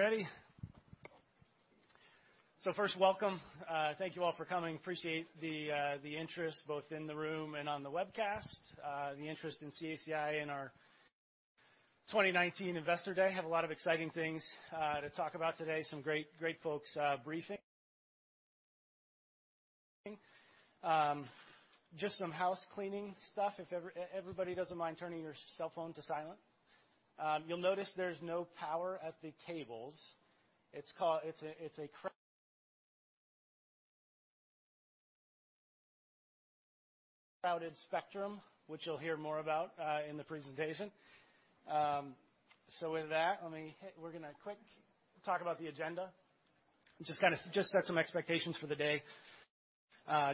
Ready? So first, welcome. Thank you all for coming. Appreciate the interest, both in the room and on the webcast, the interest in CACI and our 2019 Investor Day. I have a lot of exciting things to talk about today, some great folks briefing. Just some house cleaning stuff. If everybody doesn't mind turning your cell phone to silent, you'll notice there's no power at the tables. It's a crowded spectrum, which you'll hear more about in the presentation. So with that, we're going to quick talk about the agenda, just set some expectations for the day.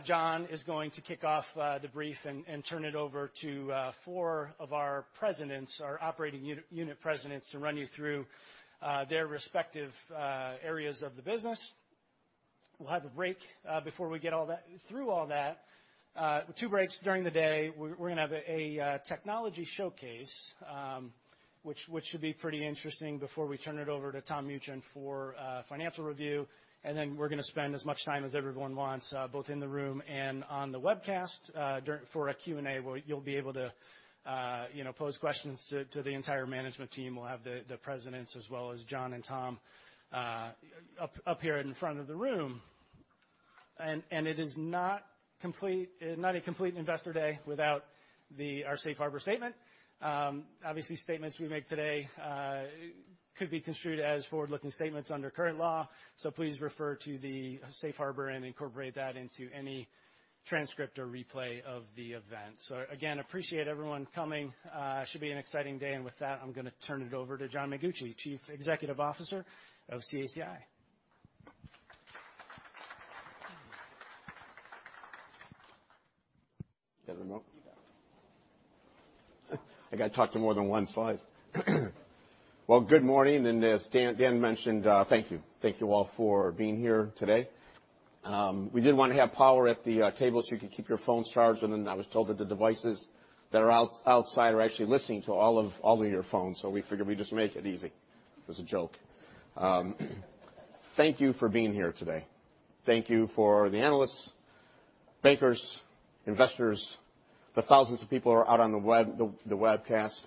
John is going to kick off the brief and turn it over to four of our presidents, our operating unit presidents, to run you through their respective areas of the business. We'll have a break before we get through all that. Two breaks during the day. We're going to have a technology showcase, which should be pretty interesting, before we turn it over to Tom Mutryn for financial review. And then we're going to spend as much time as everyone wants, both in the room and on the webcast, for a Q&A where you'll be able to pose questions to the entire management team. We'll have the presidents as well as John and Tom up here in front of the room. And it is not a complete Investor Day without our Safe Harbor statement. Obviously, statements we make today could be construed as forward-looking statements under current law. So please refer to the Safe Harbor and incorporate that into any transcript or replay of the event. So again, appreciate everyone coming. It should be an exciting day. And with that, I'm going to turn it over to John Mengucci, Chief Executive Officer of CACI. I got to talk to more than one slide. Well, good morning. As Dan mentioned, thank you. Thank you all for being here today. We didn't want to have power at the table so you could keep your phones charged. And then I was told that the devices that are outside are actually listening to all of your phones. So we figured we'd just make it easy. It was a joke. Thank you for being here today. Thank you for the analysts, bankers, investors, the thousands of people who are out on the webcast.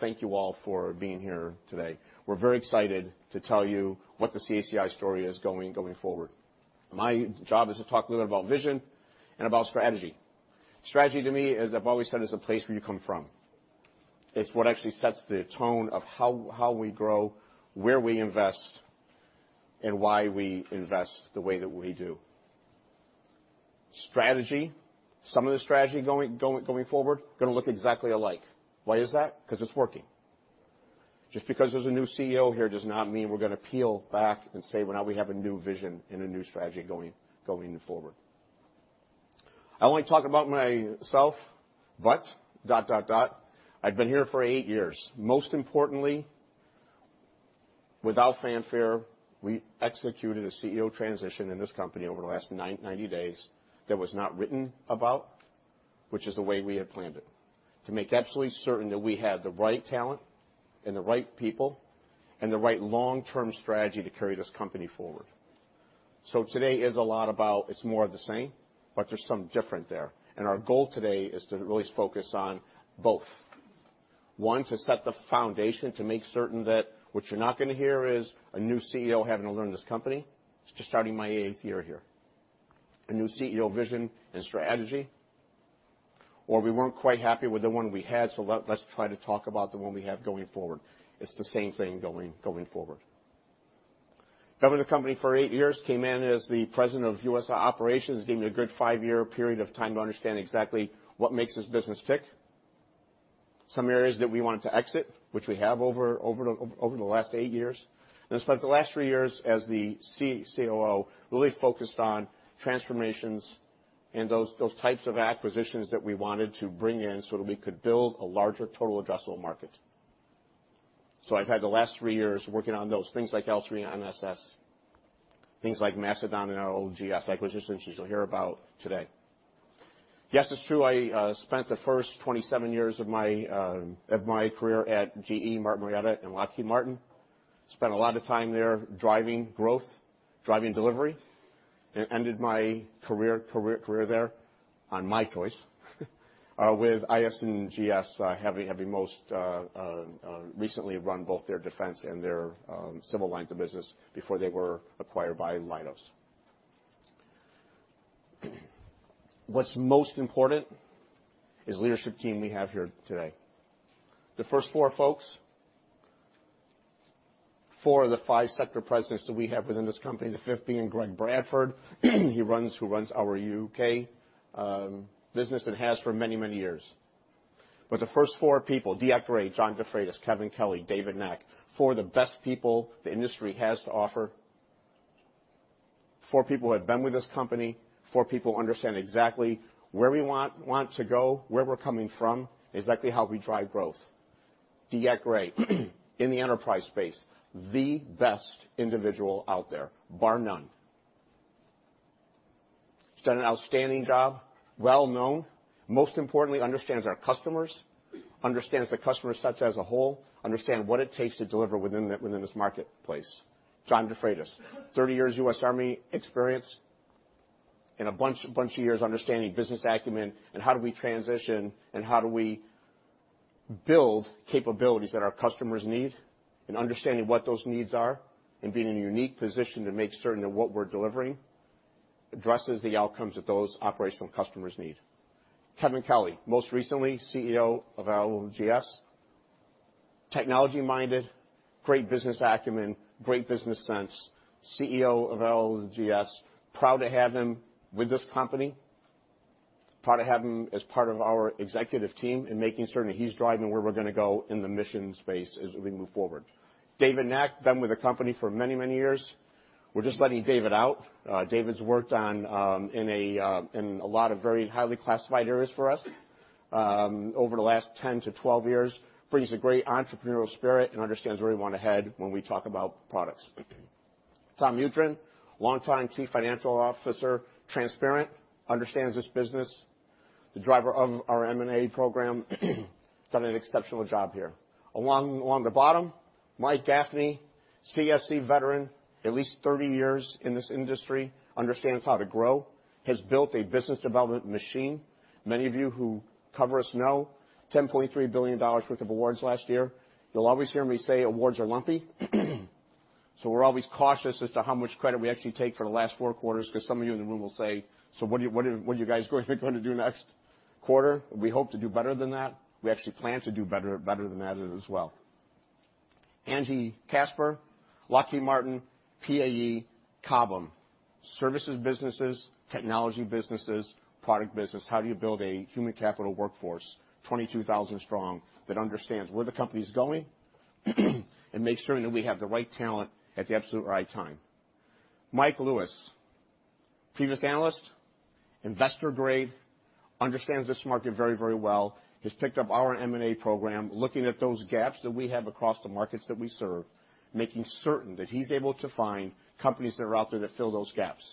Thank you all for being here today. We're very excited to tell you what the CACI story is going forward. My job is to talk a little bit about vision and about strategy. Strategy, to me, as I've always said, is the place where you come from. It's what actually sets the tone of how we grow, where we invest, and why we invest the way that we do. Strategy. Some of the strategy going forward going to look exactly alike. Why is that? Because it's working. Just because there's a new CEO here does not mean we're going to peel back and say, well, now we have a new vision and a new strategy going forward. I don't like talking about myself, but I've been here for eight years. Most importantly, without fanfare, we executed a CEO transition in this company over the last 90 days that was not written about, which is the way we had planned it, to make absolutely certain that we had the right talent and the right people and the right long-term strategy to carry this company forward. So today is a lot about it's more of the same, but there's some different there. And our goal today is to really focus on both. One, to set the foundation to make certain that what you're not going to hear is a new CEO having to learn this company. It's just starting my eighth year here. A new CEO vision and strategy, or we weren't quite happy with the one we had, so let's try to talk about the one we have going forward. It's the same thing going forward. I've been with the company for eight years. Came in as the President of U.S. Operations, gave me a good five-year period of time to understand exactly what makes this business tick, some areas that we wanted to exit, which we have over the last eight years. And I spent the last three years as the COO, really focused on transformations and those types of acquisitions that we wanted to bring in so that we could build a larger total addressable market. So I've had the last three years working on those things like L-3 NSS, things like Mastodon and LGS acquisitions you'll hear about today. Yes, it's true. I spent the first 27 years of my career at GE, Martin Marietta and Lockheed Martin. Spent a lot of time there driving growth, driving delivery, and ended my career there on my choice with IS&GS, having most recently run both their defense and their civil lines of business before they were acquired by Leidos. What's most important is the leadership team we have here today. The first four folks, four of the five sector presidents that we have within this company, the fifth being Greg Bradford, who runs our U.K. business and has for many, many years. But the first four people, DeEtte Gray, John DeFreitas, Kevin Kelly, David Nack, four of the best people the industry has to offer, four people who have been with this company, four people who understand exactly where we want to go, where we're coming from, exactly how we drive growth. DeEtte Gray, in the enterprise space, the best individual out there, bar none. She's done an outstanding job, well-known, most importantly, understands our customers, understands the customer sets as a whole, understands what it takes to deliver within this marketplace. John DeFreitas, 30 years U.S. Army experience and a bunch of years understanding business acumen and how do we transition and how do we build capabilities that our customers need and understanding what those needs are and being in a unique position to make certain that what we're delivering addresses the outcomes that those operational customers need. Kevin Kelly, most recently CEO of LGS, technology-minded, great business acumen, great business sense, CEO of LGS, proud to have him with this company, proud to have him as part of our executive team and making certain he's driving where we're going to go in the mission space as we move forward. David Nack, been with the company for many, many years. We're just letting David out. David's worked in a lot of very highly classified areas for us over the last 10-12 years, brings a great entrepreneurial spirit and understands where we want to head when we talk about products. Tom Mutryn, longtime Chief Financial Officer, transparent, understands this business, the driver of our M&A program, done an exceptional job here. Along the bottom, Mike Gaffney, CSC veteran, at least 30 years in this industry, understands how to grow, has built a business development machine. Many of you who cover us know, $10.3 billion worth of awards last year. You'll always hear me say awards are lumpy. So we're always cautious as to how much credit we actually take for the last four quarters because some of you in the room will say, so what are you guys going to do next quarter? We hope to do better than that. We actually plan to do better than that as well. Angie Casper, Lockheed Martin, PAE, Cobham, services businesses, technology businesses, product business. How do you build a human capital workforce, 22,000 strong, that understands where the company's going and makes certain that we have the right talent at the absolute right time? Mike Lewis, previous analyst, investor grade, understands this market very, very well, has picked up our M&A program, looking at those gaps that we have across the markets that we serve, making certain that he's able to find companies that are out there that fill those gaps.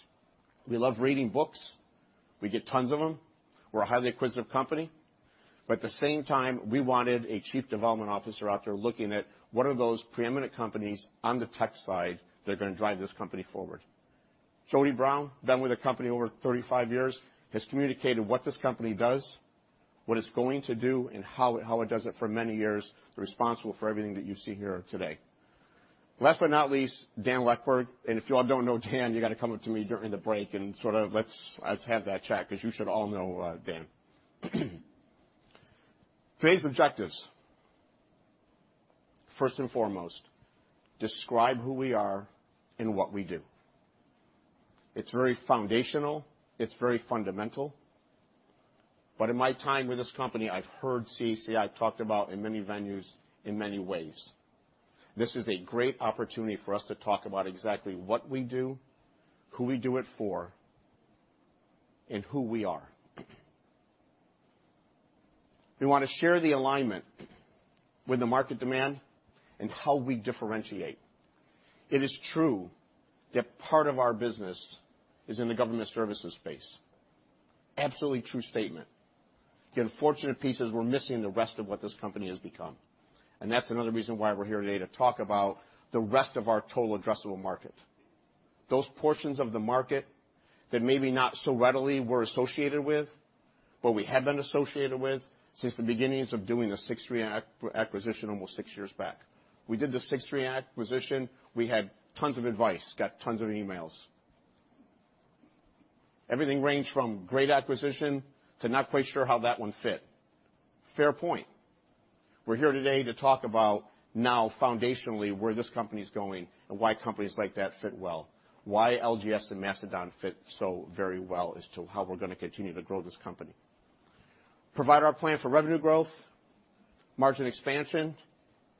We love reading books. We get tons of them. We're a highly acquisitive company. But at the same time, we wanted a chief development officer out there looking at what are those preeminent companies on the tech side that are going to drive this company forward. Jody Brown, been with the company over 35 years, has communicated what this company does, what it's going to do, and how it does it for many years, responsible for everything that you see here today. Last but not least, Dan Leckburg. And if you all don't know Dan, you got to come up to me during the break and sort of, let's have that chat because you should all know Dan. Today's objectives, first and foremost, describe who we are and what we do. It's very foundational. It's very fundamental. But in my time with this company, I've heard CACI talked about in many venues, in many ways. This is a great opportunity for us to talk about exactly what we do, who we do it for, and who we are. We want to share the alignment with the market demand and how we differentiate. It is true that part of our business is in the government services space. Absolutely true statement. The unfortunate piece is we're missing the rest of what this company has become. And that's another reason why we're here today to talk about the rest of our total addressable market, those portions of the market that maybe not so readily we're associated with, but we have been associated with since the beginnings of doing the Six3 acquisition almost six years back. We did the Six3 acquisition. We had tons of advice, got tons of emails. Everything ranged from great acquisition to not quite sure how that one fit. Fair point. We're here today to talk about now, foundationally, where this company's going and why companies like that fit well, why LGS and Mastodon fit so very well as to how we're going to continue to grow this company. Provide our plan for revenue growth, margin expansion,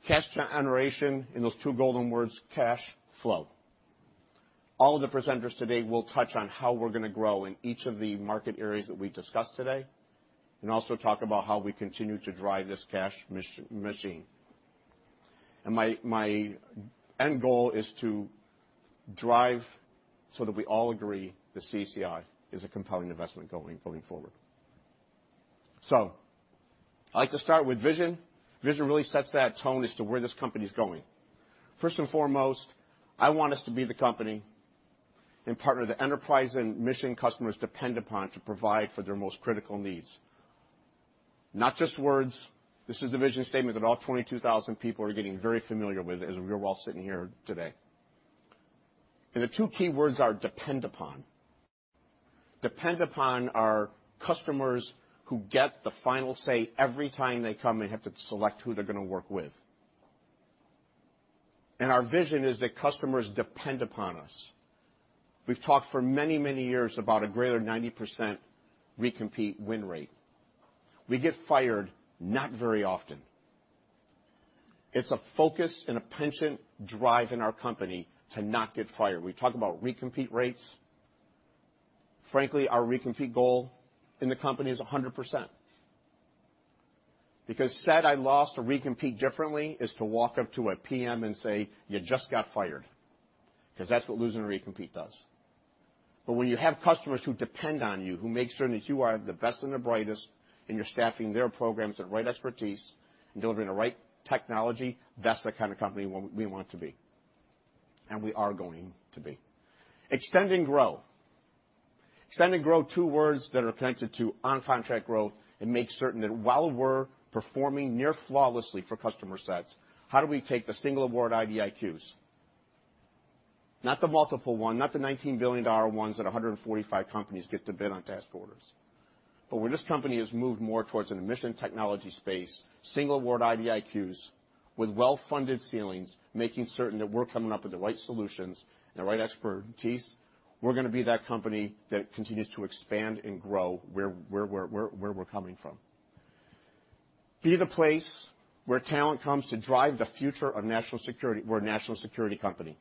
cash generation, and those two golden words, cash flow. All of the presenters today will touch on how we're going to grow in each of the market areas that we discussed today and also talk about how we continue to drive this cash machine. And my end goal is to drive so that we all agree that CACI is a compelling investment going forward. So I'd like to start with vision. Vision really sets that tone as to where this company's going. First and foremost, I want us to be the company and partner the enterprise and mission customers depend upon to provide for their most critical needs. Not just words. This is the vision statement that all 22,000 people are getting very familiar with as we're all sitting here today. And the two key words are depend upon. Depend upon our customers who get the final say every time they come and have to select who they're going to work with. And our vision is that customers depend upon us. We've talked for many, many years about a greater than 90% recompete win rate. We get fired not very often. It's a focus and a penchant drive in our company to not get fired. We talk about recompete rates. Frankly, our recompete goal in the company is 100%. Because if you lose a recompete or recompete differently is to walk up to a PM and say, you just got fired, because that's what losing a recompete does. But when you have customers who depend on you, who make certain that you are the best and the brightest and you're staffing their programs with the right expertise and delivering the right technology, that's the kind of company we want to be. And we are going to extend and grow. Extend and grow, two words that are connected to on-contract growth and make certain that while we're performing near flawlessly for customer sets, how do we take the single award IDIQs? Not the multiple-award ones, not the $19 billion ones that 145 companies get to bid on task orders. But when this company has moved more towards a mission technology space, single award IDIQs with well-funded ceilings, making certain that we're coming up with the right solutions and the right expertise, we're going to be that company that continues to expand and grow where we're coming from. Be the place where talent comes to drive the future of national security for a national security company.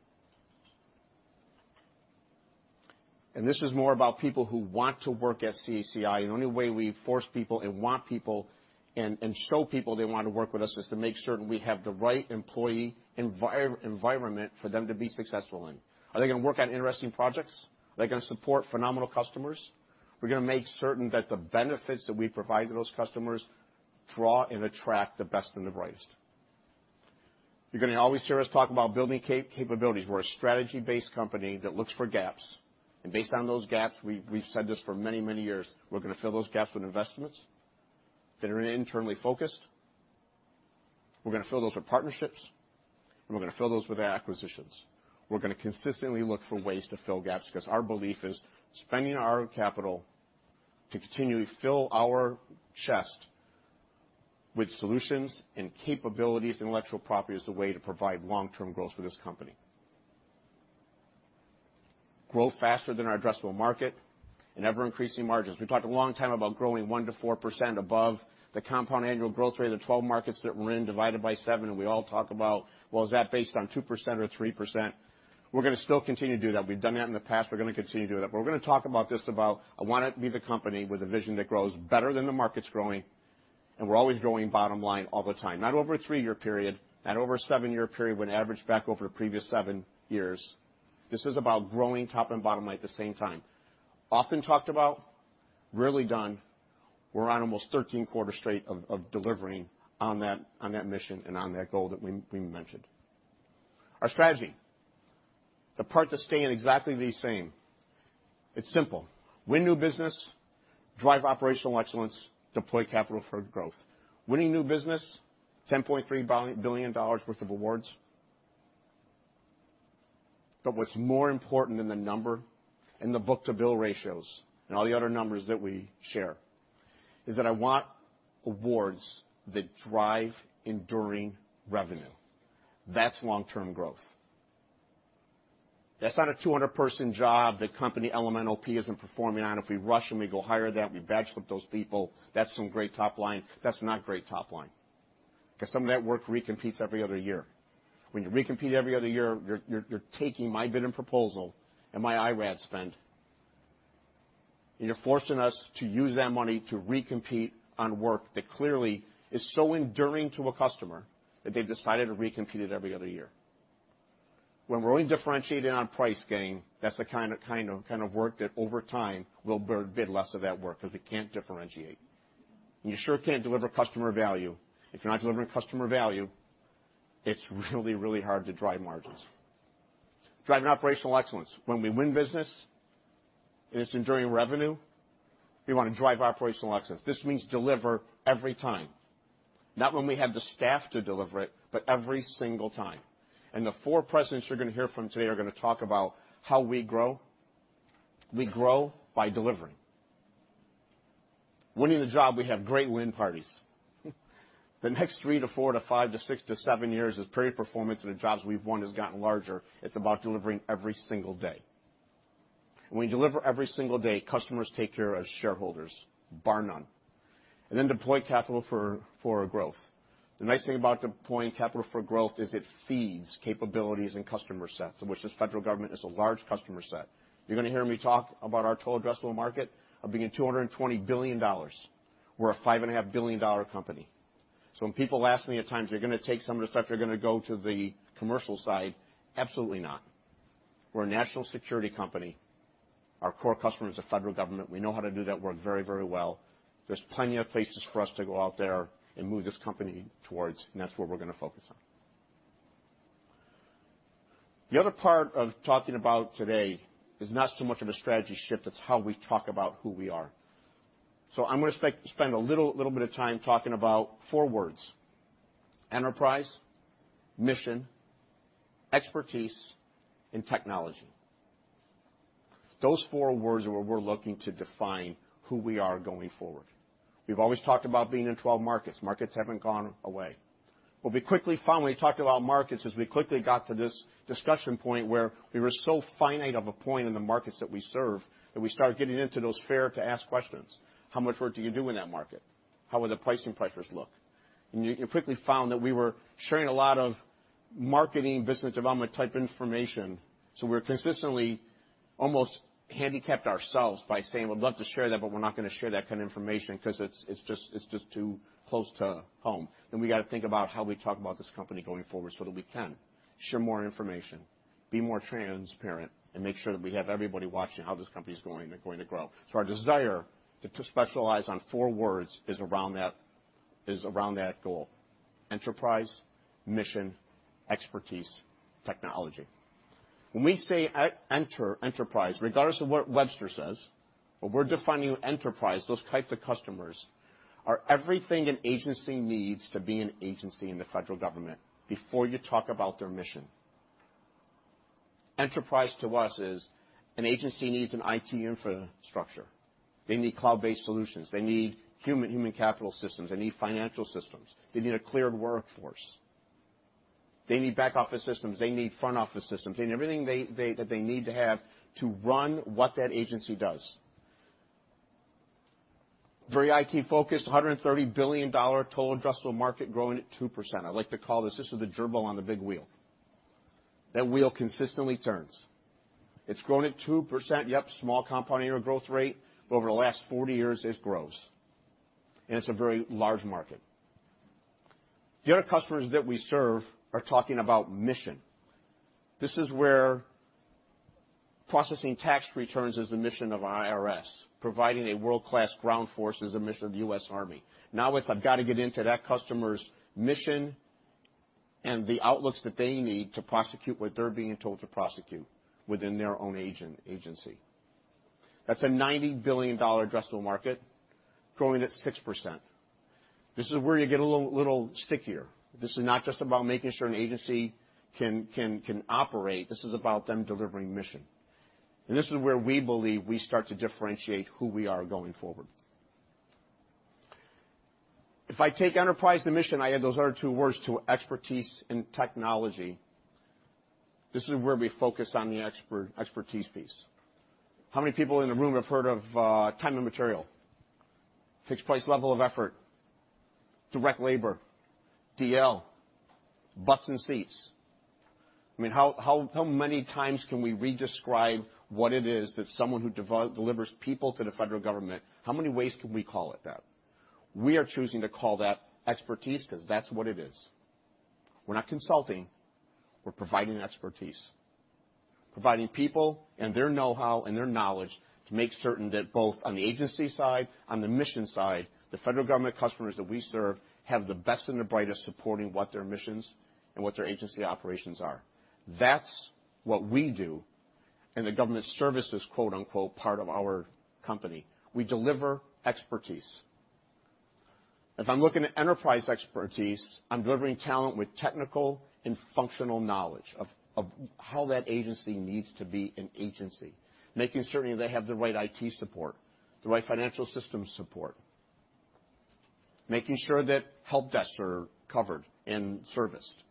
And this is more about people who want to work at CACI. And the only way we force people and want people and show people they want to work with us is to make certain we have the right employee environment for them to be successful in. Are they going to work on interesting projects? Are they going to support phenomenal customers? We're going to make certain that the benefits that we provide to those customers draw and attract the best and the brightest. You're going to always hear us talk about building capabilities. We're a strategy-based company that looks for gaps. And based on those gaps, we've said this for many, many years, we're going to fill those gaps with investments that are internally focused. We're going to fill those with partnerships, and we're going to fill those with acquisitions. We're going to consistently look for ways to fill gaps because our belief is spending our capital to continually fill our chest with solutions and capabilities, intellectual property is the way to provide long-term growth for this company. Grow faster than our addressable market and ever-increasing margins. We talked a long time about growing 1%-4% above the compound annual growth rate of the 12 markets that we're in divided by seven, and we all talk about, well, is that based on 2% or 3%? We're going to still continue to do that. We've done that in the past. We're going to continue to do that. But we're going to talk about this about I want to be the company with a vision that grows better than the market's growing, and we're always growing bottom line all the time. Not over a three-year period, not over a seven-year period when averaged back over the previous seven years. This is about growing top and bottom line at the same time. Often talked about, rarely done. We're on almost 13 quarters straight of delivering on that mission and on that goal that we mentioned. Our strategy, the part to stay in exactly the same. It's simple. Win new business, drive operational excellence, deploy capital for growth. Winning new business, $10.3 billion worth of awards. But what's more important than the number and the book-to-bill ratios and all the other numbers that we share is that I want awards that drive enduring revenue. That's long-term growth. That's not a 200-person job that the L3 has been performing on. If we rush and we go higher than that, we badge up those people, that's some great top line. That's not great top line because some of that work recompetes every other year. When you recompete every other year, you're taking my bidding proposal and my IR&D spend, and you're forcing us to use that money to recompete on work that clearly is so enduring to a customer that they've decided to recompete it every other year. When we're only differentiating on price gain, that's the kind of work that over time will bid less of that work because we can't differentiate. And you sure can't deliver customer value. If you're not delivering customer value, it's really, really hard to drive margins. Driving operational excellence. When we win business and it's enduring revenue, we want to drive operational excellence. This means deliver every time. Not when we have the staff to deliver it, but every single time. And the four presidents you're going to hear from today are going to talk about how we grow. We grow by delivering. Winning the job, we have great win parties. The next three to four to five to six to seven years is period performance and the jobs we've won has gotten larger. It's about delivering every single day. When you deliver every single day, customers take care of shareholders, bar none. And then deploy capital for growth. The nice thing about deploying capital for growth is it feeds capabilities and customer sets, of which this federal government is a large customer set. You're going to hear me talk about our total addressable market of being $220 billion. We're a $5.5 billion company. So when people ask me at times, you're going to take some of the stuff? You're going to go to the commercial side? Absolutely not. We're a national security company. Our core customer is the federal government. We know how to do that work very, very well. There's plenty of places for us to go out there and move this company towards, and that's where we're going to focus on. The other part of talking about today is not so much of a strategy shift. It's how we talk about who we are. So I'm going to spend a little bit of time talking about four words: enterprise, mission, expertise, and technology. Those four words are what we're looking to define who we are going forward. We've always talked about being in 12 markets. Markets haven't gone away. But we quickly finally talked about markets as we quickly got to this discussion point where we were so finite of a point in the markets that we serve that we started getting into those fair-to-ask questions. How much work do you do in that market? How would the pricing pressures look? And you quickly found that we were sharing a lot of marketing, business development type information. So we were consistently almost handicapped ourselves by saying, we'd love to share that, but we're not going to share that kind of information because it's just too close to home. Then we got to think about how we talk about this company going forward so that we can share more information, be more transparent, and make sure that we have everybody watching how this company is going to grow. So our desire to specialize on four words is around that goal: enterprise, mission, expertise, technology. When we say enterprise, regardless of what Webster says, what we're defining enterprise, those types of customers are everything an agency needs to be an agency in the federal government before you talk about their mission. Enterprise to us is an agency needs an IT infrastructure. They need cloud-based solutions. They need human capital systems. They need financial systems. They need a cleared workforce. They need back-office systems. They need front-office systems. They need everything that they need to have to run what that agency does. Very IT-focused, $130 billion total addressable market growing at 2%. I like to call this this is the gerbil on the big wheel. That wheel consistently turns. It's growing at 2%. Yep, small compound annual growth rate, but over the last 40 years, it grows. And it's a very large market. The other customers that we serve are talking about mission. This is where processing tax returns is the mission of IRS. Providing a world-class ground force is the mission of the U.S. Army. Now it's I've got to get into that customer's mission and the outlooks that they need to prosecute what they're being told to prosecute within their own agency. That's a $90 billion addressable market growing at 6%. This is where you get a little stickier. This is not just about making sure an agency can operate. This is about them delivering mission. And this is where we believe we start to differentiate who we are going forward. If I take enterprise to mission, I add those other two words to expertise and technology. This is where we focus on the expertise piece. How many people in the room have heard of time and material? Fixed price level of effort, direct labor, DL, butts and seats. I mean, how many times can we redescribe what it is that someone who delivers people to the federal government? How many ways can we call it that? We are choosing to call that expertise because that's what it is. We're not consulting. We're providing expertise. Providing people and their know-how and their knowledge to make certain that both on the agency side, on the mission side, the federal government customers that we serve have the best and the brightest supporting what their missions and what their agency operations are. That's what we do, and the government services part of our company. We deliver expertise. If I'm looking at enterprise expertise, I'm delivering talent with technical and functional knowledge of how that agency needs to be an agency, making certain they have the right IT support, the right financial system support, making sure that help desks are covered and serviced.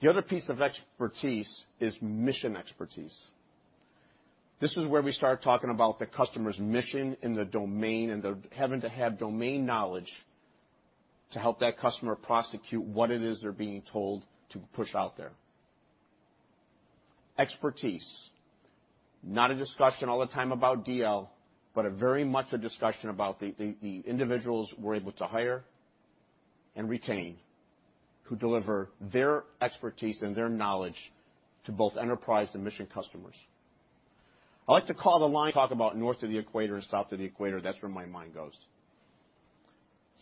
The other piece of expertise is mission expertise. This is where we start talking about the customer's mission in the domain and having to have domain knowledge to help that customer prosecute what it is they're being told to push out there. Expertise. Not a discussion all the time about DL, but very much a discussion about the individuals we're able to hire and retain who deliver their expertise and their knowledge to both enterprise and mission customers. I like to call the line. Talk about north of the equator and south of the equator. That's where my mind goes.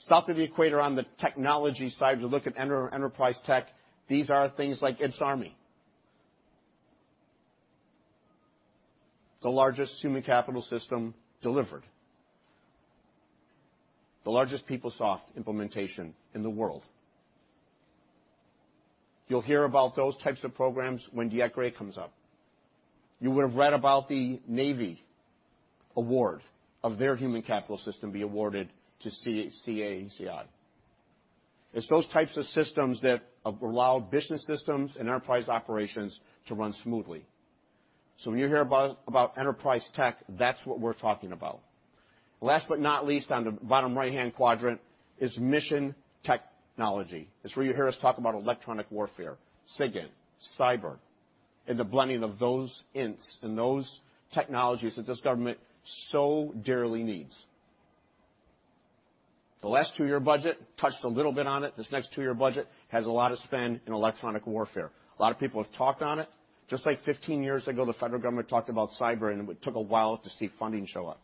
South of the equator on the technology side, if you look at enterprise tech, these are things like IPPS-A, the largest human capital system delivered, the largest PeopleSoft implementation in the world. You'll hear about those types of programs when DeEtte Gray comes up. You would have read about the Navy award of their human capital system being awarded to CACI. It's those types of systems that allow business systems and enterprise operations to run smoothly. So when you hear about enterprise tech, that's what we're talking about. Last but not least, on the bottom right-hand quadrant is mission technology. It's where you hear us talk about electronic warfare, SIGINT, cyber, and the blending of those INTs and those technologies that this government so dearly needs. The last two-year budget touched a little bit on it. This next two-year budget has a lot of spend in electronic warfare. A lot of people have talked on it. Just like 15 years ago, the federal government talked about cyber, and it took a while to see funding show up.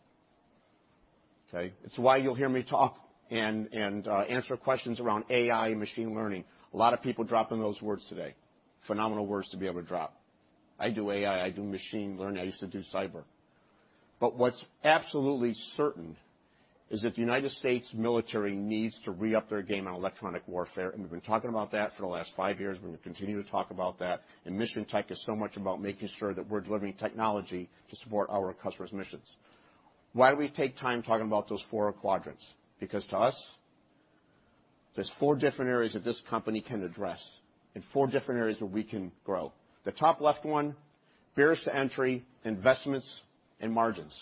Okay? It's why you'll hear me talk and answer questions around AI and machine learning. A lot of people dropping those words today. Phenomenal words to be able to drop. I do AI. I do machine learning. I used to do cyber. But what's absolutely certain is that the United States military needs to re-up their game on electronic warfare, and we've been talking about that for the last five years. We're going to continue to talk about that. And mission tech is so much about making sure that we're delivering technology to support our customers' missions. Why do we take time talking about those four quadrants? Because to us, there's four different areas that this company can address and four different areas where we can grow. The top left one barriers to entry investments and margins.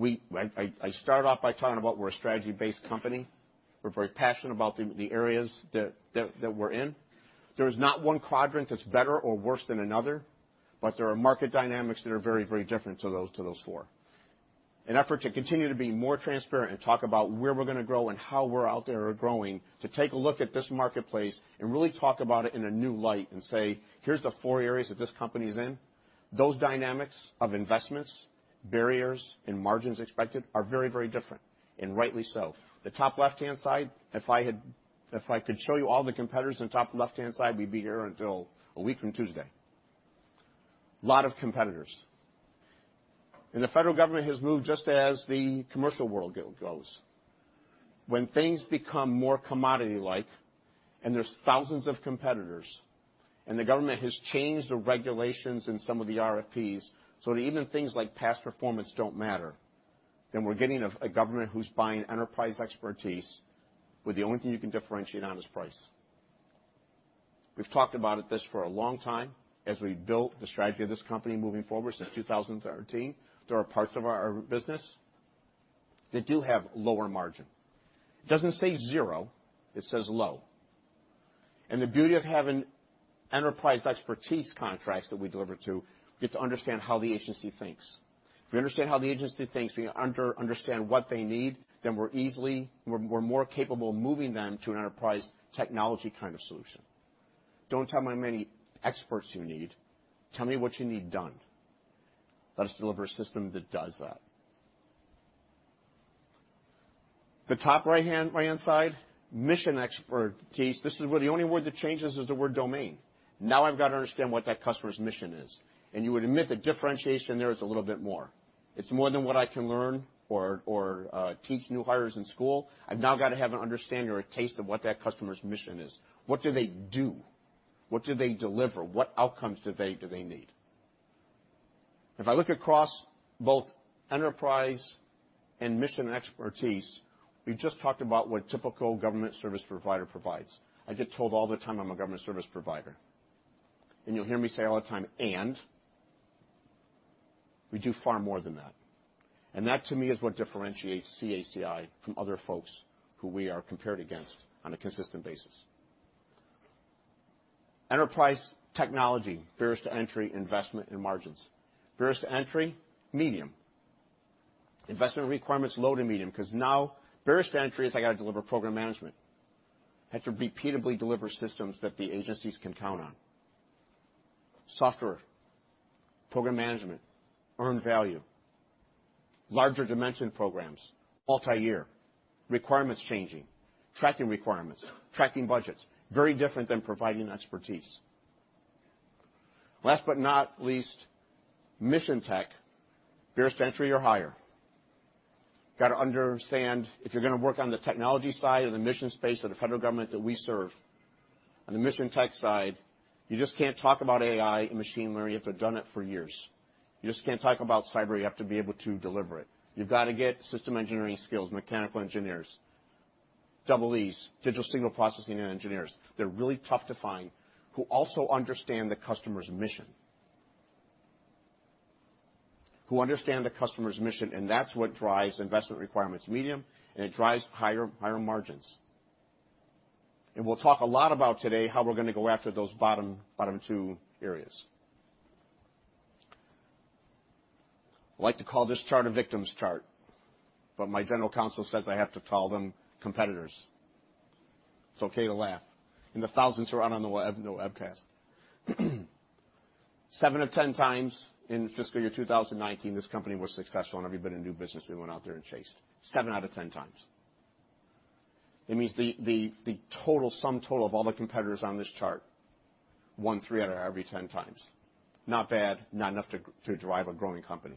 I started off by talking about that we're a strategy-based company. We're very passionate about the areas that we're in. There is not one quadrant that's better or worse than another, but there are market dynamics that are very, very different to those four. In an effort to continue to be more transparent and talk about where we're going to grow and how we're out there growing, to take a look at this marketplace and really talk about it in a new light and say, here's the four areas that this company is in. Those dynamics of investments, barriers, and margins expected are very, very different. And rightly so. The top left-hand side, if I could show you all the competitors on the top left-hand side, we'd be here until a week from Tuesday. A lot of competitors. And the federal government has moved just as the commercial world goes. When things become more commodity-like and there's thousands of competitors and the government has changed the regulations in some of the RFPs so that even things like past performance don't matter, then we're getting a government who's buying enterprise expertise where the only thing you can differentiate on is price. We've talked about this for a long time as we built the strategy of this company moving forward since 2013. There are parts of our business that do have lower margin. It doesn't say zero. It says low, and the beauty of having enterprise expertise contracts that we deliver to get to understand how the agency thinks. If we understand how the agency thinks, we understand what they need, then we're more capable of moving them to an enterprise technology kind of solution. Don't tell me how many experts you need. Tell me what you need done. Let us deliver a system that does that. The top right-hand side, mission expertise. This is where the only word that changes is the word domain. Now I've got to understand what that customer's mission is. And you would admit the differentiation there is a little bit more. It's more than what I can learn or teach new hires in school. I've now got to have an understanding or a taste of what that customer's mission is. What do they do? What do they deliver? What outcomes do they need? If I look across both enterprise and mission expertise, we've just talked about what typical government service provider provides. I get told all the time, I'm a government service provider. And you'll hear me say all the time, and. We do far more than that. That, to me, is what differentiates CACI from other folks who we are compared against on a consistent basis. Enterprise technology barriers to entry investment and margins. Barriers to entry medium. Investment requirements low to medium because now barriers to entry is I got to deliver program management. I have to repeatedly deliver systems that the agencies can count on. Software, program management, earned value, larger dimension programs, multi-year, requirements changing, tracking requirements, tracking budgets. Very different than providing expertise. Last but not least, mission tech barriers to entry or higher. Got to understand if you're going to work on the technology side of the mission space of the federal government that we serve. On the mission tech side, you just can't talk about AI and machine learning if they've done it for years. You just can't talk about cyber. You have to be able to deliver it. You've got to get system engineering skills, mechanical engineers, EEs, digital signal processing engineers. They're really tough to find who also understand the customer's mission, who understand the customer's mission, and that's what drives investment requirements medium, and it drives higher margins. We'll talk a lot about today how we're going to go after those bottom two areas. I like to call this chart a victims chart, but my general counsel says I have to call them competitors. It's okay to laugh. And the thousands who are out on the webcast. Seven of ten times in fiscal year 2019, this company was successful in every bit of new business we went out there and chased. Seven out of ten times. It means the total sum total of all the competitors on this chart won three out of every ten times. Not bad, not enough to drive a growing company.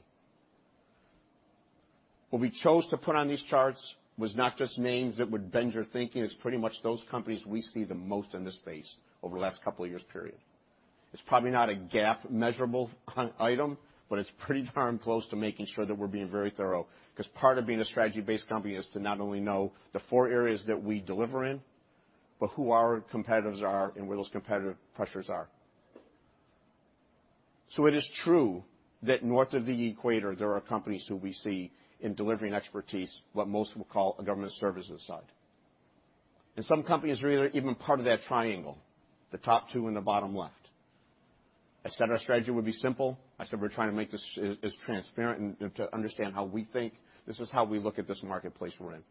What we chose to put on these charts was not just names that would bend your thinking. It's pretty much those companies we see the most in this space over the last couple of years' period. It's probably not a gap measurable item, but it's pretty darn close to making sure that we're being very thorough because part of being a strategy-based company is to not only know the four areas that we deliver in, but who our competitors are and where those competitive pressures are, so it is true that north of the equator, there are companies who we see in delivering expertise, what most will call a government services side, and some companies are either even part of that triangle, the top two and the bottom left. I said our strategy would be simple. I said we're trying to make this as transparent and to understand how we think. This is how we look at this marketplace we're in.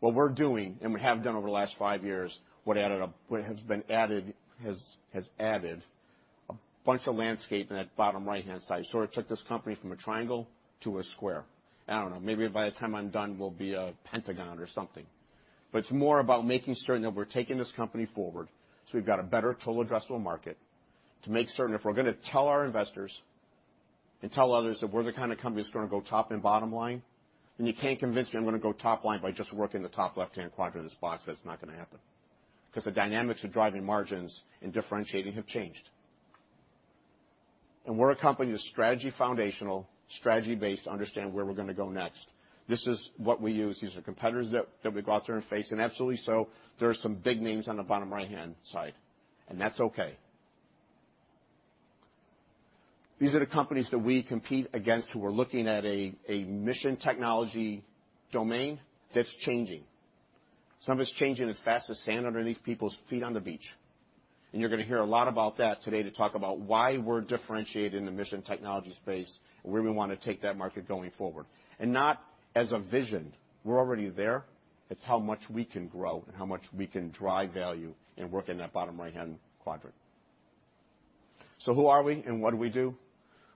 What we're doing and we have done over the last five years what has been added has added a bunch of landscape in that bottom right-hand side. So it took this company from a triangle to a square. I don't know. Maybe by the time I'm done, we'll be a pentagon or something. But it's more about making certain that we're taking this company forward so we've got a better total addressable market to make certain if we're going to tell our investors and tell others that we're the kind of company that's going to go top and bottom line, then you can't convince me I'm going to go top line by just working the top left-hand quadrant of this box. That's not going to happen because the dynamics of driving margins and differentiating have changed. And we're a company that's strategy foundational, strategy-based to understand where we're going to go next. This is what we use. These are competitors that we go out there and face. And absolutely so, there are some big names on the bottom right-hand side. And that's okay. These are the companies that we compete against who are looking at a mission technology domain that's changing. Some of it's changing as fast as sand underneath people's feet on the beach. And you're going to hear a lot about that today to talk about why we're differentiated in the mission technology space and where we want to take that market going forward. And not as a vision. We're already there. It's how much we can grow and how much we can drive value and work in that bottom right-hand quadrant. So who are we and what do we do?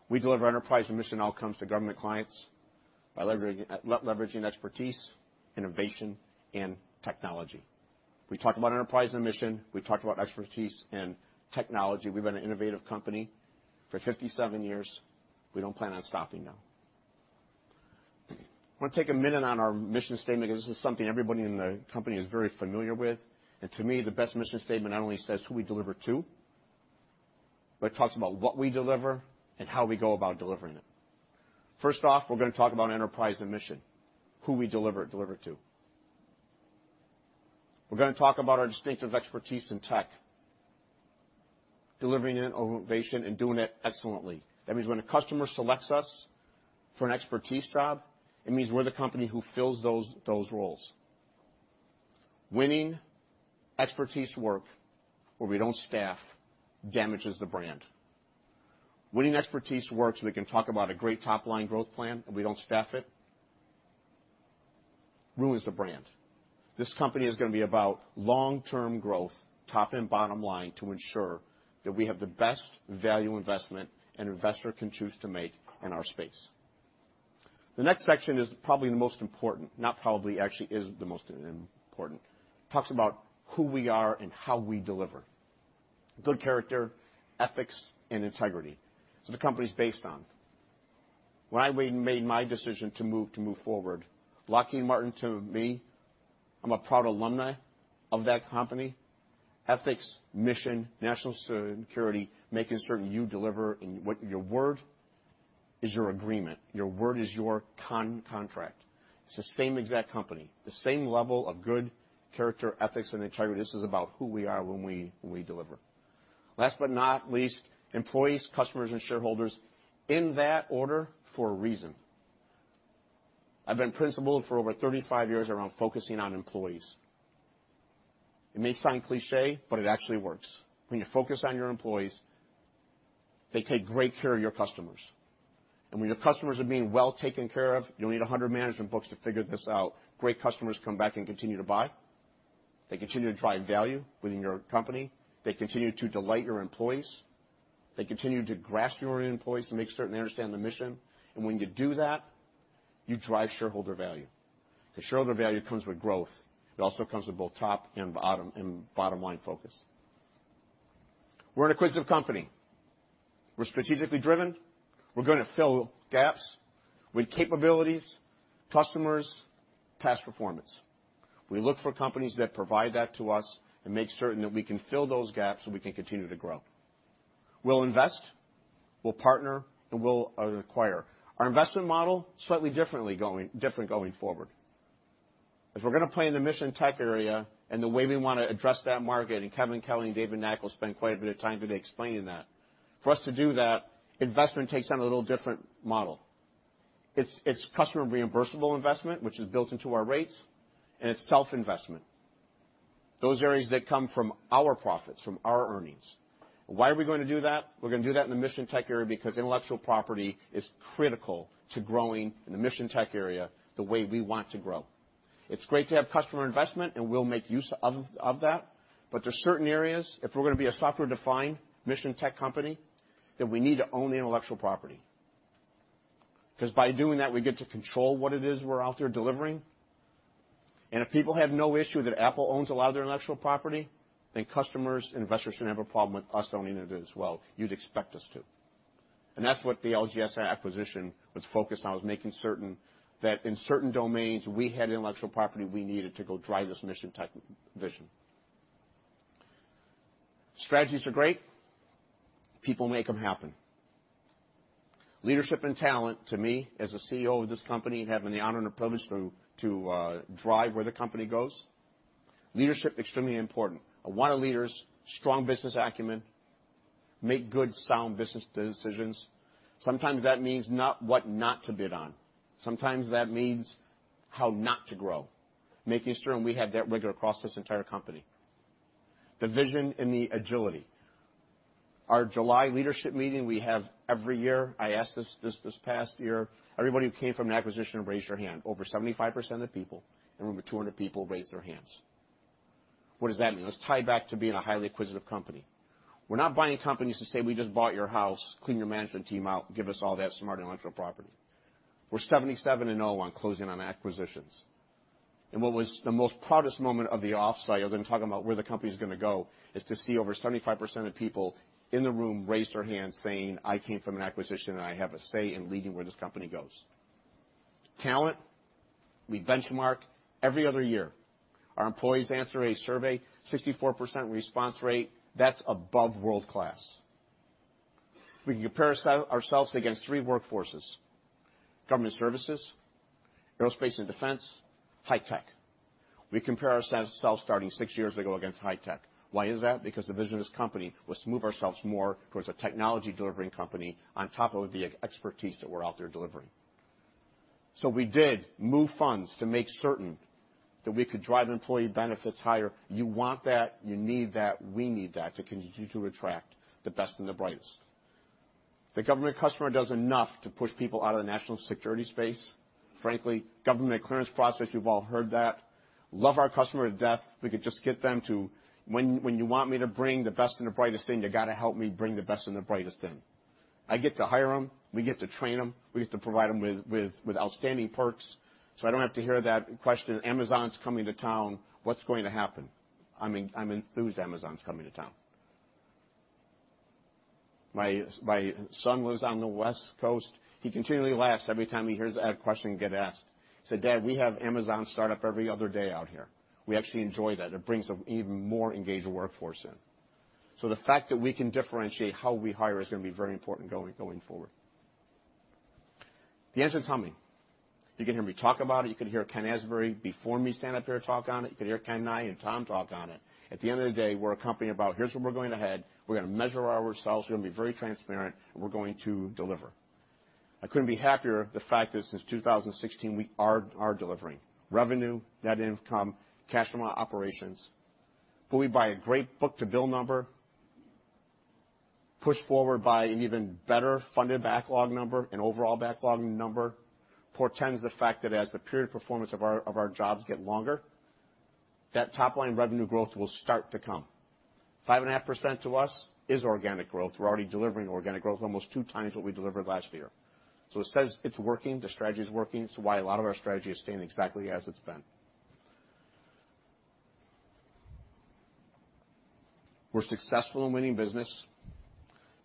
We deliver enterprise and mission outcomes to government clients by leveraging expertise, innovation, and technology. We talked about enterprise and mission. We talked about expertise and technology. We've been an innovative company for 57 years. We don't plan on stopping now. I want to take a minute on our mission statement because this is something everybody in the company is very familiar with. And to me, the best mission statement not only says who we deliver to, but it talks about what we deliver and how we go about delivering it. First off, we're going to talk about enterprise and mission, who we deliver it to. We're going to talk about our distinctive expertise in tech, delivering innovation and doing it excellently. That means when a customer selects us for an expertise job, it means we're the company who fills those roles. Winning expertise work where we don't staff damages the brand. Winning expertise work so we can talk about a great top-line growth plan and we don't staff it ruins the brand. This company is going to be about long-term growth, top and bottom line, to ensure that we have the best value investment an investor can choose to make in our space. The next section is probably the most important, not probably, actually is the most important. It talks about who we are and how we deliver. Good character, ethics, and integrity. It's what the company's based on. When I made my decision to move forward, Lockheed Martin to me, I'm a proud alumnus of that company. Ethics, mission, national security, making certain you deliver, and what your word is your agreement. Your word is your contract. It's the same exact company. The same level of good character, ethics, and integrity. This is about who we are when we deliver. Last but not least, employees, customers, and shareholders in that order for a reason. I've been principled for over 35 years around focusing on employees. It may sound cliché, but it actually works. When you focus on your employees, they take great care of your customers. And when your customers are being well taken care of, you don't need 100 management books to figure this out. Great customers come back and continue to buy. They continue to drive value within your company. They continue to delight your employees. They continue to grasp your employees to make certain they understand the mission. And when you do that, you drive shareholder value. Because shareholder value comes with growth. It also comes with both top and bottom line focus. We're an acquisitive company. We're strategically driven. We're going to fill gaps with capabilities, customers, past performance. We look for companies that provide that to us and make certain that we can fill those gaps so we can continue to grow. We'll invest. We'll partner, and we'll acquire. Our investment model is slightly different going forward. If we're going to play in the mission tech area and the way we want to address that market, and Kevin Kelly and David Nack will spend quite a bit of time today explaining that, for us to do that, investment takes on a little different model. It's customer reimbursable investment, which is built into our rates, and it's self-investment. Those areas that come from our profits, from our earnings. Why are we going to do that? We're going to do that in the mission tech area because intellectual property is critical to growing in the mission tech area the way we want to grow. It's great to have customer investment, and we'll make use of that. But there are certain areas, if we're going to be a software-defined mission tech company, that we need to own the intellectual property. Because by doing that, we get to control what it is we're out there delivering. And if people have no issue that Apple owns a lot of their intellectual property, then customers and investors shouldn't have a problem with us owning it as well. You'd expect us to. And that's what the LGS acquisition was focused on, was making certain that in certain domains, we had intellectual property we needed to go drive this mission tech vision. Strategies are great. People make them happen. Leadership and talent, to me, as a CEO of this company and having the honor and the privilege to drive where the company goes, leadership is extremely important. I want leaders, strong business acumen, make good, sound business decisions. Sometimes that means not what to bid on. Sometimes that means how not to grow, making certain we have that rigor across this entire company. The vision and the agility. Our July leadership meeting we have every year. I asked this past year. Everybody who came from an acquisition raised their hand. Over 75% of the people, in room of 200 people, raised their hands. What does that mean? Let's tie back to being a highly acquisitive company. We're not buying companies to say, we just bought your house. Clean your management team out. Give us all that smart intellectual property. We're 77 and zero on closing on acquisitions, and what was the most proudest moment of the off-site, as I'm talking about where the company is going to go, is to see over 75% of people in the room raised their hand saying, I came from an acquisition, and I have a say in leading where this company goes. Talent, we benchmark every other year. Our employees answer a survey, 64% response rate. That's above world-class. We can compare ourselves against three workforces, government services, aerospace, and defense, high-tech. We compare ourselves starting six years ago against high-tech. Why is that? Because the vision of this company was to move ourselves more towards a technology-delivering company on top of the expertise that we're out there delivering. So we did move funds to make certain that we could drive employee benefits higher. You want that. You need that. We need that to continue to attract the best and the brightest. The government customer does enough to push people out of the national security space. Frankly, government clearance process, you've all heard that. Love our customer to death. We could just get them to, when you want me to bring the best and the brightest in, you got to help me bring the best and the brightest in. I get to hire them. We get to train them. We get to provide them with outstanding perks. So I don't have to hear that question, Amazon's coming to town. What's going to happen? I'm enthused Amazon's coming to town. My son lives on the West Coast. He continually laughs every time he hears that question get asked. He said, dad, we have Amazon startup every other day out here. We actually enjoy that. It brings an even more engaged workforce in. So the fact that we can differentiate how we hire is going to be very important going forward. The answer's coming. You can hear me talk about it. You can hear Ken Asbury before me stand up here talk on it. You can hear Ken, I, and Tom talk on it. At the end of the day, we're a company about, here's where we're going to head. We're going to measure ourselves. We're going to be very transparent. We're going to deliver. I couldn't be happier with the fact that since 2016, we are delivering revenue, net income, cash from our operations. But we boast a great book-to-bill number, pushed forward by an even better funded backlog number, an overall backlog number, portends the fact that as the period of performance of our jobs get longer, that top-line revenue growth will start to come. 5.5% to us is organic growth. We're already delivering organic growth, almost two times what we delivered last year. So it says it's working. The strategy is working. It's why a lot of our strategy is staying exactly as it's been. We're successful in winning business,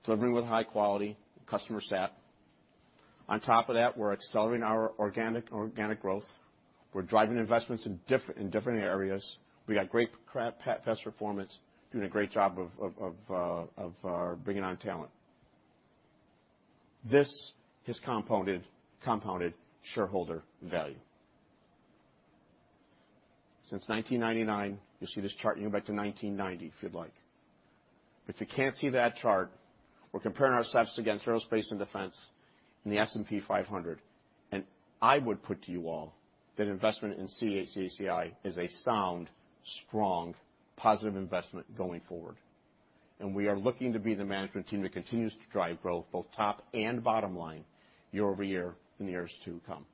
delivering with high quality, customer sat. On top of that, we're accelerating our organic growth. We're driving investments in different areas. We got great past performance, doing a great job of bringing on talent. This has compounded shareholder value. Since 1999, you'll see this chart going back to 1990 if you'd like. If you can't see that chart, we're comparing ourselves against aerospace and defense and the S&P 500, and I would put to you all that investment in CACI is a sound, strong, positive investment going forward, and we are looking to be the management team that continues to drive growth, both top and bottom line, year-over-year in the years to come.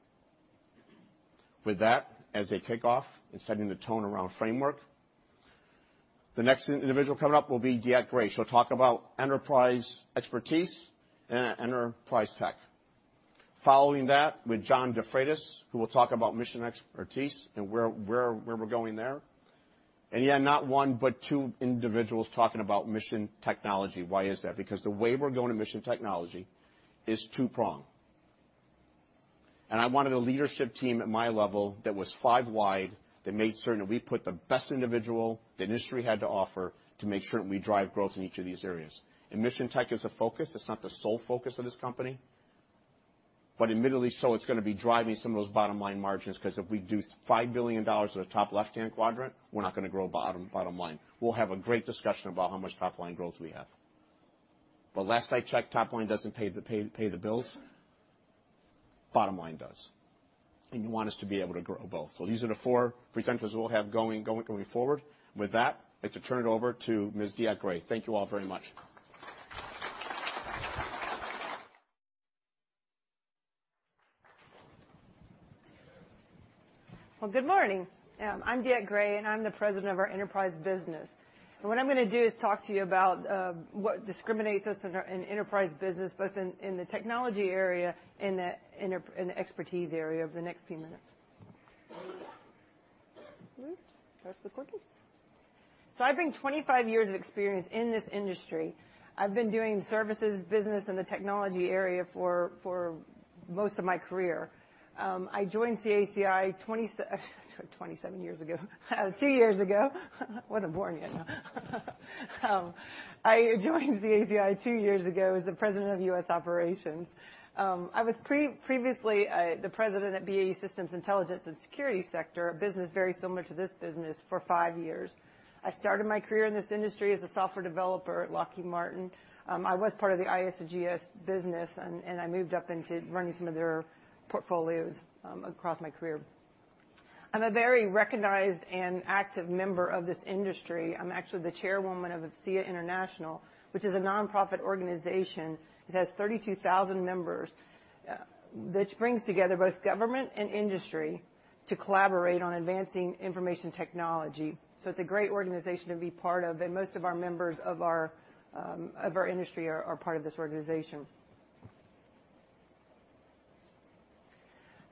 With that, as a kickoff and setting the tone around framework, the next individual coming up will be DeEtte Gray. She'll talk about enterprise expertise and enterprise tech. Following that, with John DeFreitas, who will talk about mission expertise and where we're going there, and yeah, not one, but two individuals talking about mission technology. Why is that? Because the way we're going to mission technology is two-pronged. I wanted a leadership team at my level that was five-wide that made certain that we put the best individual that industry had to offer to make certain we drive growth in each of these areas. Mission tech is a focus. It's not the sole focus of this company. But admittedly, so it's going to be driving some of those bottom-line margins because if we do $5 billion to the top left-hand quadrant, we're not going to grow bottom line. We'll have a great discussion about how much top-line growth we have. But last I checked, top-line doesn't pay the bills. Bottom line does. You want us to be able to grow both. These are the four potentials we'll have going forward. With that, I'll turn it over to Ms. DeEtte Gray. Thank you all very much. Good morning. I'm DeEtte Gray, and I'm the President of our Enterprise business. What I'm going to do is talk to you about what discriminate us in enterprise business, both in the technology area and the expertise area over the next few minutes. Oops, that was the quickie. I bring 25 years of experience in this industry. I've been doing services, business, and the technology area for most of my career. I joined CACI 27 years ago. Two years ago. I wasn't born yet. I joined CACI two years ago as the President of U.S. Operations. I was previously the President at BAE Systems Intelligence and Security Sector, a business very similar to this business for five years. I started my career in this industry as a software developer at Lockheed Martin. I was part of the IS&GS business, and I moved up into running some of their portfolios across my career. I'm a very recognized and active member of this industry. I'm actually the chairwoman of AFCEA International, which is a nonprofit organization. It has 32,000 members, which brings together both government and industry to collaborate on advancing information technology. So it's a great organization to be part of, and most of our members of our industry are part of this organization.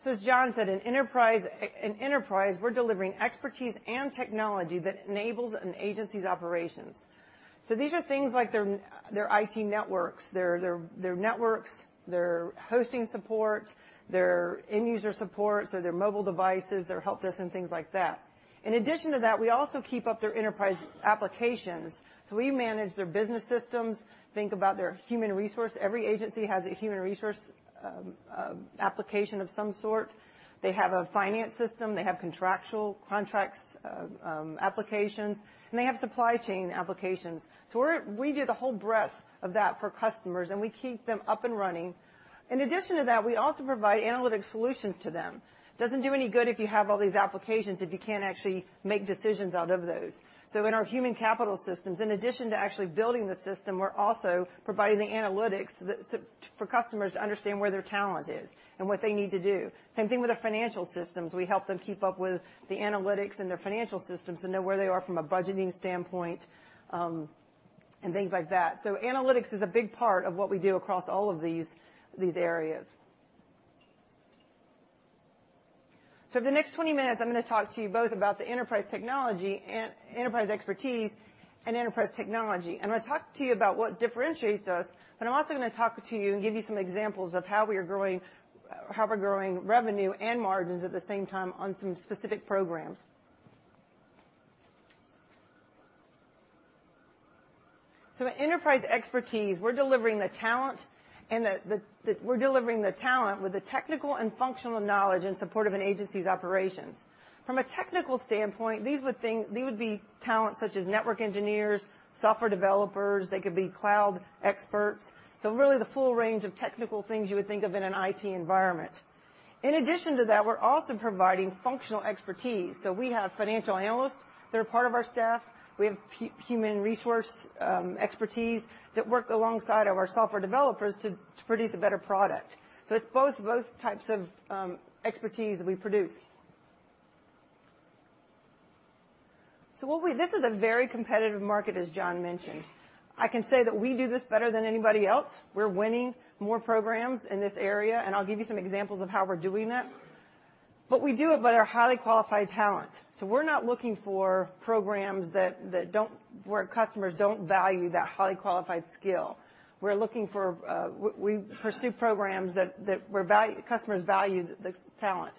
So as John said, in enterprise, we're delivering expertise and technology that enables an agency's operations. So these are things like their IT networks, their networks, their hosting support, their end-user support, so their mobile devices, their help desk, and things like that. In addition to that, we also keep up their enterprise applications. So we manage their business systems. Think about their human resource. Every agency has a human resource application of some sort. They have a finance system. They have contractual contracts applications, and they have supply chain applications. So we do the whole breadth of that for customers, and we keep them up and running. In addition to that, we also provide analytic solutions to them. It doesn't do any good if you have all these applications if you can't actually make decisions out of those. So in our human capital systems, in addition to actually building the system, we're also providing the analytics for customers to understand where their talent is and what they need to do. Same thing with our financial systems. We help them keep up with the analytics in their financial systems and know where they are from a budgeting standpoint and things like that. Analytics is a big part of what we do across all of these areas. For the next 20 minutes, I'm going to talk to you both about the enterprise technology, enterprise expertise, and enterprise technology. I'm going to talk to you about what differentiates us, but I'm also going to talk to you and give you some examples of how we are growing, how we're growing revenue and margins at the same time on some specific programs. Enterprise expertise, we're delivering the talent, and we're delivering the talent with the technical and functional knowledge in support of an agency's operations. From a technical standpoint, these would be talent such as network engineers, software developers. They could be cloud experts. Really the full range of technical things you would think of in an IT environment. In addition to that, we're also providing functional expertise. We have financial analysts that are part of our staff. We have human resource expertise that work alongside our software developers to produce a better product. It's both types of expertise that we produce. This is a very competitive market, as John mentioned. I can say that we do this better than anybody else. We're winning more programs in this area, and I'll give you some examples of how we're doing that. We do it by our highly qualified talent. We're not looking for programs where customers don't value that highly qualified skill. We're looking for. We pursue programs that customers value the talent.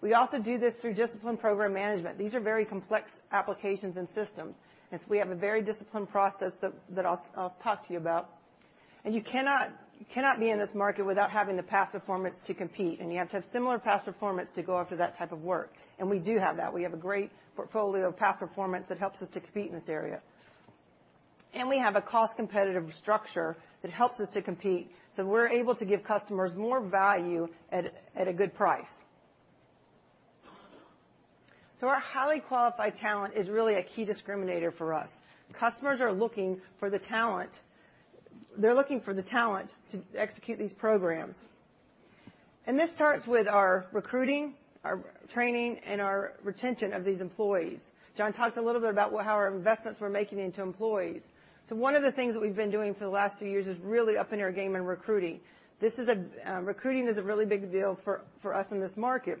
We also do this through disciplined program management. These are very complex applications and systems. We have a very disciplined process that I'll talk to you about. You cannot be in this market without having the past performance to compete. You have to have similar past performance to go after that type of work. We do have that. We have a great portfolio of past performance that helps us to compete in this area. We have a cost-competitive structure that helps us to compete. We're able to give customers more value at a good price. Our highly qualified talent is really a key discriminator for us. Customers are looking for the talent. They're looking for the talent to execute these programs. This starts with our recruiting, our training, and our retention of these employees. John talked a little bit about how our investments we're making into employees. One of the things that we've been doing for the last few years is really upping our game in recruiting. Recruiting is a really big deal for us in this market.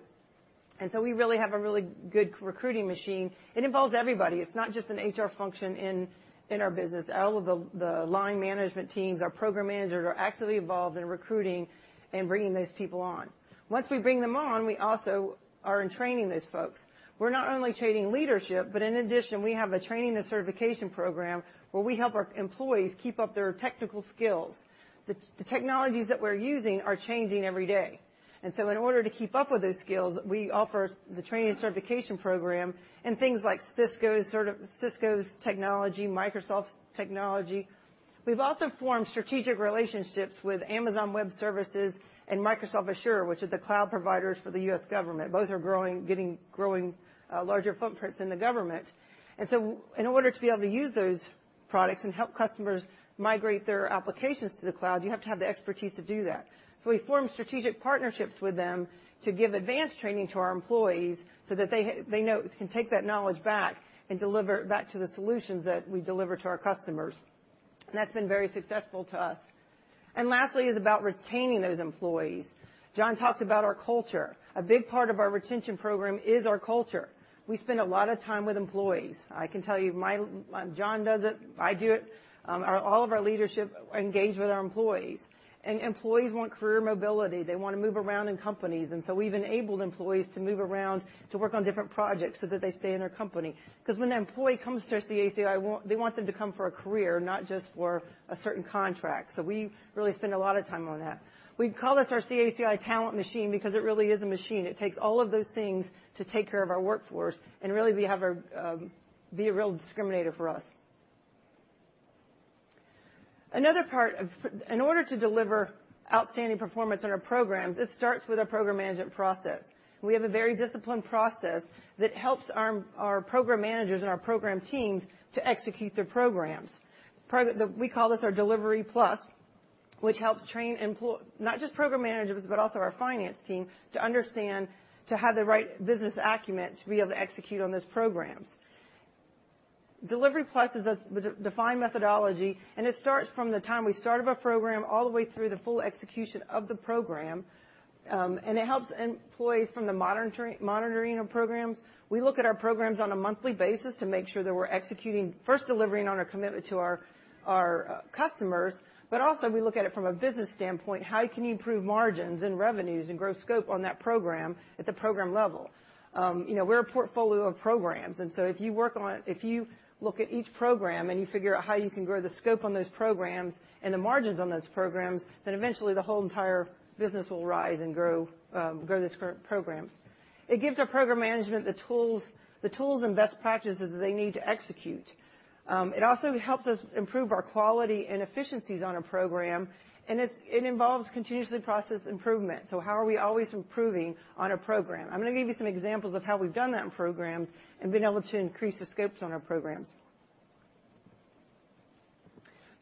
And so we really have a really good recruiting machine. It involves everybody. It's not just an HR function in our business. All of the line management teams, our program managers are actively involved in recruiting and bringing those people on. Once we bring them on, we also are in training those folks. We're not only training leadership, but in addition, we have a training and certification program where we help our employees keep up their technical skills. The technologies that we're using are changing every day. And so in order to keep up with those skills, we offer the training and certification program and things like Cisco's technology, Microsoft's technology. We've also formed strategic relationships with Amazon Web Services and Microsoft Azure, which are the cloud providers for the U.S. government. Both are growing, getting larger footprints in the government. And so in order to be able to use those products and help customers migrate their applications to the cloud, you have to have the expertise to do that. So we form strategic partnerships with them to give advanced training to our employees so that they can take that knowledge back and deliver it back to the solutions that we deliver to our customers. And that's been very successful to us. And lastly is about retaining those employees. John talked about our culture. A big part of our retention program is our culture. We spend a lot of time with employees. I can tell you, John does it. I do it. All of our leadership engage with our employees. And employees want career mobility. They want to move around in companies. And so we've enabled employees to move around to work on different projects so that they stay in their company. Because when an employee comes to our CACI, they want them to come for a career, not just for a certain contract. So we really spend a lot of time on that. We call this our CACI talent machine because it really is a machine. It takes all of those things to take care of our workforce. And really, we have a real discriminator for us. Another part, in order to deliver outstanding performance in our programs, it starts with our program management process. We have a very disciplined process that helps our program managers and our program teams to execute their programs. We call this our Delivery+, which helps train not just program managers, but also our finance team to understand, to have the right business acumen to be able to execute on those programs. Delivery+ is a defined methodology, and it starts from the time we started a program all the way through the full execution of the program. And it helps employees from the monitoring of programs. We look at our programs on a monthly basis to make sure that we're executing, first delivering on our commitment to our customers, but also we look at it from a business standpoint. How can you improve margins and revenues and grow scope on that program at the program level? We're a portfolio of programs. So if you work on, if you look at each program and you figure out how you can grow the scope on those programs and the margins on those programs, then eventually the whole entire business will rise and grow these programs. It gives our program management the tools and best practices that they need to execute. It also helps us improve our quality and efficiencies on our program. And it involves continuous process improvement. So how are we always improving on our program? I'm going to give you some examples of how we've done that in programs and been able to increase the scopes on our programs.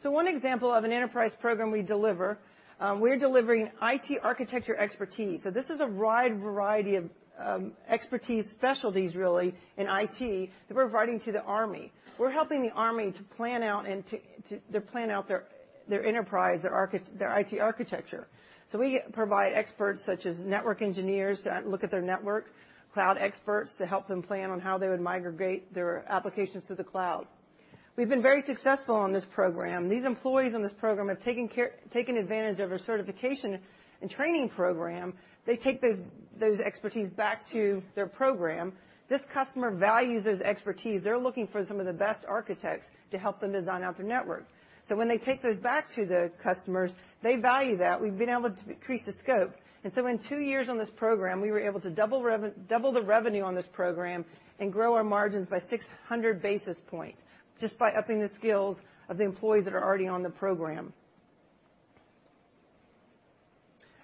So one example of an enterprise program we deliver, we're delivering IT architecture expertise. So this is a wide variety of expertise specialties, really, in IT that we're providing to the Army. We're helping the army to plan out and to plan out their enterprise, their IT architecture. So we provide experts such as network engineers to look at their network, cloud experts to help them plan on how they would migrate their applications to the cloud. We've been very successful on this program. These employees on this program have taken advantage of our certification and training program. They take those expertise back to their program. This customer values those expertise. They're looking for some of the best architects to help them design out their network. So when they take those back to the customers, they value that. We've been able to increase the scope. And so in two years on this program, we were able to double the revenue on this program and grow our margins by 600 basis points just by upping the skills of the employees that are already on the program.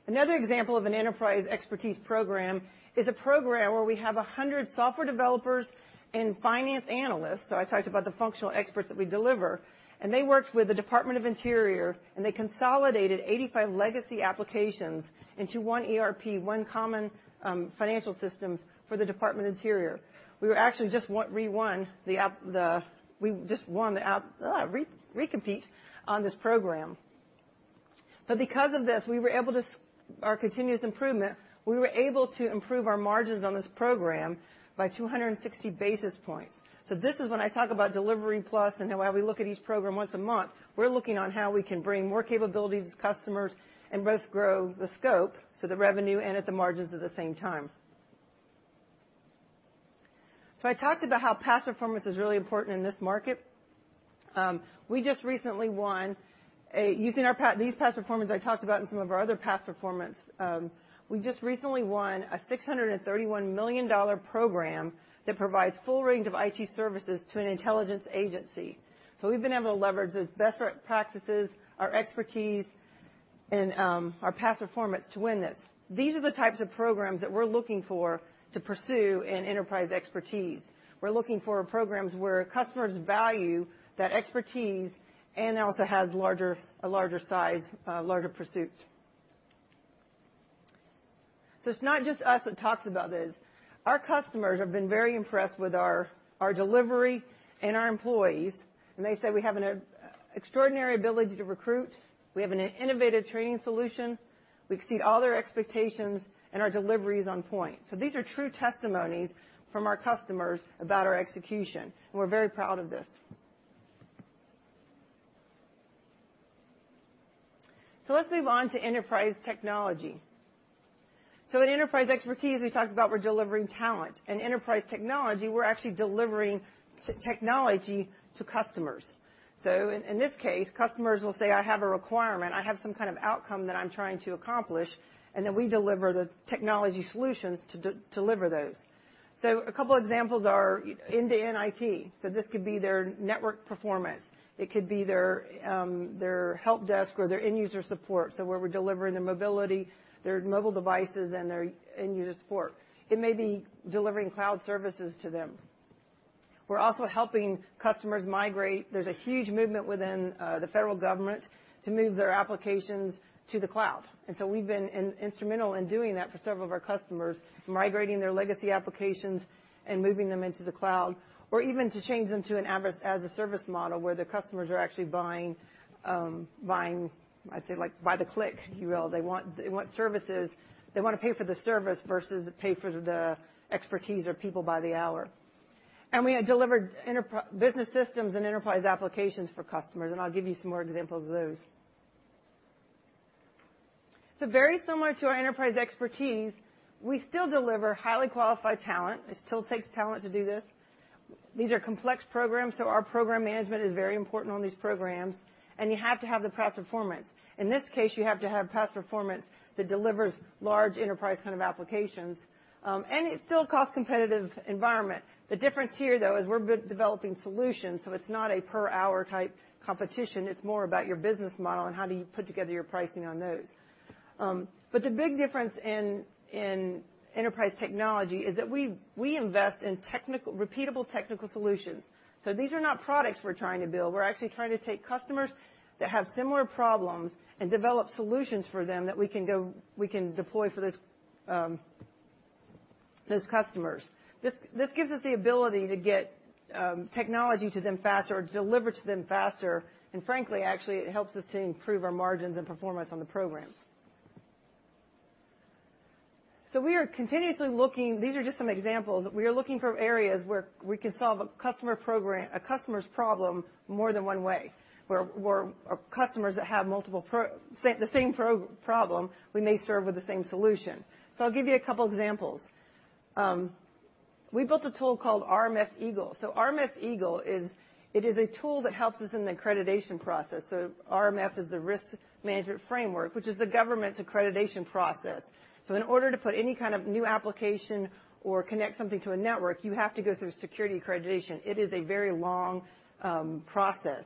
Another example of an enterprise expertise program is a program where we have 100 software developers and finance analysts. So I talked about the functional experts that we deliver. And they worked with the Department of the Interior, and they consolidated 85 legacy applications into one ERP, one common financial system for the Department of the Interior. We were actually just won the recompete on this program. But because of this, we were able to, our continuous improvement, we were able to improve our margins on this program by 260 basis points. So this is when I talk about Delivery+ and how we look at each program once a month. We're looking on how we can bring more capability to customers and both grow the scope so the revenue and at the margins at the same time. So I talked about how past performance is really important in this market. We just recently won, using these past performances I talked about in some of our other past performance, we just recently won a $631 million program that provides full range of IT services to an intelligence agency. So we've been able to leverage those best practices, our expertise, and our past performance to win this. These are the types of programs that we're looking for to pursue in enterprise expertise. We're looking for programs where customers value that expertise and also has a larger size, larger pursuits. So it's not just us that talks about this. Our customers have been very impressed with our delivery and our employees. And they say we have an extraordinary ability to recruit. We have an innovative training solution. We exceed all their expectations, and our delivery is on point. So these are true testimonies from our customers about our execution. And we're very proud of this. So let's move on to enterprise technology. So in enterprise expertise, we talked about we're delivering talent. In enterprise technology, we're actually delivering technology to customers. So in this case, customers will say, I have a requirement. I have some kind of outcome that I'm trying to accomplish. And then we deliver the technology solutions to deliver those. So a couple of examples are end-to-end IT. So this could be their network performance. It could be their help desk or their end-user support. So where we're delivering their mobility, their mobile devices, and their end-user support. It may be delivering cloud services to them. We're also helping customers migrate. There's a huge movement within the federal government to move their applications to the cloud. And so we've been instrumental in doing that for several of our customers, migrating their legacy applications and moving them into the cloud, or even to change them to a SaaS model where their customers are actually buying, I'd say, by the click. They want services. They want to pay for the service versus pay for the expertise or people by the hour. And we have delivered business systems and enterprise applications for customers. And I'll give you some more examples of those. So very similar to our enterprise expertise, we still deliver highly qualified talent. It still takes talent to do this. These are complex programs. So our program management is very important on these programs. And you have to have the past performance. In this case, you have to have past performance that delivers large enterprise kind of applications. And it's still a cost-competitive environment. The difference here, though, is we're developing solutions. So it's not a per-hour type competition. It's more about your business model and how do you put together your pricing on those. But the big difference in enterprise technology is that we invest in repeatable technical solutions. So these are not products we're trying to build. We're actually trying to take customers that have similar problems and develop solutions for them that we can deploy for those customers. This gives us the ability to get technology to them faster or deliver to them faster. And frankly, actually, it helps us to improve our margins and performance on the programs. So we are continuously looking. These are just some examples. We are looking for areas where we can solve a customer's problem more than one way, where customers that have the same problem we may serve with the same solution, so I'll give you a couple of examples. We built a tool called RMF Eagle, so RMF Eagle is a tool that helps us in the accreditation process, so RMF is the risk management framework, which is the government's accreditation process. So in order to put any kind of new application or connect something to a network, you have to go through security accreditation. It is a very long process,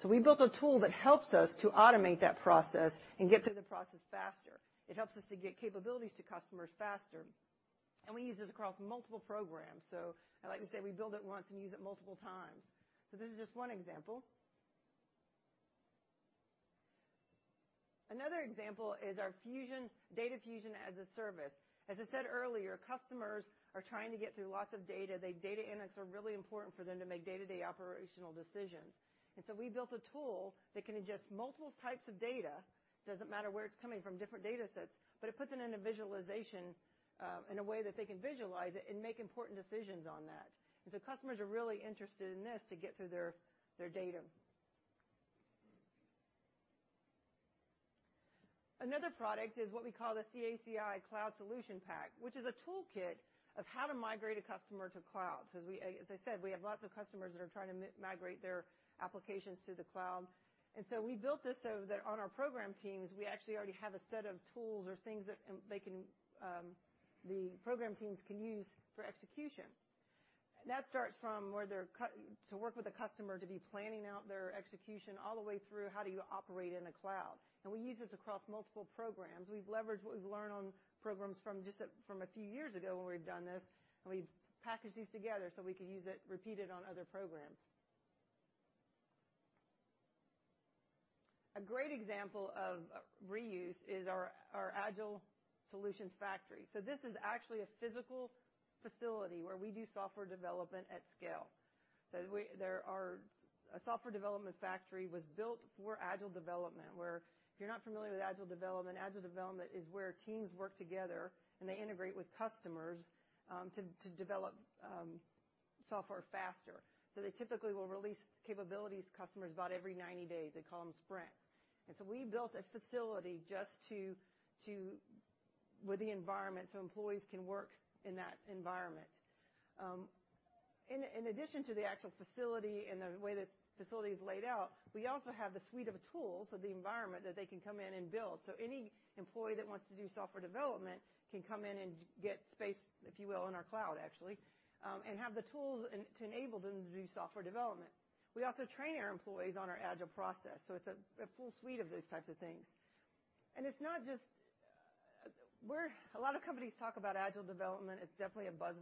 so we built a tool that helps us to automate that process and get through the process faster. It helps us to get capabilities to customers faster, and we use this across multiple programs, so I like to say we build it once and use it multiple times. So this is just one example. Another example is our Data Fusion as a Service. As I said earlier, customers are trying to get through lots of data. The data insights are really important for them to make day-to-day operational decisions. And so we built a tool that can ingest multiple types of data. It doesn't matter where it's coming from, different data sets, but it puts it into visualization in a way that they can visualize it and make important decisions on that. And so customers are really interested in this to get through their data. Another product is what we call the CACI Cloud Solution Pack, which is a toolkit of how to migrate a customer to cloud. As I said, we have lots of customers that are trying to migrate their applications to the cloud. And so we built this so that on our program teams, we actually already have a set of tools or things that the program teams can use for execution. That starts from where they're to work with a customer to be planning out their execution all the way through how do you operate in a cloud. And we use this across multiple programs. We've leveraged what we've learned on programs from a few years ago when we've done this. And we package these together so we can use it repeated on other programs. A great example of reuse is our Agile Solution Factory. So this is actually a physical facility where we do software development at scale. So, a software development factory was built for agile development, where if you're not familiar with agile development, agile development is where teams work together and they integrate with customers to develop software faster. So, they typically will release capabilities to customers about every 90 days. They call them sprints, and so we built a facility just with the environment so employees can work in that environment. In addition to the actual facility and the way the facility is laid out, we also have the suite of tools of the environment that they can come in and build. So, any employee that wants to do software development can come in and get space, if you will, in our cloud, actually, and have the tools to enable them to do software development. We also train our employees on our agile process. So, it's a full suite of those types of things. And it's not just a lot of companies talk about agile development. It's definitely a buzz.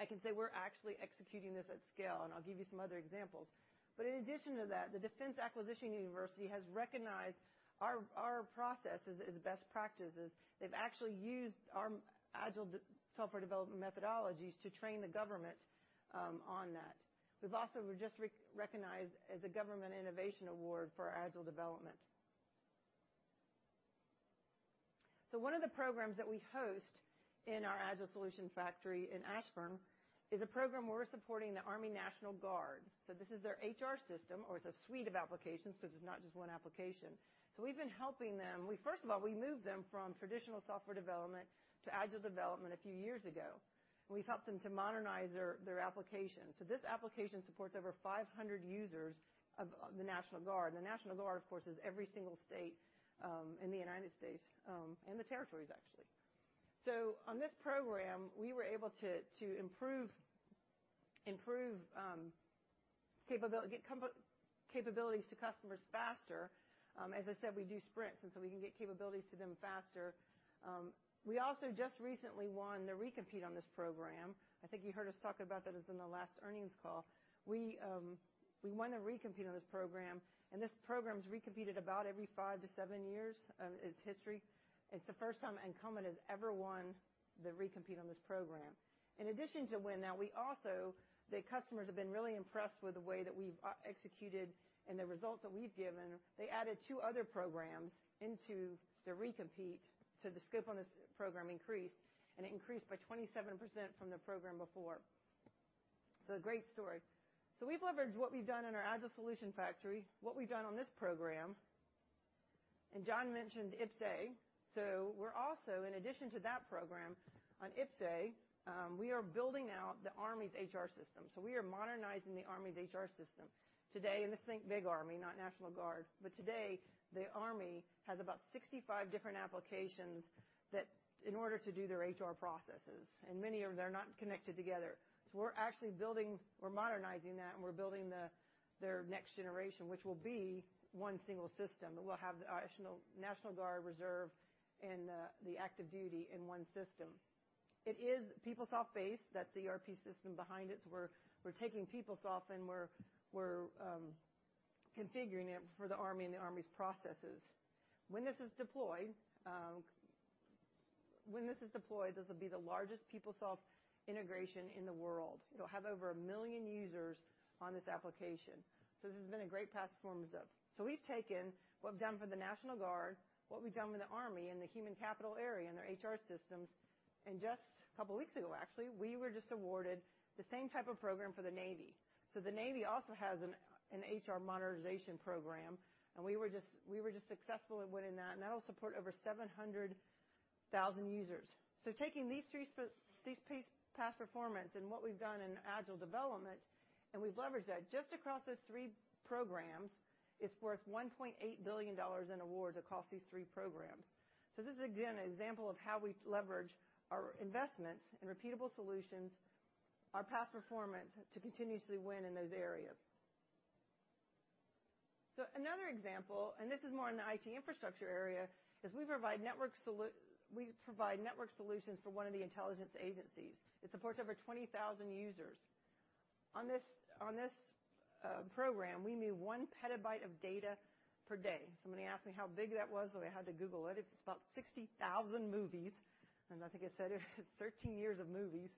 I can say we're actually executing this at scale. And I'll give you some other examples. But in addition to that, the Defense Acquisition University has recognized our processes as best practices. They've actually used our agile software development methodologies to train the government on that. We've also just recognized the Government Innovation Award for agile development. So one of the programs that we host in our Agile Solution Factory in Ashburn is a program we're supporting the Army National Guard. So this is their HR system, or it's a suite of applications because it's not just one application. So we've been helping them. First of all, we moved them from traditional software development to agile development a few years ago. And we've helped them to modernize their applications. This application supports over 500 users of the National Guard. And the National Guard, of course, is every single state in the United States and the territories, actually. On this program, we were able to improve capabilities to customers faster. As I said, we do sprints. And so we can get capabilities to them faster. We also just recently won the recompete on this program. I think you heard us talk about that in the last earnings call. We won the recompete on this program. And this program's recompeted about every five to seven years in its history. It's the first time incumbent has ever won the recompete on this program. In addition to winning that, we also the customers have been really impressed with the way that we've executed and the results that we've given. They added two other programs into the recompete. The scope on this program increased. It increased by 27% from the program before. That's a great story. We've leveraged what we've done in our Agile Solution Factory, what we've done on this program. John mentioned IPPS-A. We're also, in addition to that program on IPPS-A, building out the Army's HR system. We are modernizing the Army's HR system. Today, and this is Big Army, not National Guard, but today, the Army has about 65 different applications in order to do their HR processes. Many of them are not connected together. We're actually modernizing that. We're building their next generation, which will be one single system. We'll have the National Guard, Reserve, and the active duty in one system. It is PeopleSoft-based. That's the ERP system behind it. So we're taking PeopleSoft and we're configuring it for the Army and the Army's processes. When this is deployed, this will be the largest PeopleSoft integration in the world. It'll have over a million users on this application. So this has been a great past performance. So we've taken what we've done for the National Guard, what we've done with the Army and the human capital area and their HR systems. And just a couple of weeks ago, actually, we were just awarded the same type of program for the Navy. So the Navy also has an HR modernization program. And we were just successful at winning that. And that'll support over 700,000 users. So taking these past performance and what we've done in agile development, and we've leveraged that just across those three programs, it's worth $1.8 billion in awards across these three programs. So this is, again, an example of how we leverage our investments in repeatable solutions, our past performance to continuously win in those areas. So another example, and this is more in the IT infrastructure area, is we provide network solutions for one of the intelligence agencies. It supports over 20,000 users. On this program, we move one petabyte of data per day. Somebody asked me how big that was, so I had to Google it. It's about 60,000 movies. And I think I said it's 13 years of movies.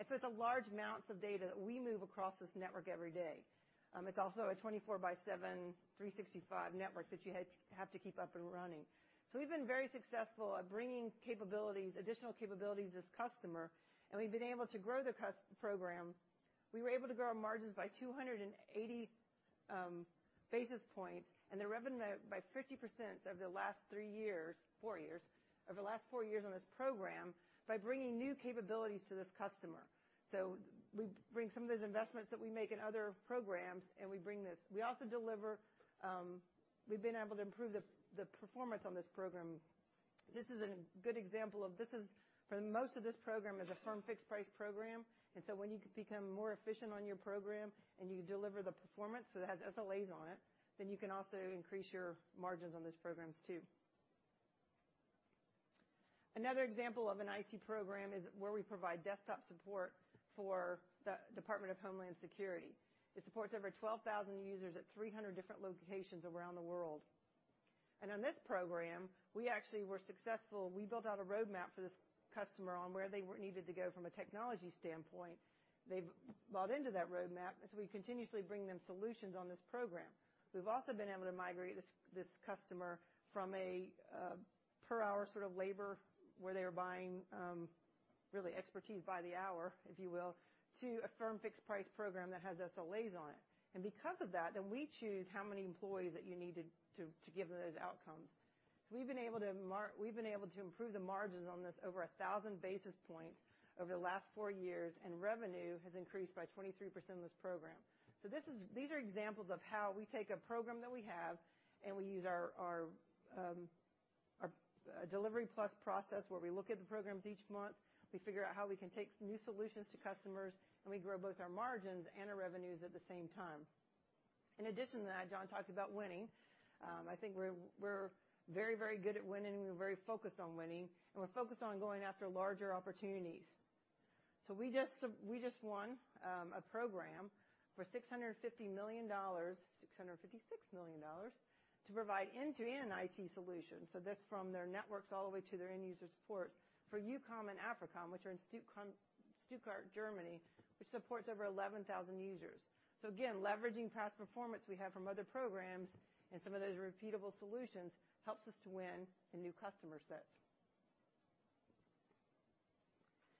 So it's a large amount of data that we move across this network every day. It's also a 24 by 7, 365 network that you have to keep up and running. So we've been very successful at bringing additional capabilities to this customer. And we've been able to grow the program. We were able to grow our margins by 280 basis points and the revenue by 50% over the last three years, four years, over the last four years on this program by bringing new capabilities to this customer. So we bring some of those investments that we make in other programs, and we bring this. We also deliver. We've been able to improve the performance on this program. This is a good example of this is for most of this program is a firm fixed price program, and so when you become more efficient on your program and you deliver the performance, so it has SLAs on it, then you can also increase your margins on this program, too. Another example of an IT program is where we provide desktop support for the Department of Homeland Security. It supports over 12,000 users at 300 different locations around the world. On this program, we actually were successful. We built out a roadmap for this customer on where they needed to go from a technology standpoint. They've bought into that roadmap. We continuously bring them solutions on this program. We've also been able to migrate this customer from a per-hour sort of labor where they were buying really expertise by the hour, if you will, to a firm fixed price program that has SLAs on it. Because of that, then we choose how many employees that you need to give them those outcomes. We've been able to improve the margins on this over 1,000 basis points over the last four years. Revenue has increased by 23% on this program. So these are examples of how we take a program that we have and we use our Delivery+ process where we look at the programs each month. We figure out how we can take new solutions to customers. And we grow both our margins and our revenues at the same time. In addition to that, John talked about winning. I think we're very, very good at winning. We're very focused on winning. And we're focused on going after larger opportunities. So we just won a program for $656 million to provide end-to-end IT solutions. So that's from their networks all the way to their end-user support for EUCOM and AFRICOM, which are in Stuttgart, Germany, which supports over 11,000 users. So again, leveraging past performance we have from other programs and some of those repeatable solutions helps us to win in new customer sets.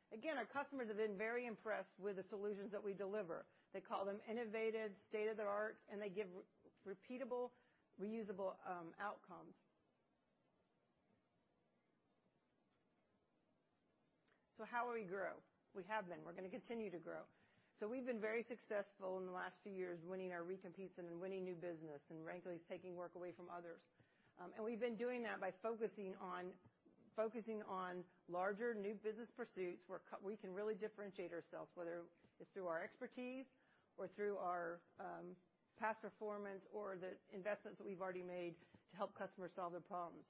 Again, our customers have been very impressed with the solutions that we deliver. They call them innovative, state-of-the-art, and they give repeatable, reusable outcomes. So how are we grow? We have been. We're going to continue to grow. So we've been very successful in the last few years winning our recompetes and winning new business and regularly taking work away from others. And we've been doing that by focusing on larger new business pursuits where we can really differentiate ourselves, whether it's through our expertise or through our past performance or the investments that we've already made to help customers solve their problems.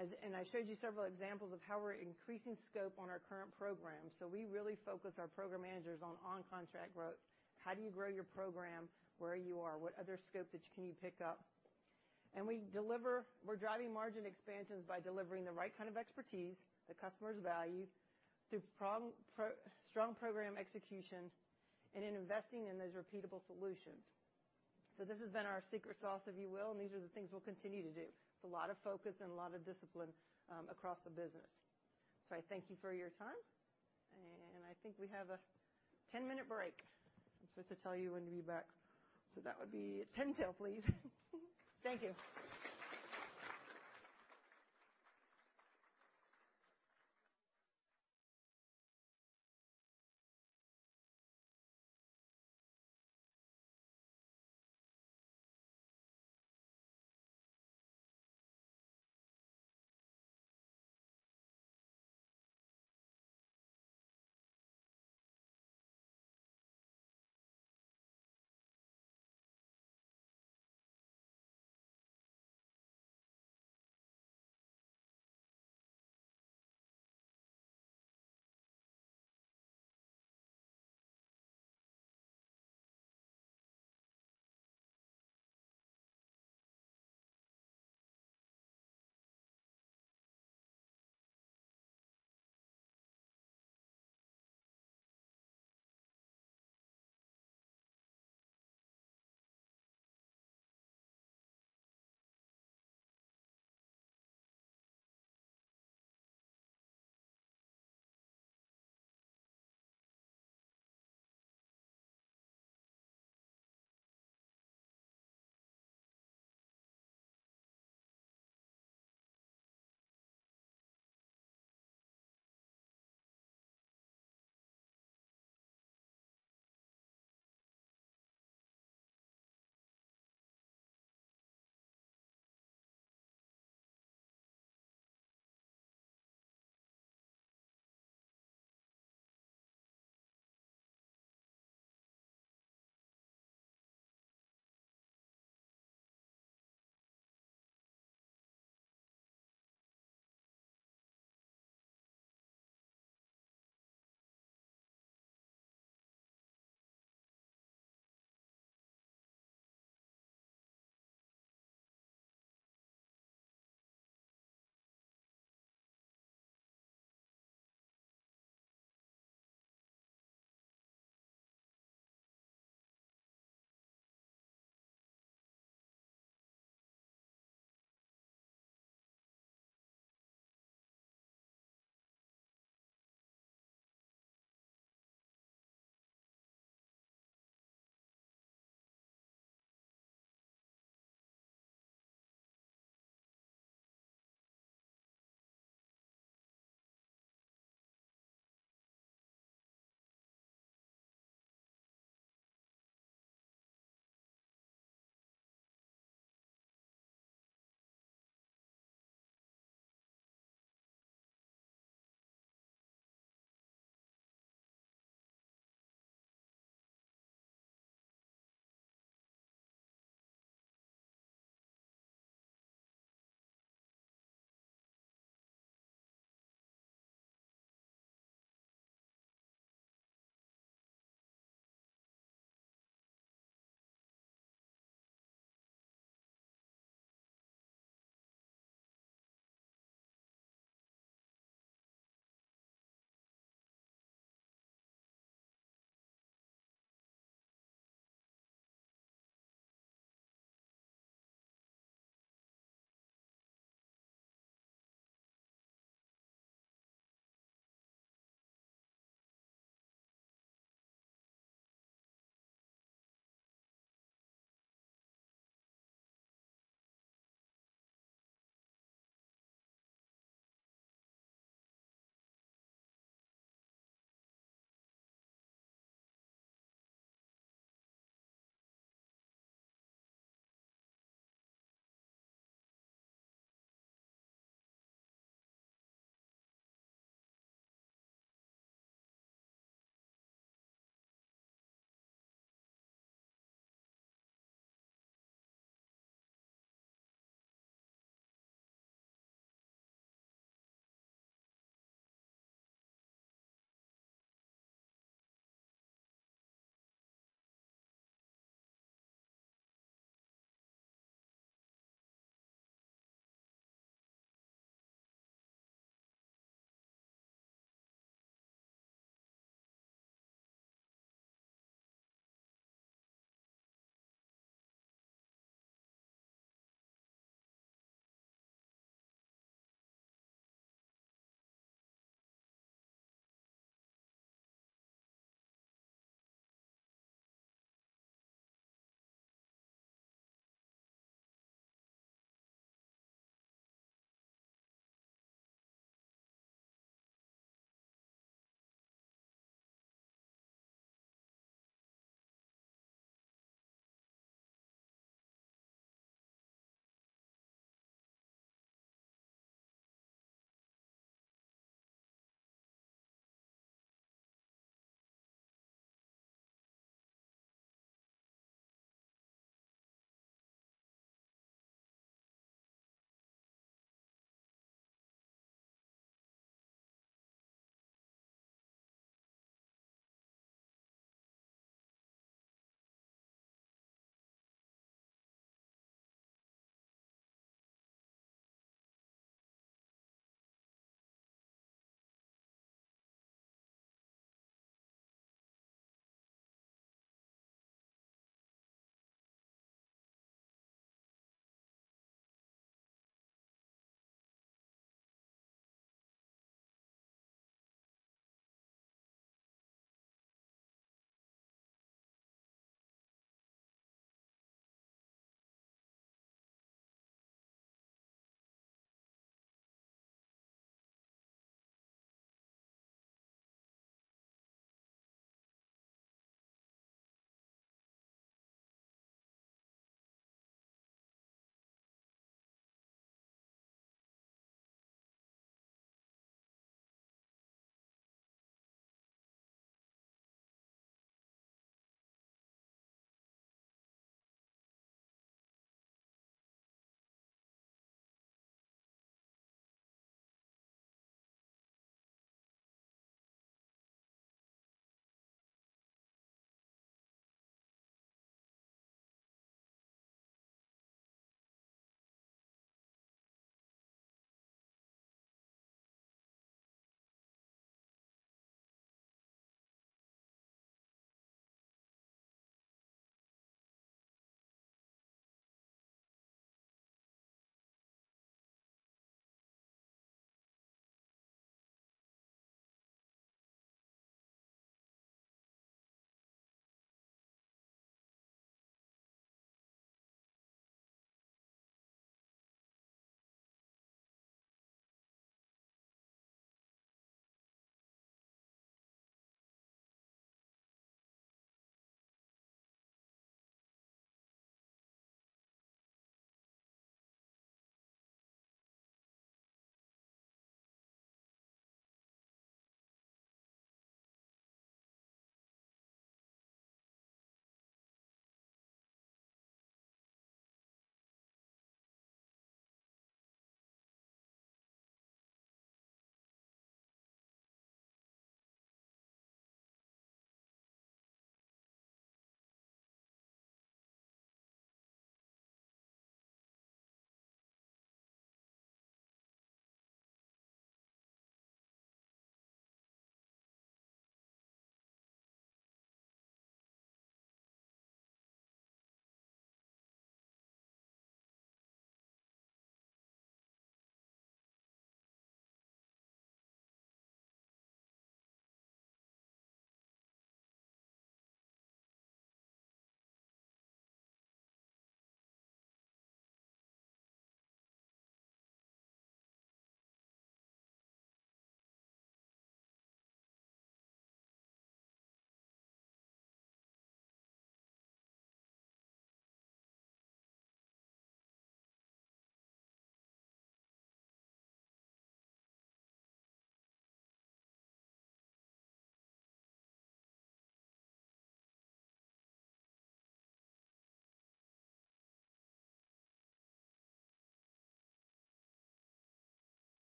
And I showed you several examples of how we're increasing scope on our current program. So we really focus our program managers on-contract growth. How do you grow your program where you are? What other scope can you pick up? And we're driving margin expansions by delivering the right kind of expertise, the customer's value, through strong program execution and investing in those repeatable solutions. So this has been our secret sauce, if you will. And these are the things we'll continue to do. It's a lot of focus and a lot of discipline across the business. So I thank you for your time. And I think we have a 10-minute break. I'm supposed to tell you when to be back. So that would be 10 till, please. Thank you.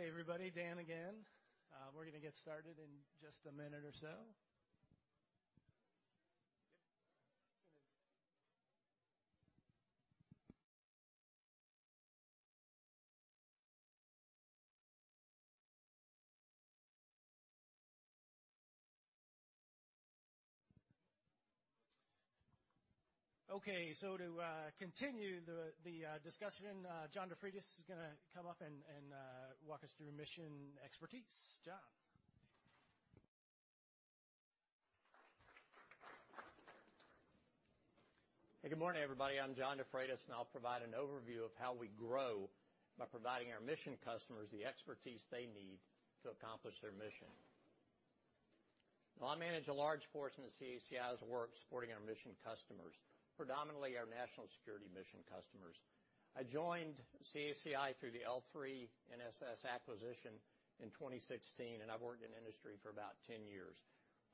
Okay, everybody, Dan again. We're going to get started in just a minute or so. Okay. So to continue the discussion, John DeFreitas is going to come up and walk us through mission expertise. John. Hey, good morning, everybody. I'm John DeFreitas, and I'll provide an overview of how we grow by providing our mission customers the expertise they need to accomplish their mission. Now, I manage a large portion of CACI's work supporting our mission customers, predominantly our national security mission customers. I joined CACI through the L-3 NSS acquisition in 2016, and I've worked in industry for about 10 years.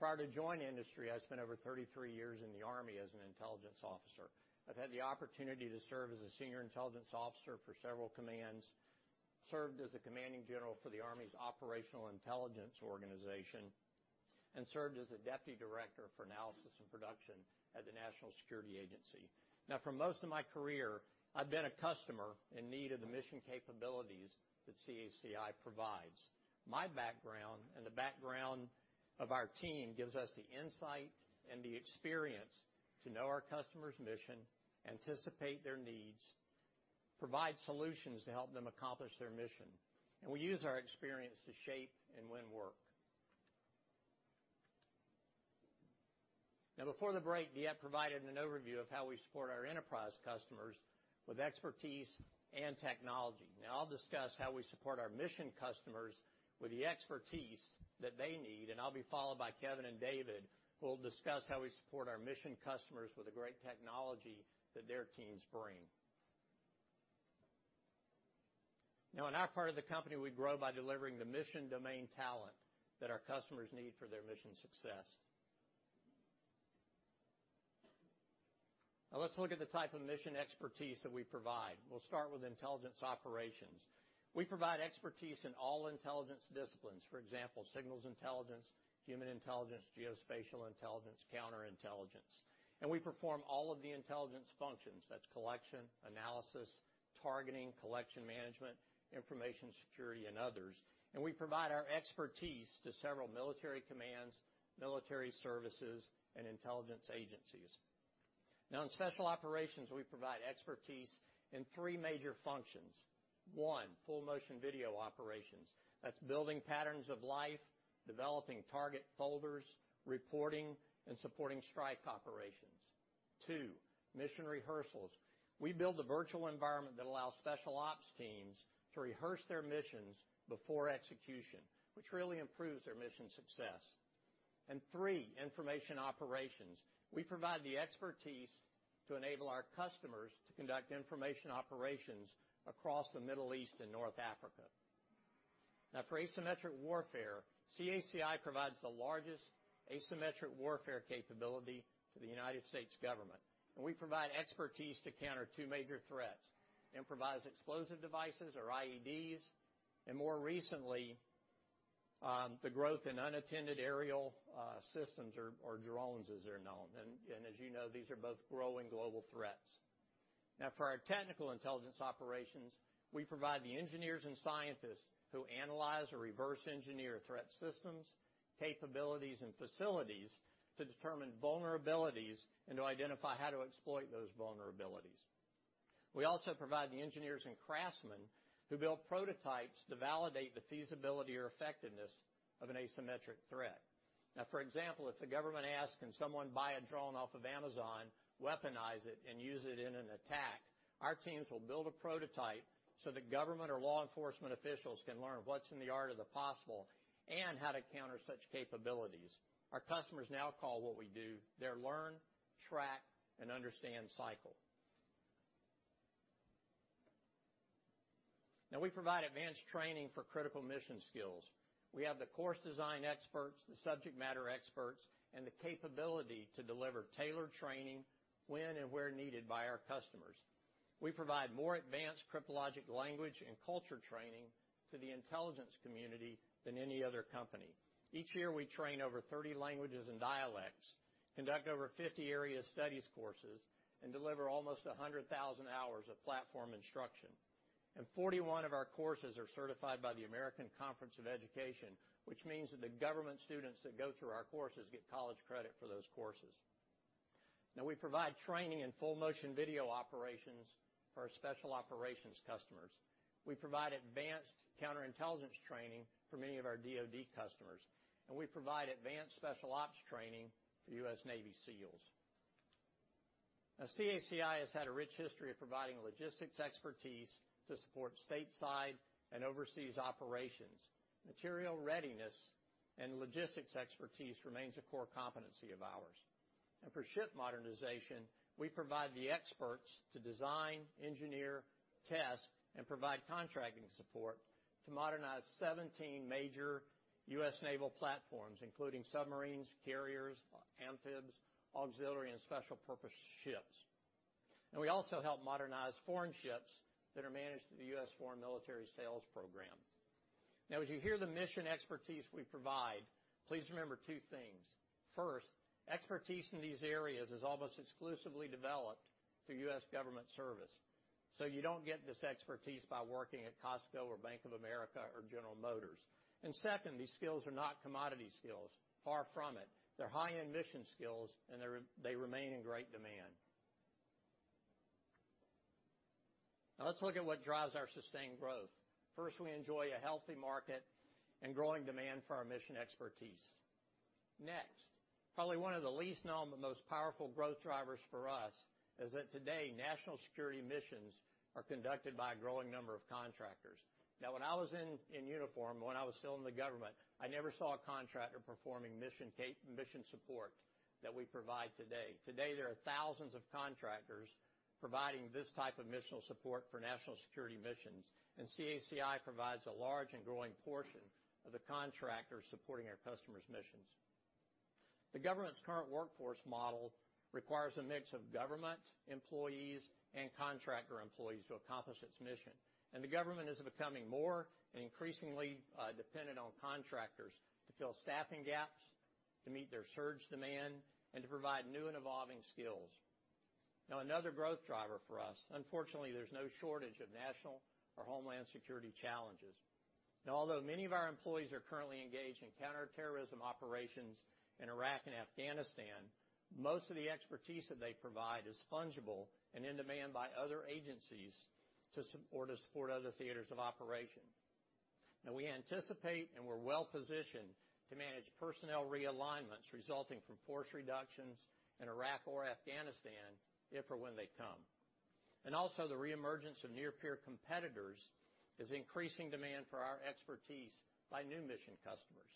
Prior to joining industry, I spent over 33 years in the Army as an intelligence officer. I've had the opportunity to serve as a senior intelligence officer for several commands, served as the commanding general for the Army's Operational Intelligence Organization, and served as a Deputy Director for Analysis and Production at the National Security Agency. Now, for most of my career, I've been a customer in need of the mission capabilities that CACI provides. My background and the background of our team gives us the insight and the experience to know our customer's mission, anticipate their needs, and provide solutions to help them accomplish their mission. And we use our experience to shape and win work. Now, before the break, DeEtte provided an overview of how we support our enterprise customers with expertise and technology. Now, I'll discuss how we support our mission customers with the expertise that they need, and I'll be followed by Kevin and David, who will discuss how we support our mission customers with the great technology that their teams bring. Now, in our part of the company, we grow by delivering the mission-domain talent that our customers need for their mission success. Now, let's look at the type of mission expertise that we provide. We'll start with intelligence operations. We provide expertise in all intelligence disciplines. For example, signals intelligence, human intelligence, geospatial intelligence, counterintelligence. And we perform all of the intelligence functions. That's collection, analysis, targeting, collection management, information security, and others. And we provide our expertise to several military commands, military services, and intelligence agencies. Now, in special operations, we provide expertise in three major functions. One, full-motion video operations. That's building patterns of life, developing target folders, reporting, and supporting strike operations. Two, mission rehearsals. We build a virtual environment that allows special ops teams to rehearse their missions before execution, which really improves their mission success. And three, information operations. We provide the expertise to enable our customers to conduct information operations across the Middle East and North Africa. Now, for asymmetric warfare, CACI provides the largest asymmetric warfare capability to the United States government. And we provide expertise to counter two major threats, improvised explosive devices, or IEDs, and more recently, the growth in unattended aerial systems, or drones, as they're known. And as you know, these are both growing global threats. Now, for our technical intelligence operations, we provide the engineers and scientists who analyze or reverse-engineer threat systems, capabilities, and facilities to determine vulnerabilities and to identify how to exploit those vulnerabilities. We also provide the engineers and craftsmen who build prototypes to validate the feasibility or effectiveness of an asymmetric threat. Now, for example, if the government asks, can someone buy a drone off of Amazon, weaponize it, and use it in an attack? Our teams will build a prototype so that government or law enforcement officials can learn what's in the art of the possible and how to counter such capabilities. Our customers now call what we do their learn, track, and understand cycle. Now, we provide advanced training for critical mission skills. We have the course design experts, the subject matter experts, and the capability to deliver tailored training when and where needed by our customers. We provide more advanced cryptologic language and culture training to the intelligence community than any other company. Each year, we train over 30 languages and dialects, conduct over 50 area studies courses, and deliver almost 100,000 hours of platform instruction. And 41 of our courses are certified by the American Council on Education, which means that the government students that go through our courses get college credit for those courses. Now, we provide training in full-motion video operations for our special operations customers. We provide advanced counterintelligence training for many of our DoD customers. And we provide advanced special ops training for U.S. Navy SEALs. Now, CACI has had a rich history of providing logistics expertise to support stateside and overseas operations. Material readiness and logistics expertise remains a core competency of ours. And for ship modernization, we provide the experts to design, engineer, test, and provide contracting support to modernize 17 major U.S. naval platforms, including submarines, carriers, amphibs, auxiliary, and special purpose ships. And we also help modernize foreign ships that are managed through the U.S. Foreign Military Sales Program. Now, as you hear the mission expertise we provide, please remember two things. First, expertise in these areas is almost exclusively developed through U.S. government service. So you don't get this expertise by working at Costco or Bank of America or General Motors. And second, these skills are not commodity skills. Far from it. They're high-end mission skills, and they remain in great demand. Now, let's look at what drives our sustained growth. First, we enjoy a healthy market and growing demand for our mission expertise. Next, probably one of the least known but most powerful growth drivers for us is that today, national security missions are conducted by a growing number of contractors. Now, when I was in uniform, when I was still in the government, I never saw a contractor performing mission support that we provide today. Today, there are thousands of contractors providing this type of mission support for national security missions. And CACI provides a large and growing portion of the contractors supporting our customers' missions. The government's current workforce model requires a mix of government employees and contractor employees to accomplish its mission. The government is becoming more and increasingly dependent on contractors to fill staffing gaps, to meet their surge demand, and to provide new and evolving skills. Now, another growth driver for us, unfortunately, there's no shortage of national or homeland security challenges. Now, although many of our employees are currently engaged in counterterrorism operations in Iraq and Afghanistan, most of the expertise that they provide is fungible and in demand by other agencies or to support other theaters of operation. Now, we anticipate and we're well-positioned to manage personnel realignments resulting from force reductions in Iraq or Afghanistan if or when they come. And also, the reemergence of near-peer competitors is increasing demand for our expertise by new mission customers.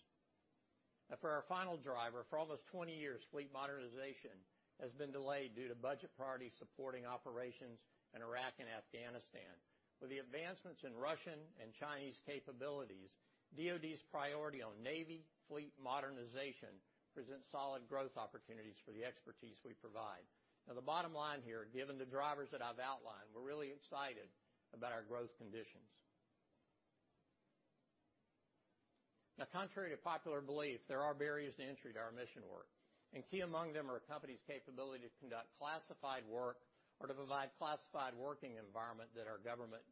Now, for our final driver, for almost 20 years, fleet modernization has been delayed due to budget priorities supporting operations in Iraq and Afghanistan. With the advancements in Russian and Chinese capabilities, DoD's priority on navy fleet modernization presents solid growth opportunities for the expertise we provide. Now, the bottom line here, given the drivers that I've outlined, we're really excited about our growth conditions. Now, contrary to popular belief, there are barriers to entry to our mission work. And key among them are a company's capability to conduct classified work or to provide a classified working environment that the government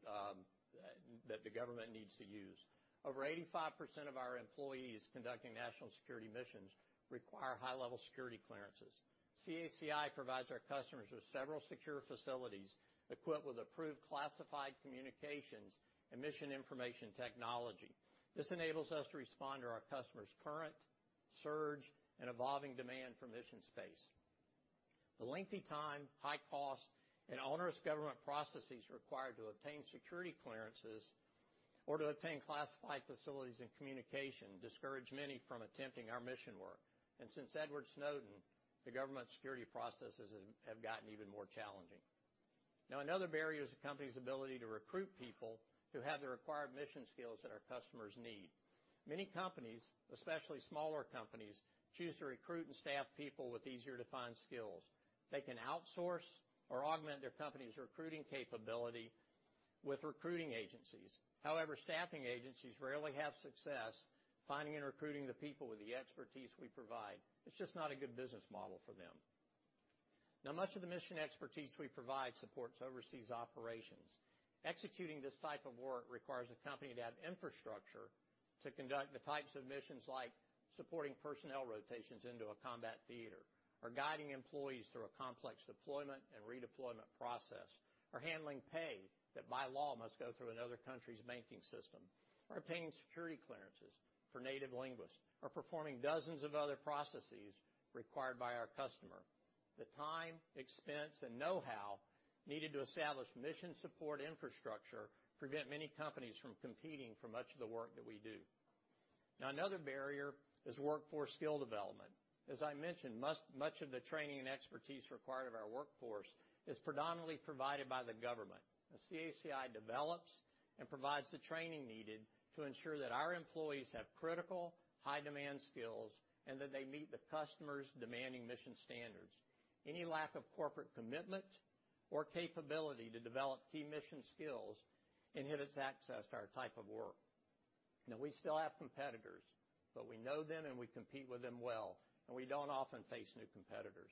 needs to use. Over 85% of our employees conducting national security missions require high-level security clearances. CACI provides our customers with several secure facilities equipped with approved classified communications and mission information technology. This enables us to respond to our customers' current surge and evolving demand for mission space. The lengthy time, high cost, and onerous government processes required to obtain security clearances or to obtain classified facilities and communication discourage many from attempting our mission work, and since Edward Snowden, the government security processes have gotten even more challenging. Now, another barrier is the company's ability to recruit people who have the required mission skills that our customers need. Many companies, especially smaller companies, choose to recruit and staff people with easier-to-find skills. They can outsource or augment their company's recruiting capability with recruiting agencies. However, staffing agencies rarely have success finding and recruiting the people with the expertise we provide. It's just not a good business model for them. Now, much of the mission expertise we provide supports overseas operations. Executing this type of work requires a company to have infrastructure to conduct the types of missions like supporting personnel rotations into a combat theater, or guiding employees through a complex deployment and redeployment process, or handling pay that by law must go through another country's banking system, or obtaining security clearances for native linguists, or performing dozens of other processes required by our customer. The time, expense, and know-how needed to establish mission support infrastructure prevent many companies from competing for much of the work that we do. Now, another barrier is workforce skill development. As I mentioned, much of the training and expertise required of our workforce is predominantly provided by the government. Now, CACI develops and provides the training needed to ensure that our employees have critical, high-demand skills and that they meet the customer's demanding mission standards. Any lack of corporate commitment or capability to develop key mission skills inhibits access to our type of work. Now, we still have competitors, but we know them and we compete with them well, and we don't often face new competitors.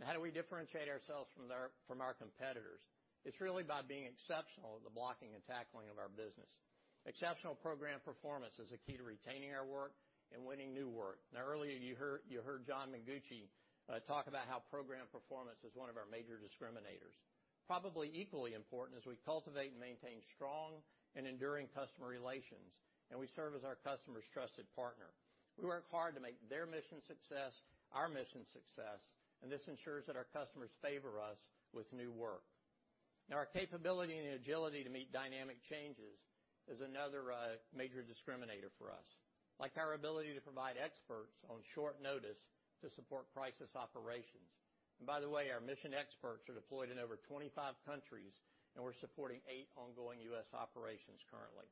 Now, how do we differentiate ourselves from our competitors? It's really by being exceptional at the blocking and tackling of our business. Exceptional program performance is a key to retaining our work and winning new work. Now, earlier, you heard John Mengucci talk about how program performance is one of our major discriminators. Probably equally important is we cultivate and maintain strong and enduring customer relations, and we serve as our customer's trusted partner. We work hard to make their mission success our mission success, and this ensures that our customers favor us with new work. Now, our capability and agility to meet dynamic changes is another major discriminator for us, like our ability to provide experts on short notice to support crisis operations, and by the way, our mission experts are deployed in over 25 countries, and we're supporting eight ongoing U.S. operations currently,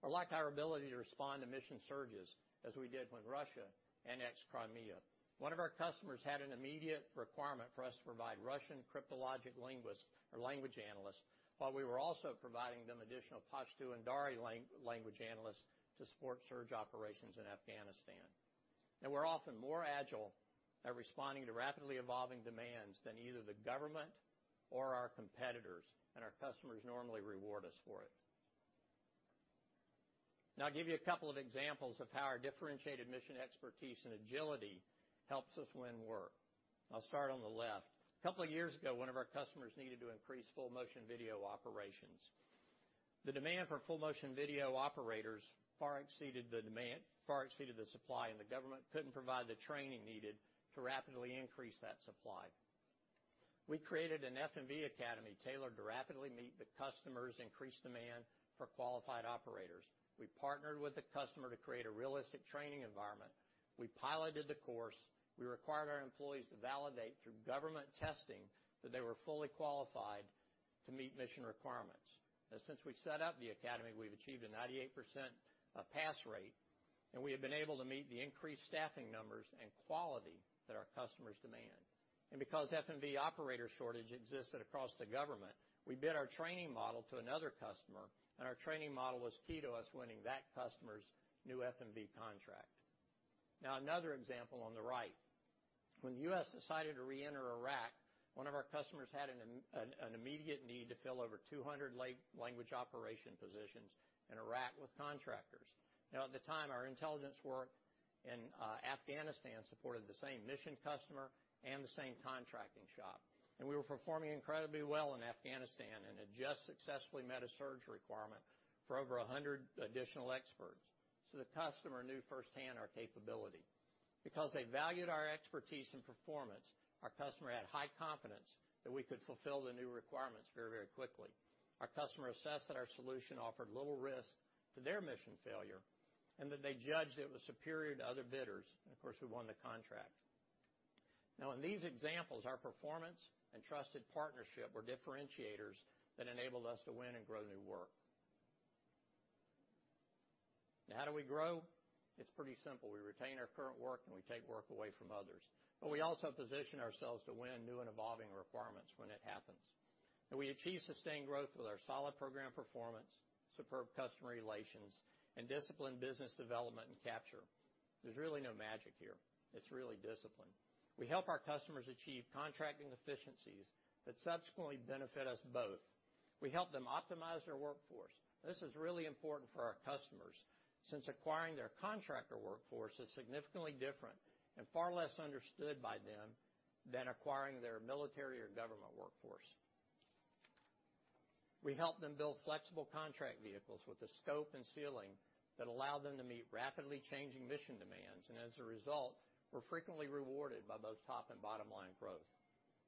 or like our ability to respond to mission surges as we did with Russia annex Crimea. One of our customers had an immediate requirement for us to provide Russian cryptologic linguists or language analysts while we were also providing them additional Pashto and Dari language analysts to support surge operations in Afghanistan. Now, we're often more agile at responding to rapidly evolving demands than either the government or our competitors, and our customers normally reward us for it. Now, I'll give you a couple of examples of how our differentiated mission expertise and agility helps us win work. I'll start on the left. A couple of years ago, one of our customers needed to increase full-motion video operations. The demand for full-motion video operators far exceeded the demand, far exceeded the supply, and the government couldn't provide the training needed to rapidly increase that supply. We created an FMV Academy tailored to rapidly meet the customer's increased demand for qualified operators. We partnered with the customer to create a realistic training environment. We piloted the course. We required our employees to validate through government testing that they were fully qualified to meet mission requirements. Now, since we set up the Academy, we've achieved a 98% pass rate, and we have been able to meet the increased staffing numbers and quality that our customers demand. And because FMV operator shortage existed across the government, we bid our training model to another customer, and our training model was key to us winning that customer's new FMV contract. Now, another example on the right. When the U.S. decided to re-enter Iraq, one of our customers had an immediate need to fill over 200 language operation positions in Iraq with contractors. Now, at the time, our intelligence work in Afghanistan supported the same mission customer and the same contracting shop. And we were performing incredibly well in Afghanistan and had just successfully met a surge requirement for over 100 additional experts. So the customer knew firsthand our capability. Because they valued our expertise and performance, our customer had high confidence that we could fulfill the new requirements very, very quickly. Our customer assessed that our solution offered little risk to their mission failure and that they judged it was superior to other bidders, and of course, we won the contract. Now, in these examples, our performance and trusted partnership were differentiators that enabled us to win and grow new work. Now, how do we grow? It's pretty simple. We retain our current work, and we take work away from others, but we also position ourselves to win new and evolving requirements when it happens, and we achieve sustained growth with our solid program performance, superb customer relations, and disciplined business development and capture. There's really no magic here. It's really discipline. We help our customers achieve contracting efficiencies that subsequently benefit us both. We help them optimize their workforce. This is really important for our customers since acquiring their contractor workforce is significantly different and far less understood by them than acquiring their military or government workforce. We help them build flexible contract vehicles with a scope and ceiling that allow them to meet rapidly changing mission demands, and as a result, we're frequently rewarded by both top and bottom-line growth.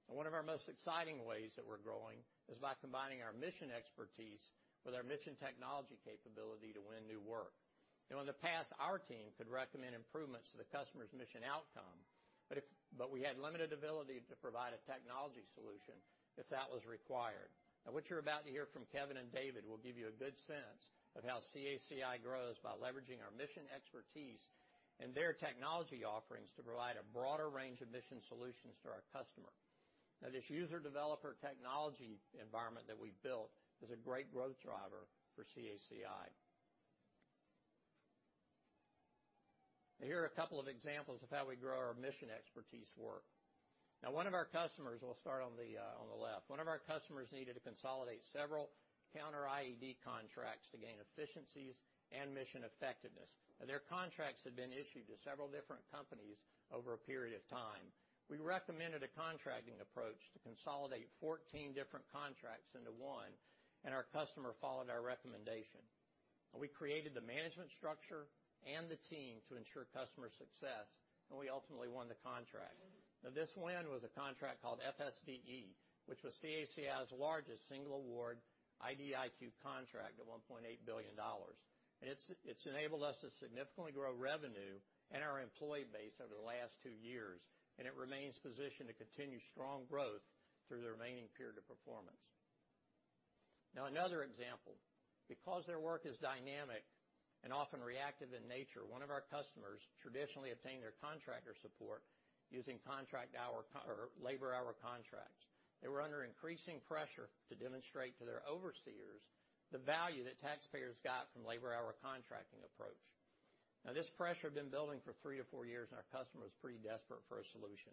Now, one of our most exciting ways that we're growing is by combining our mission expertise with our mission technology capability to win new work. Now, in the past, our team could recommend improvements to the customer's mission outcome, but we had limited ability to provide a technology solution if that was required. Now, what you're about to hear from Kevin and David will give you a good sense of how CACI grows by leveraging our mission expertise and their technology offerings to provide a broader range of mission solutions to our customer. Now, this user-developer technology environment that we built is a great growth driver for CACI. Now, here are a couple of examples of how we grow our mission expertise work. Now, one of our customers, we'll start on the left, one of our customers needed to consolidate several counter-IED contracts to gain efficiencies and mission effectiveness. Now, their contracts had been issued to several different companies over a period of time. We recommended a contracting approach to consolidate 14 different contracts into one, and our customer followed our recommendation. We created the management structure and the team to ensure customer success, and we ultimately won the contract. Now, this win was a contract called F3I, which was CACI's largest single award IDIQ contract at $1.8 billion. And it's enabled us to significantly grow revenue and our employee base over the last two years, and it remains positioned to continue strong growth through the remaining period of performance. Now, another example. Because their work is dynamic and often reactive in nature, one of our customers traditionally obtained their contractor support using contract hour or labor hour contracts. They were under increasing pressure to demonstrate to their overseers the value that taxpayers got from labor hour contracting approach. Now, this pressure had been building for three to four years, and our customer was pretty desperate for a solution.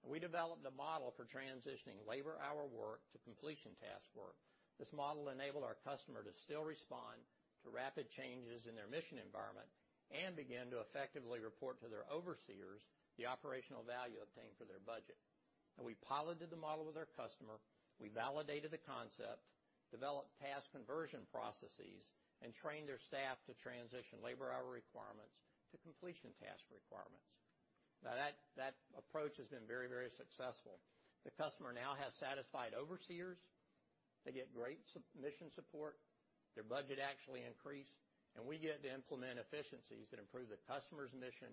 We developed a model for transitioning labor hour work to completion task work. This model enabled our customer to still respond to rapid changes in their mission environment and begin to effectively report to their overseers the operational value obtained for their budget. Now, we piloted the model with our customer. We validated the concept, developed task conversion processes, and trained their staff to transition labor hour requirements to completion task requirements. Now, that approach has been very, very successful. The customer now has satisfied overseers. They get great mission support. Their budget actually increased, and we get to implement efficiencies that improve the customer's mission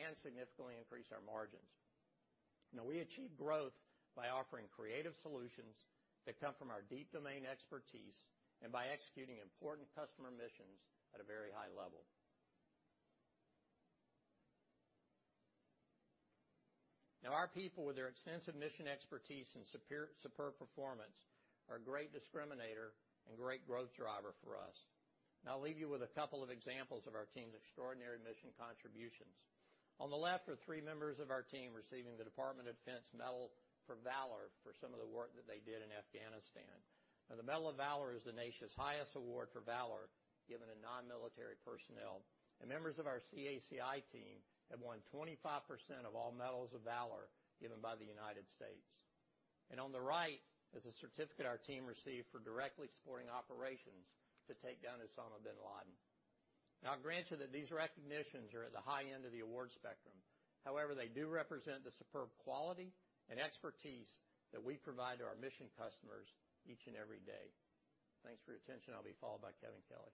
and significantly increase our margins. Now, we achieve growth by offering creative solutions that come from our deep domain expertise and by executing important customer missions at a very high level. Now, our people, with their extensive mission expertise and superb performance, are a great discriminator and great growth driver for us. Now, I'll leave you with a couple of examples of our team's extraordinary mission contributions. On the left are three members of our team receiving the Department of Defense Medal for Valor for some of the work that they did in Afghanistan. Now, the Medal of Valor is the nation's highest award for valor given to non-military personnel, and members of our CACI team have won 25% of all Medals of Valor given by the United States, and on the right is a certificate our team received for directly supporting operations to take down Osama bin Laden. Now, I'll grant you that these recognitions are at the high end of the award spectrum. However, they do represent the superb quality and expertise that we provide to our mission customers each and every day. Thanks for your attention. I'll be followed by Kevin Kelly.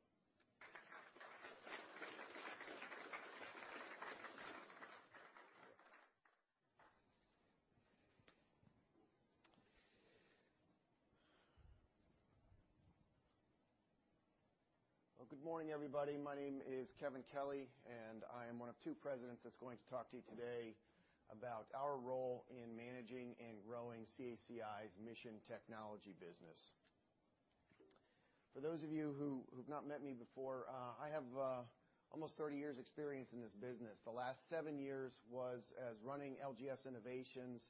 Well, good morning, everybody. My name is Kevin Kelly, and I am one of two presidents that's going to talk to you today about our role in managing and growing CACI's mission technology business. For those of you who've not met me before, I have almost 30 years' experience in this business. The last seven years was as running LGS Innovations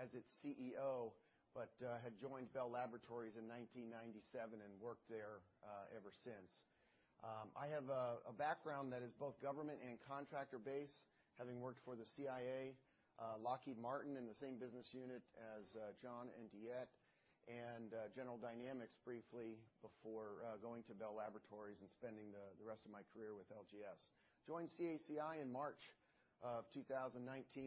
as its CEO, but had joined Bell Laboratories in 1997 and worked there ever since. I have a background that is both government and contractor-based, having worked for the CIA, Lockheed Martin in the same business unit as John and DeEtte, and General Dynamics briefly before going to Bell Laboratories and spending the rest of my career with LGS. I joined CACI in March of 2019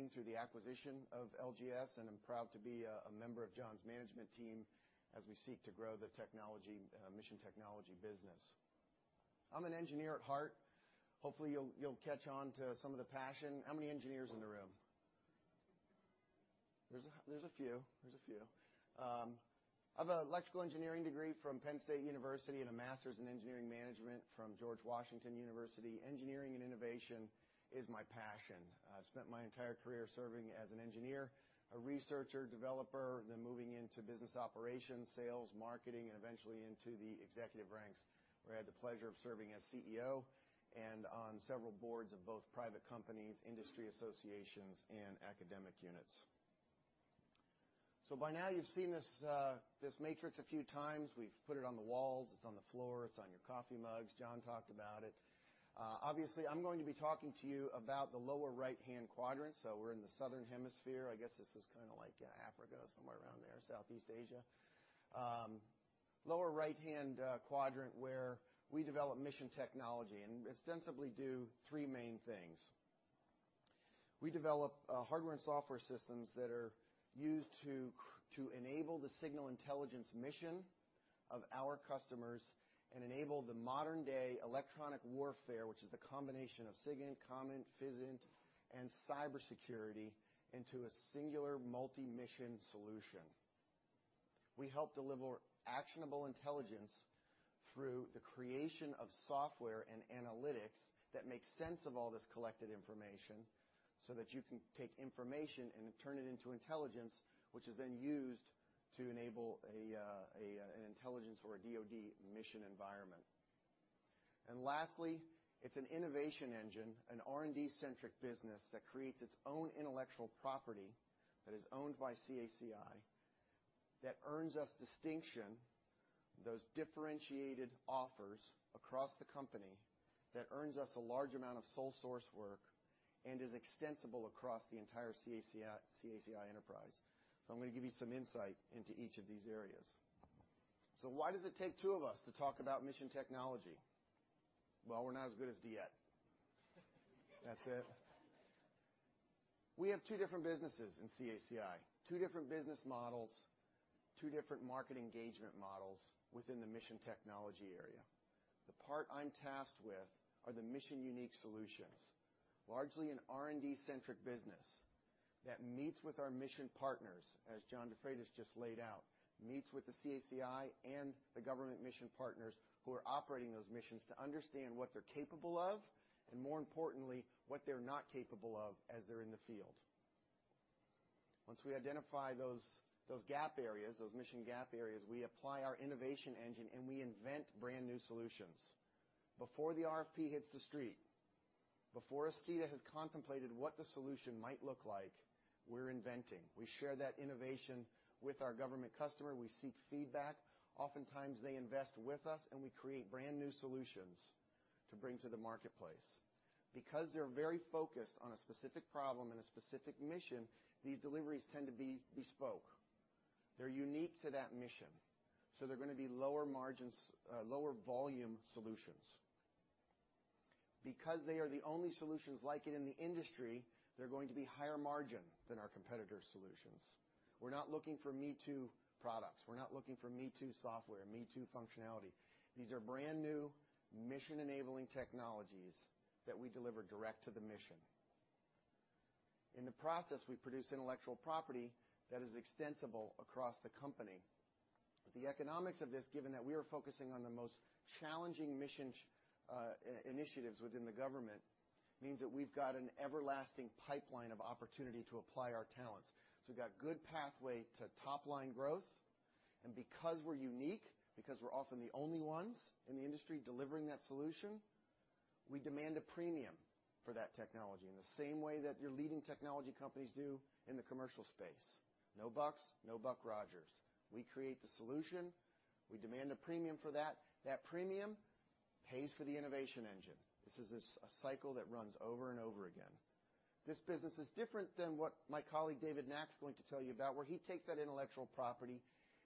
through the acquisition of LGS, and I'm proud to be a member of John's management team as we seek to grow the mission technology business. I'm an engineer at heart. Hopefully, you'll catch on to some of the passion. How many engineers in the room? There's a few. There's a few. I have an electrical engineering degree from Penn State University and a master's in engineering management from George Washington University. Engineering and innovation is my passion. I've spent my entire career serving as an engineer, a researcher, developer, then moving into business operations, sales, marketing, and eventually into the executive ranks, where I had the pleasure of serving as CEO and on several boards of both private companies, industry associations, and academic units. So by now, you've seen this matrix a few times. We've put it on the walls. It's on the floor. It's on your coffee mugs. John talked about it. Obviously, I'm going to be talking to you about the lower right-hand quadrant. So we're in the southern hemisphere. I guess this is kind of like Africa, somewhere around there, Southeast Asia. Lower right-hand quadrant where we develop mission technology and ostensibly do three main things. We develop hardware and software systems that are used to enable the signals intelligence mission of our customers and enable the modern-day electronic warfare, which is the combination of SIGINT, COMINT, PHYSINT, and cybersecurity into a singular multi-mission solution. We help deliver actionable intelligence through the creation of software and analytics that make sense of all this collected information so that you can take information and turn it into intelligence, which is then used to enable an intelligence or a DoD mission environment. And lastly, it's an innovation engine, an R&D-centric business that creates its own intellectual property that is owned by CACI that earns us distinction, those differentiated offers across the company that earns us a large amount of sole source work and is extensible across the entire CACI enterprise. So I'm going to give you some insight into each of these areas. So why does it take two of us to talk about mission technology? Well, we're not as good as DeEtte. That's it. We have two different businesses in CACI, two different business models, two different market engagement models within the mission technology area. The part I'm tasked with are the mission unique solutions, largely an R&D-centric business that meets with our mission partners, as John DeFreitas just laid out, meets with the CACI and the government mission partners who are operating those missions to understand what they're capable of and, more importantly, what they're not capable of as they're in the field. Once we identify those mission gap areas, we apply our innovation engine, and we invent brand new solutions. Before the RFP hits the street, before a SETA has contemplated what the solution might look like, we're inventing. We share that innovation with our government customer. We seek feedback. Oftentimes, they invest with us, and we create brand new solutions to bring to the marketplace. Because they're very focused on a specific problem and a specific mission, these deliveries tend to be bespoke. They're unique to that mission, so they're going to be lower volume solutions. Because they are the only solutions like it in the industry, they're going to be higher margin than our competitor solutions. We're not looking for me-too products. We're not looking for me-too software, me-too functionality. These are brand new mission-enabling technologies that we deliver direct to the mission. In the process, we produce intellectual property that is extensible across the company. The economics of this, given that we are focusing on the most challenging mission initiatives within the government, means that we've got an everlasting pipeline of opportunity to apply our talents. So we've got a good pathway to top-line growth. Because we're unique, because we're often the only ones in the industry delivering that solution, we demand a premium for that technology in the same way that your leading technology companies do in the commercial space. No bucks, no Buck Rogers. We create the solution. We demand a premium for that. That premium pays for the innovation engine. This is a cycle that runs over and over again. This business is different than what my colleague David Nack's going to tell you about, where he takes that intellectual property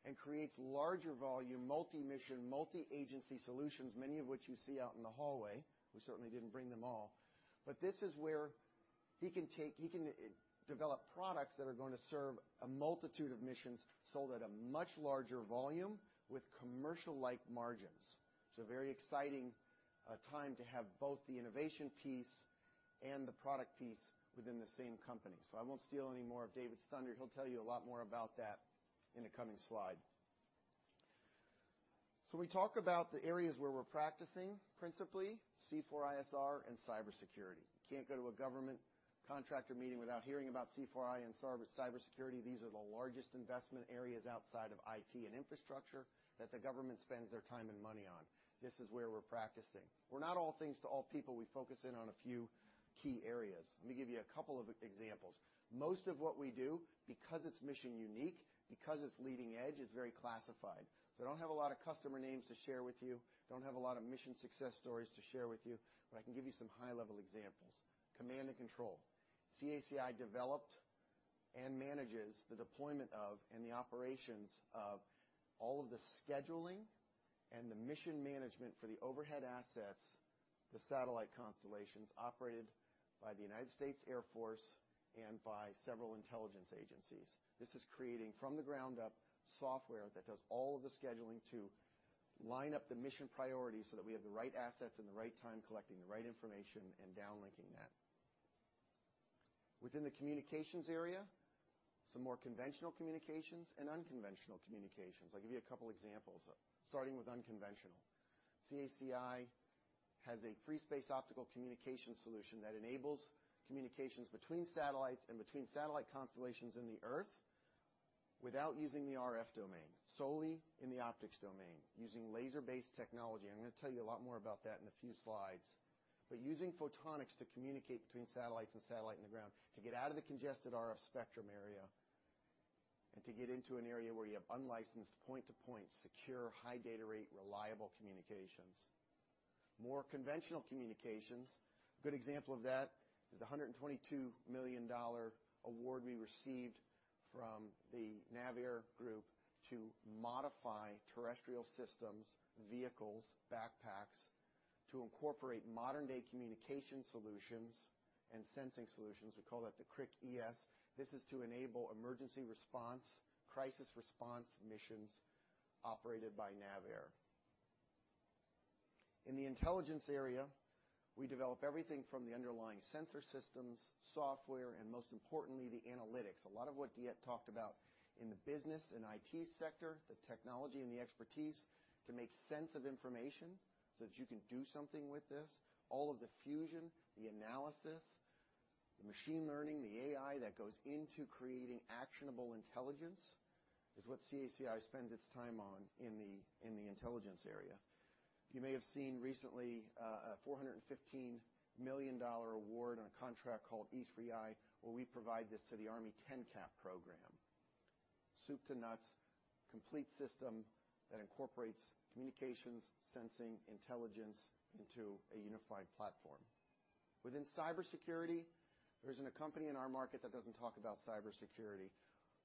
and creates larger volume, multi-mission, multi-agency solutions, many of which you see out in the hallway. We certainly didn't bring them all. This is where he can develop products that are going to serve a multitude of missions sold at a much larger volume with commercial-like margins. It's a very exciting time to have both the innovation piece and the product piece within the same company. So I won't steal any more of David's thunder. He'll tell you a lot more about that in the coming slide. So we talk about the areas where we're practicing principally, C4ISR and cybersecurity. You can't go to a government contractor meeting without hearing about C4I and cybersecurity. These are the largest investment areas outside of IT and infrastructure that the government spends their time and money on. This is where we're practicing. We're not all things to all people. We focus in on a few key areas. Let me give you a couple of examples. Most of what we do, because it's mission unique, because it's leading edge, is very classified. So I don't have a lot of customer names to share with you. I don't have a lot of mission success stories to share with you, but I can give you some high-level examples. Command and control. CACI developed and manages the deployment of and the operations of all of the scheduling and the mission management for the overhead assets, the satellite constellations operated by the United States Air Force and by several intelligence agencies. This is creating from the ground up software that does all of the scheduling to line up the mission priorities so that we have the right assets in the right time collecting the right information and downlinking that. Within the communications area, some more conventional communications and unconventional communications. I'll give you a couple of examples, starting with unconventional. CACI has a free-space optical communication solution that enables communications between satellites and between satellite constellations and the Earth without using the RF domain, solely in the optics domain, using laser-based technology. I'm going to tell you a lot more about that in a few slides, but using photonics to communicate between satellites and satellites and the ground to get out of the congested RF spectrum area and to get into an area where you have unlicensed point-to-point secure, high data rate, reliable communications. More conventional communications. A good example of that is the $122 million award we received from NAVAIR group to modify terrestrial systems, vehicles, backpacks to incorporate modern-day communication solutions and sensing solutions. We call that the CRIC-ES. This is to enable emergency response, crisis response missions operated by NAVAIR. In the intelligence area, we develop everything from the underlying sensor systems, software, and most importantly, the analytics. A lot of what DeEtte talked about in the business and IT sector, the technology and the expertise to make sense of information so that you can do something with this. All of the fusion, the analysis, the machine learning, the AI that goes into creating actionable intelligence is what CACI spends its time on in the intelligence area. You may have seen recently a $415 million award on a contract called E3I, where we provide this to the Army TENCAP program. Soup to nuts, complete system that incorporates communications, sensing, intelligence into a unified platform. Within cybersecurity, there isn't a company in our market that doesn't talk about cybersecurity.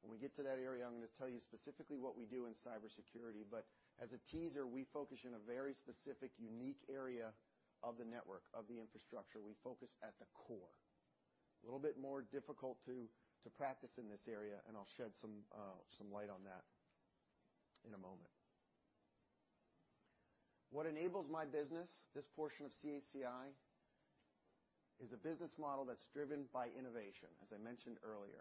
When we get to that area, I'm going to tell you specifically what we do in cybersecurity. But as a teaser, we focus in a very specific, unique area of the network, of the infrastructure. We focus at the core. A little bit more difficult to practice in this area, and I'll shed some light on that in a moment. What enables my business, this portion of CACI, is a business model that's driven by innovation, as I mentioned earlier.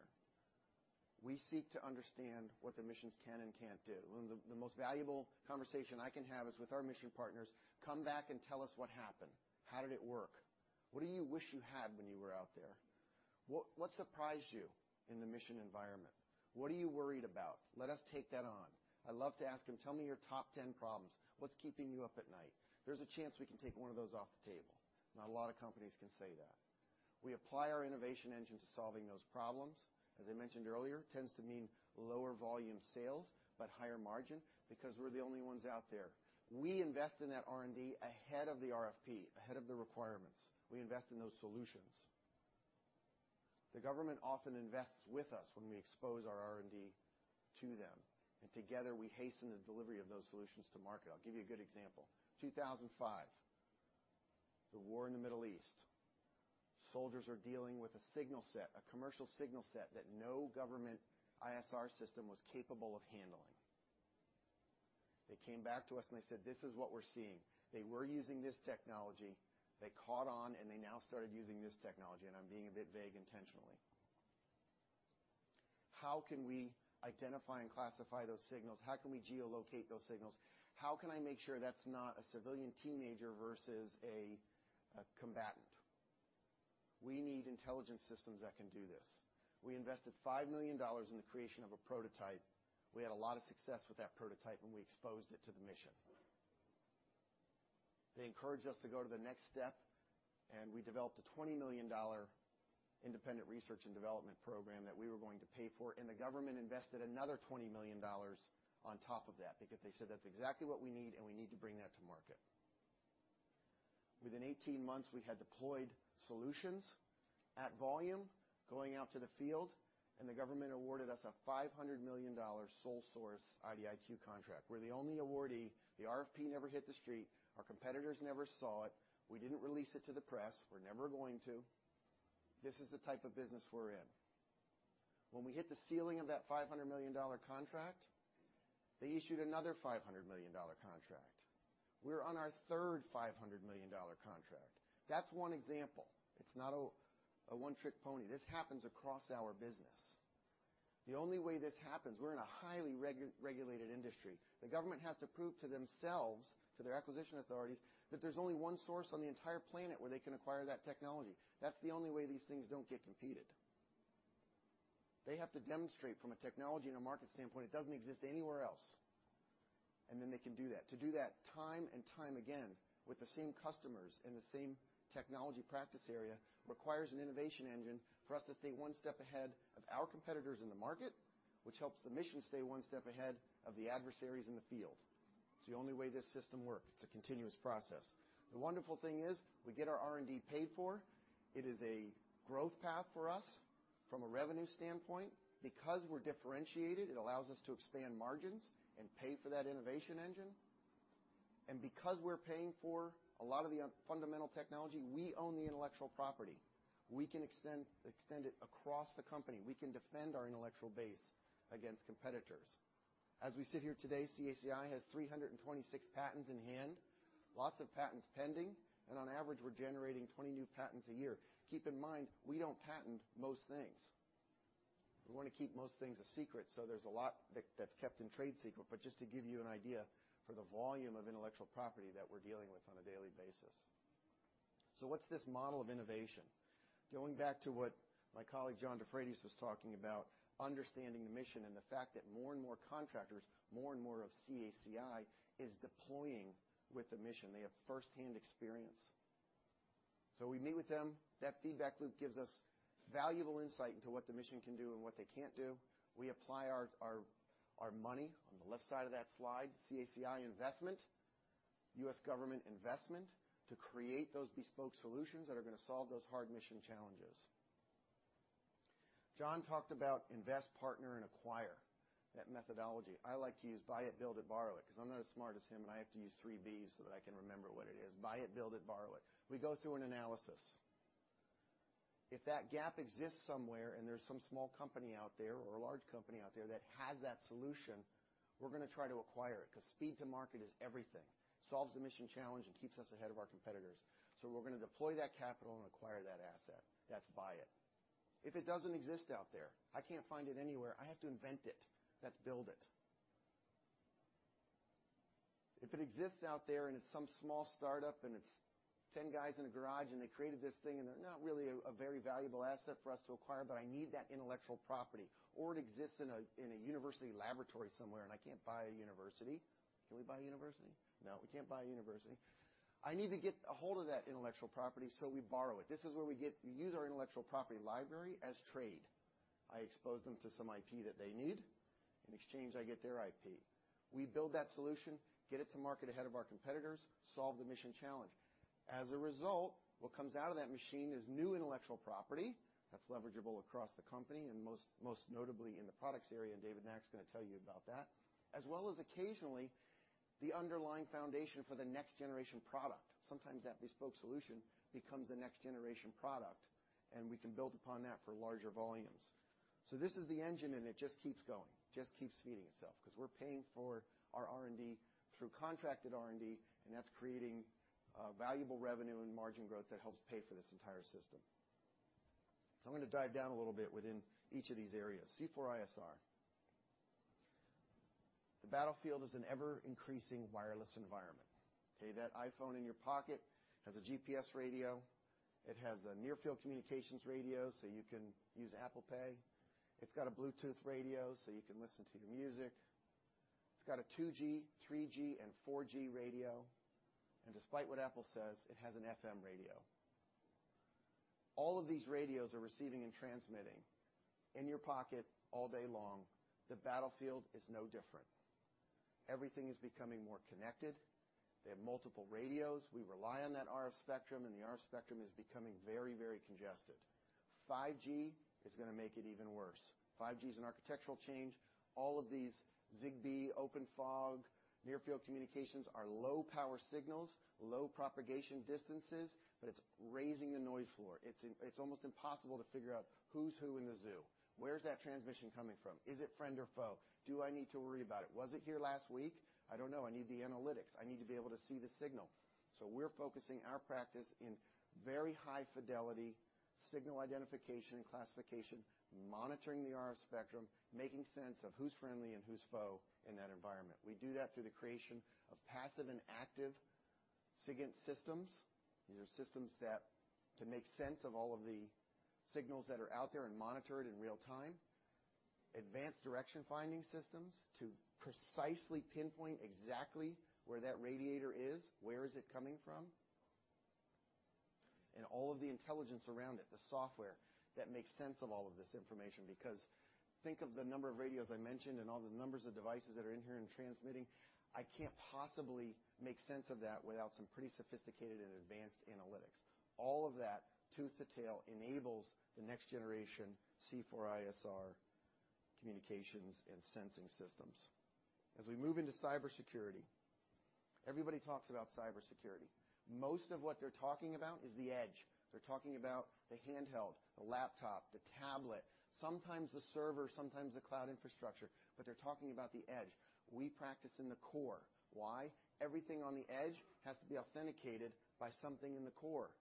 We seek to understand what the missions can and can't do. The most valuable conversation I can have is with our mission partners. Come back and tell us what happened. How did it work? What do you wish you had when you were out there? What surprised you in the mission environment? What are you worried about? Let us take that on. I love to ask him, tell me your top 10 problems. What's keeping you up at night? There's a chance we can take one of those off the table. Not a lot of companies can say that. We apply our innovation engine to solving those problems. As I mentioned earlier, it tends to mean lower volume sales, but higher margin because we're the only ones out there. We invest in that R&D ahead of the RFP, ahead of the requirements. We invest in those solutions. The government often invests with us when we expose our R&D to them. And together, we hasten the delivery of those solutions to market. I'll give you a good example. 2005, the war in the Middle East. Soldiers are dealing with a signal set, a commercial signal set that no government ISR system was capable of handling. They came back to us and they said, this is what we're seeing. They were using this technology. They caught on and they now started using this technology, and I'm being a bit vague intentionally. How can we identify and classify those signals? How can we geolocate those signals? How can I make sure that's not a civilian teenager versus a combatant? We need intelligence systems that can do this. We invested $5 million in the creation of a prototype. We had a lot of success with that prototype and we exposed it to the mission. They encouraged us to go to the next step and we developed a $20 million independent research and development program that we were going to pay for. And the government invested another $20 million on top of that because they said, that's exactly what we need and we need to bring that to market. Within 18 months, we had deployed solutions at volume going out to the field and the government awarded us a $500 million sole source IDIQ contract. We're the only awardee. The RFP never hit the street. Our competitors never saw it. We didn't release it to the press. We're never going to. This is the type of business we're in. When we hit the ceiling of that $500 million contract, they issued another $500 million contract. We're on our third $500 million contract. That's one example. It's not a one-trick pony. This happens across our business. The only way this happens, we're in a highly regulated industry. The government has to prove to themselves, to their acquisition authorities, that there's only one source on the entire planet where they can acquire that technology. That's the only way these things don't get competed. They have to demonstrate from a technology and a market standpoint, it doesn't exist anywhere else. And then they can do that. To do that time and time again with the same customers in the same technology practice area requires an innovation engine for us to stay one step ahead of our competitors in the market, which helps the mission stay one step ahead of the adversaries in the field. It's the only way this system works. It's a continuous process. The wonderful thing is we get our R&D paid for. It is a growth path for us from a revenue standpoint. Because we're differentiated, it allows us to expand margins and pay for that innovation engine. And because we're paying for a lot of the fundamental technology, we own the intellectual property. We can extend it across the company. We can defend our intellectual base against competitors. As we sit here today, CACI has 326 patents in hand, lots of patents pending, and on average, we're generating 20 new patents a year. Keep in mind, we don't patent most things. We want to keep most things a secret, so there's a lot that's kept in trade secret, but just to give you an idea for the volume of intellectual property that we're dealing with on a daily basis. So what's this model of innovation? Going back to what my colleague John DeFreitas was talking about, understanding the mission and the fact that more and more contractors, more and more of CACI is deploying with the mission. They have firsthand experience, so we meet with them. That feedback loop gives us valuable insight into what the mission can do and what they can't do. We apply our money on the left side of that slide, CACI investment, U.S. government investment to create those bespoke solutions that are going to solve those hard mission challenges. John talked about invest, partner, and acquire, that methodology. I like to use buy it, build it, borrow it because I'm not as smart as him and I have to use three B's so that I can remember what it is. Buy it, build it, borrow it. We go through an analysis. If that gap exists somewhere and there's some small company out there or a large company out there that has that solution, we're going to try to acquire it because speed to market is everything. It solves the mission challenge and keeps us ahead of our competitors. So we're going to deploy that capital and acquire that asset. That's buy it. If it doesn't exist out there, I can't find it anywhere. I have to invent it. That's build it. If it exists out there and it's some small startup and it's 10 guys in a garage and they created this thing and they're not really a very valuable asset for us to acquire, but I need that intellectual property. Or it exists in a university laboratory somewhere and I can't buy a university. Can we buy a university? No, we can't buy a university. I need to get a hold of that intellectual property, so we borrow it. This is where we use our intellectual property library as trade. I expose them to some IP that they need. In exchange, I get their IP. We build that solution, get it to market ahead of our competitors, solve the mission challenge. As a result, what comes out of that machine is new intellectual property that's leverageable across the company and most notably in the products area, and David Nack's going to tell you about that, as well as occasionally the underlying foundation for the next generation product. Sometimes that bespoke solution becomes the next generation product and we can build upon that for larger volumes. So this is the engine and it just keeps going, just keeps feeding itself because we're paying for our R&D through contracted R&D and that's creating valuable revenue and margin growth that helps pay for this entire system. So I'm going to dive down a little bit within each of these areas. C4ISR. The battlefield is an ever-increasing wireless environment. Okay, that iPhone in your pocket has a GPS radio. It has a near-field communications radio so you can use Apple Pay. It's got a Bluetooth radio so you can listen to your music. It's got a 2G, 3G, and 4G radio. And despite what Apple says, it has an FM radio. All of these radios are receiving and transmitting in your pocket all day long. The battlefield is no different. Everything is becoming more connected. They have multiple radios. We rely on that RF spectrum and the RF spectrum is becoming very, very congested. 5G is going to make it even worse. 5G is an architectural change. All of these Zigbee, OpenFog, near-field communications are low power signals, low propagation distances, but it's raising the noise floor. It's almost impossible to figure out who's who in the zoo. Where's that transmission coming from? Is it friend or foe? Do I need to worry about it? Was it here last week? I don't know. I need the analytics. I need to be able to see the signal. So we're focusing our practice in very high fidelity, signal identification and classification, monitoring the RF spectrum, making sense of who's friendly and who's foe in that environment. We do that through the creation of passive and active SIGINT systems. These are systems that can make sense of all of the signals that are out there and monitor it in real time. Advanced direction-finding systems to precisely pinpoint exactly where that radiator is, where is it coming from, and all of the intelligence around it, the software that makes sense of all of this information because think of the number of radios I mentioned and all the numbers of devices that are in here and transmitting. I can't possibly make sense of that without some pretty sophisticated and advanced analytics. All of that tooth to tail enables the next generation C4ISR communications and sensing systems. As we move into cybersecurity, everybody talks about cybersecurity. Most of what they're talking about is the edge. They're talking about the handheld, the laptop, the tablet, sometimes the server, sometimes the cloud infrastructure, but they're talking about the edge. We practice in the core. Why? Everything on the edge has to be authenticated by something in the core.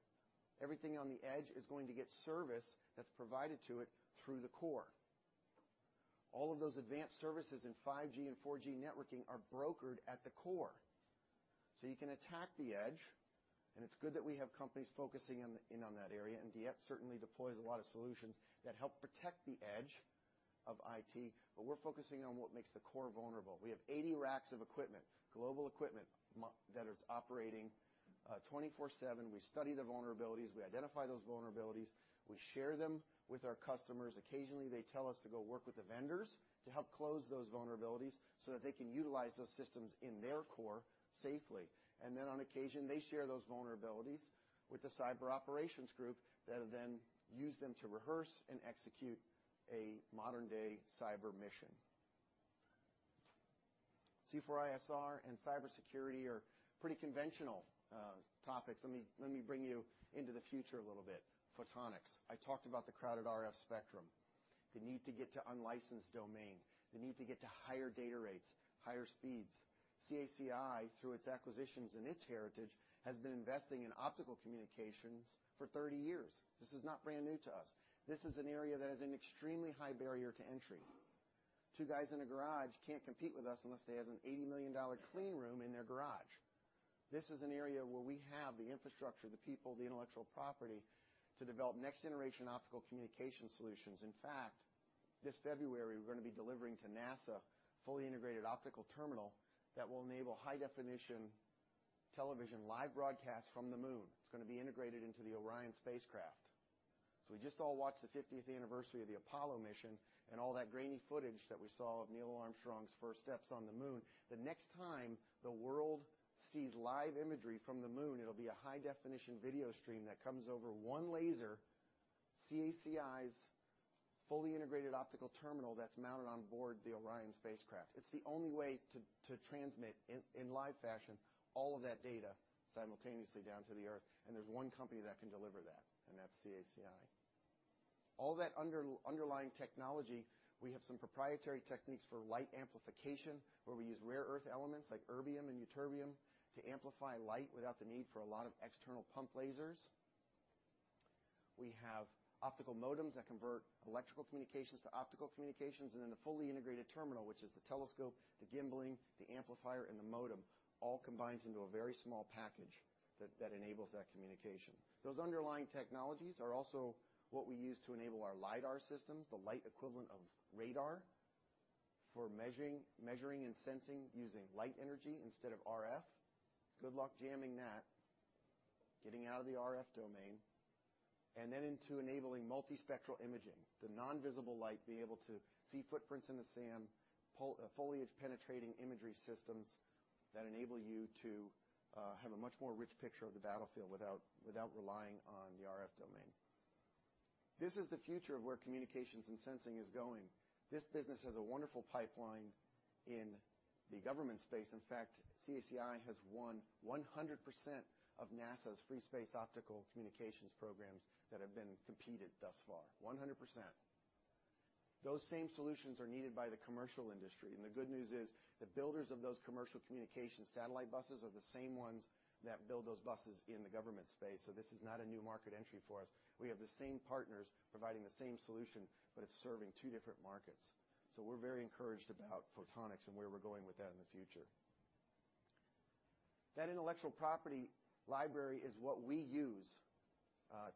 Everything on the edge is going to get service that's provided to it through the core. All of those advanced services in 5G and 4G networking are brokered at the core. So you can attack the edge and it's good that we have companies focusing in on that area. And DeEtte certainly deploys a lot of solutions that help protect the edge of IT, but we're focusing on what makes the core vulnerable. We have 80 racks of equipment, global equipment that is operating 24/7. We study the vulnerabilities. We identify those vulnerabilities. We share them with our customers. Occasionally, they tell us to go work with the vendors to help close those vulnerabilities so that they can utilize those systems in their core safely. And then on occasion, they share those vulnerabilities with the cyber operations group that then use them to rehearse and execute a modern-day cyber mission. C4ISR and cybersecurity are pretty conventional topics. Let me bring you into the future a little bit. Photonics. I talked about the crowded RF spectrum. The need to get to unlicensed domain. The need to get to higher data rates, higher speeds. CACI, through its acquisitions and its heritage, has been investing in optical communications for 30 years. This is not brand new to us. This is an area that has an extremely high barrier to entry. Two guys in a garage can't compete with us unless they have an $80 million clean room in their garage. This is an area where we have the infrastructure, the people, the intellectual property to develop next-generation optical communication solutions. In fact, this February, we're going to be delivering to NASA a fully integrated optical terminal that will enable high-definition television live broadcast from the Moon. It's going to be integrated into the Orion spacecraft. So we just all watched the 50th anniversary of the Apollo mission and all that grainy footage that we saw of Neil Armstrong's first steps on the Moon. The next time the world sees live imagery from the Moon, it'll be a high-definition video stream that comes over one laser, CACI's fully integrated optical terminal that's mounted on board the Orion spacecraft. It's the only way to transmit in live fashion all of that data simultaneously down to the Earth. And there's one company that can deliver that, and that's CACI. All that underlying technology, we have some proprietary techniques for light amplification where we use rare earth elements like erbium and deuterium to amplify light without the need for a lot of external pump lasers. We have optical modems that convert electrical communications to optical communications, and then the fully integrated terminal, which is the telescope, the gimbaling, the amplifier, and the modem, all combines into a very small package that enables that communication. Those underlying technologies are also what we use to enable our LiDAR systems, the light equivalent of radar, for measuring and sensing using light energy instead of RF. Good luck jamming that, getting out of the RF domain, and then into enabling multispectral imaging, the non-visible light, being able to see footprints in the sand, foliage-penetrating imagery systems that enable you to have a much more rich picture of the battlefield without relying on the RF domain. This is the future of where communications and sensing is going. This business has a wonderful pipeline in the government space. In fact, CACI has won 100% of NASA's free space optical communications programs that have been competed thus far, 100%. Those same solutions are needed by the commercial industry. And the good news is the builders of those commercial communication satellite buses are the same ones that build those buses in the government space. So this is not a new market entry for us. We have the same partners providing the same solution, but it's serving two different markets. So we're very encouraged about photonics and where we're going with that in the future. That intellectual property library is what we use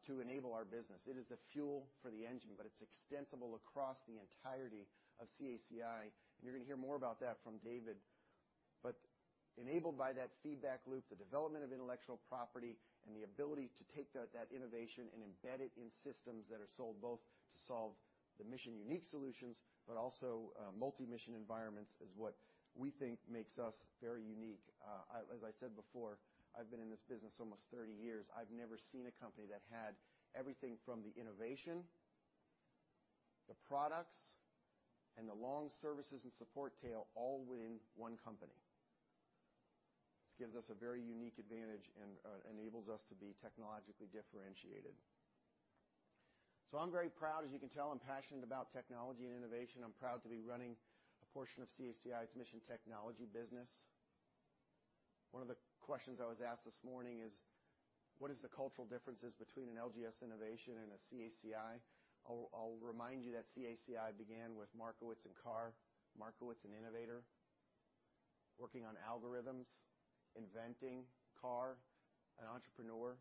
to enable our business. It is the fuel for the engine, but it's extensible across the entirety of CACI. And you're going to hear more about that from David. But enabled by that feedback loop, the development of intellectual property and the ability to take that innovation and embed it in systems that are sold both to solve the mission-unique solutions, but also multi-mission environments is what we think makes us very unique. As I said before, I've been in this business almost 30 years. I've never seen a company that had everything from the innovation, the products, and the long services and support tail all within one company. This gives us a very unique advantage and enables us to be technologically differentiated. So I'm very proud. As you can tell, I'm passionate about technology and innovation. I'm proud to be running a portion of CACI's mission technology business. One of the questions I was asked this morning is, what is the cultural differences between an LGS Innovations and a CACI? I'll remind you that CACI began with Markowitz and Karr, Markowitz an innovator working on algorithms, Simscript, Karr, an entrepreneur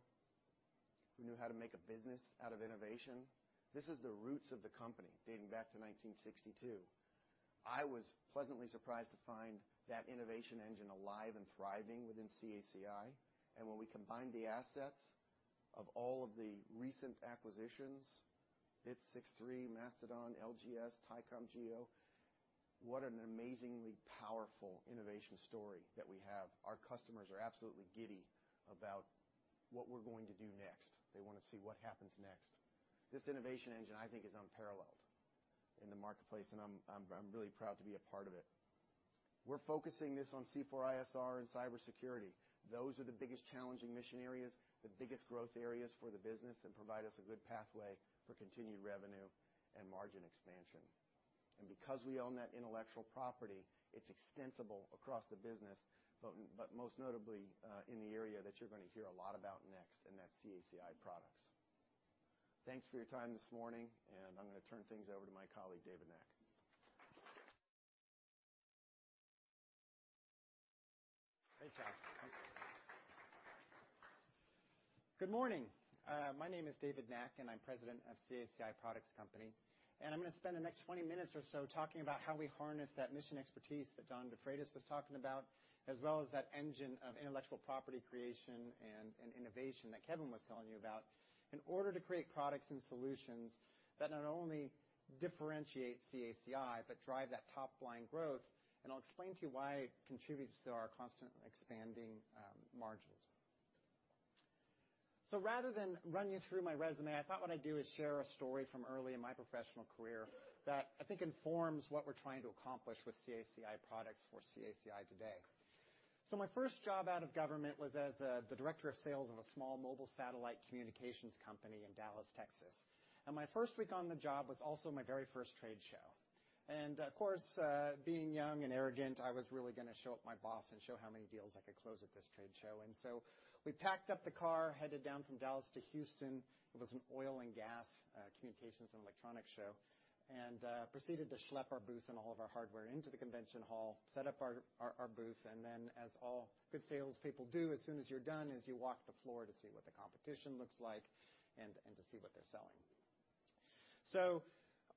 who knew how to make a business out of innovation. This is the roots of the company dating back to 1962. I was pleasantly surprised to find that innovation engine alive and thriving within CACI. And when we combine the assets of all of the recent acquisitions, Six3, Mastodon, LGS, Ticom GEO, what an amazingly powerful innovation story that we have. Our customers are absolutely giddy about what we're going to do next. They want to see what happens next. This innovation engine, I think, is unparalleled in the marketplace, and I'm really proud to be a part of it. We're focusing this on C4ISR and cybersecurity. Those are the biggest challenging mission areas, the biggest growth areas for the business, and provide us a good pathway for continued revenue and margin expansion, and because we own that intellectual property, it's extensible across the business, but most notably in the area that you're going to hear a lot about next, and that's CACI Products. Thanks for your time this morning, and I'm going to turn things over to my colleague, David Nack. Thanks, Kelly. Good morning. My name is David Nack, and I'm President of CACI Products Company. And I'm going to spend the next 20 minutes or so talking about how we harness that mission expertise that John DeFreitas was talking about, as well as that engine of intellectual property creation and innovation that Kevin was telling you about in order to create products and solutions that not only differentiate CACI, but drive that top-line growth. And I'll explain to you why it contributes to our constantly expanding margins. So rather than run you through my resume, I thought what I'd do is share a story from early in my professional career that I think informs what we're trying to accomplish with CACI products for CACI today. So my first job out of government was as the director of sales of a small mobile satellite communications company in Dallas, Texas. And my first week on the job was also my very first trade show. Of course, being young and arrogant, I was really going to show up my boss and show how many deals I could close at this trade show. We packed up the car, headed down from Dallas to Houston. It was an oil and gas communications and electronics show, and proceeded to schlep our booth and all of our hardware into the convention hall, set up our booth, and then, as all good salespeople do, as soon as you're done, is you walk the floor to see what the competition looks like and to see what they're selling.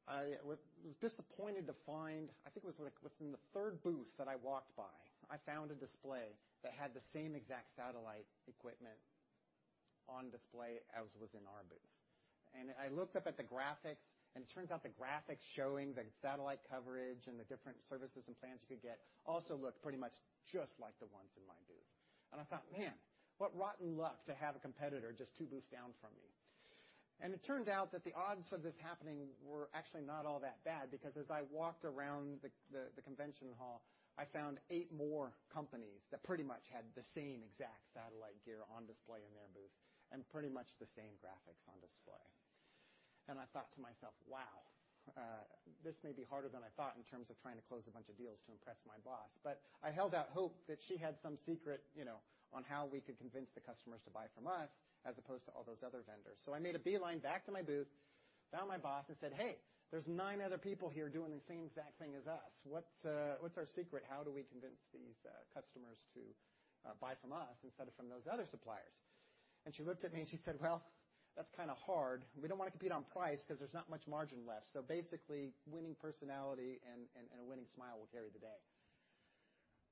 I was disappointed to find, I think it was within the third booth that I walked by, I found a display that had the same exact satellite equipment on display as was in our booth. And I looked up at the graphics, and it turns out the graphics showing the satellite coverage and the different services and plans you could get also looked pretty much just like the ones in my booth. And I thought, man, what rotten luck to have a competitor just two booths down from me. And it turned out that the odds of this happening were actually not all that bad because as I walked around the convention hall, I found eight more companies that pretty much had the same exact satellite gear on display in their booth and pretty much the same graphics on display. I thought to myself wow, this may be harder than I thought in terms of trying to close a bunch of deals to impress my boss. I held out hope that she had some secret on how we could convince the customers to buy from us as opposed to all those other vendors. I made a beeline back to my booth, found my boss, and said, hey, there's nine other people here doing the same exact thing as us. What's our secret? How do we convince these customers to buy from us instead of from those other suppliers? She looked at me and she said, well, that's kind of hard. We don't want to compete on price because there's not much margin left. So basically, winning personality and a winning smile will carry the day.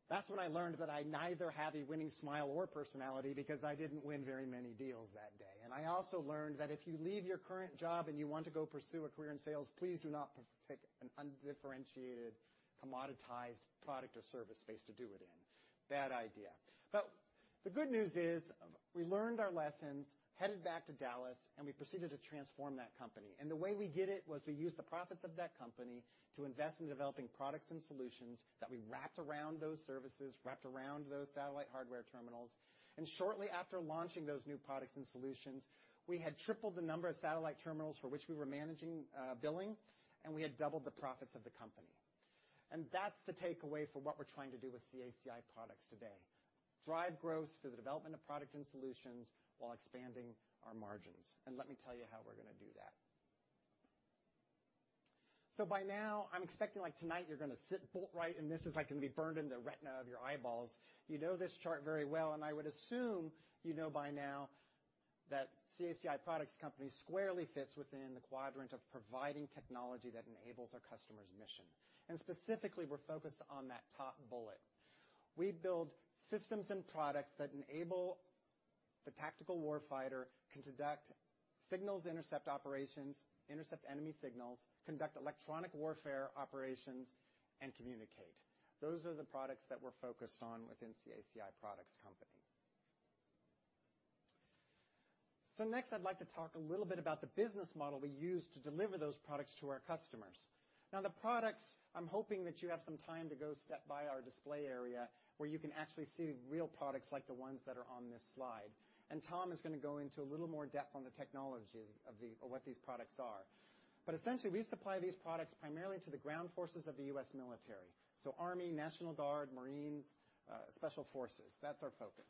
That's when I learned that I neither have a winning smile nor personality because I didn't win very many deals that day, and I also learned that if you leave your current job and you want to go pursue a career in sales, please do not pick an undifferentiated, commoditized product or service space to do it in. Bad idea, but the good news is we learned our lessons, headed back to Dallas, and we proceeded to transform that company, and the way we did it was we used the profits of that company to invest in developing products and solutions that we wrapped around those services, wrapped around those satellite hardware terminals. And shortly after launching those new products and solutions, we had tripled the number of satellite terminals for which we were managing billing, and we had doubled the profits of the company. And that's the takeaway for what we're trying to do with CACI Products today: drive growth through the development of product and solutions while expanding our margins. And let me tell you how we're going to do that. So by now, I'm expecting like tonight you're going to sit bolt upright, and this is going to be burned in the retina of your eyeballs. You know this chart very well, and I would assume you know by now that CACI Products Company squarely fits within the quadrant of providing technology that enables our customers' mission. And specifically, we're focused on that top bullet. We build systems and products that enable the tactical warfighter to conduct signals, intercept operations, intercept enemy signals, conduct electronic warfare operations, and communicate. Those are the products that we're focused on within CACI Products Company. So next, I'd like to talk a little bit about the business model we use to deliver those products to our customers. Now, the products, I'm hoping that you have some time to stop by our display area where you can actually see real products like the ones that are on this slide. And Tom is going to go into a little more depth on the technology of what these products are. But essentially, we supply these products primarily to the ground forces of the U.S. military, so Army, National Guard, Marines, Special Forces. That's our focus.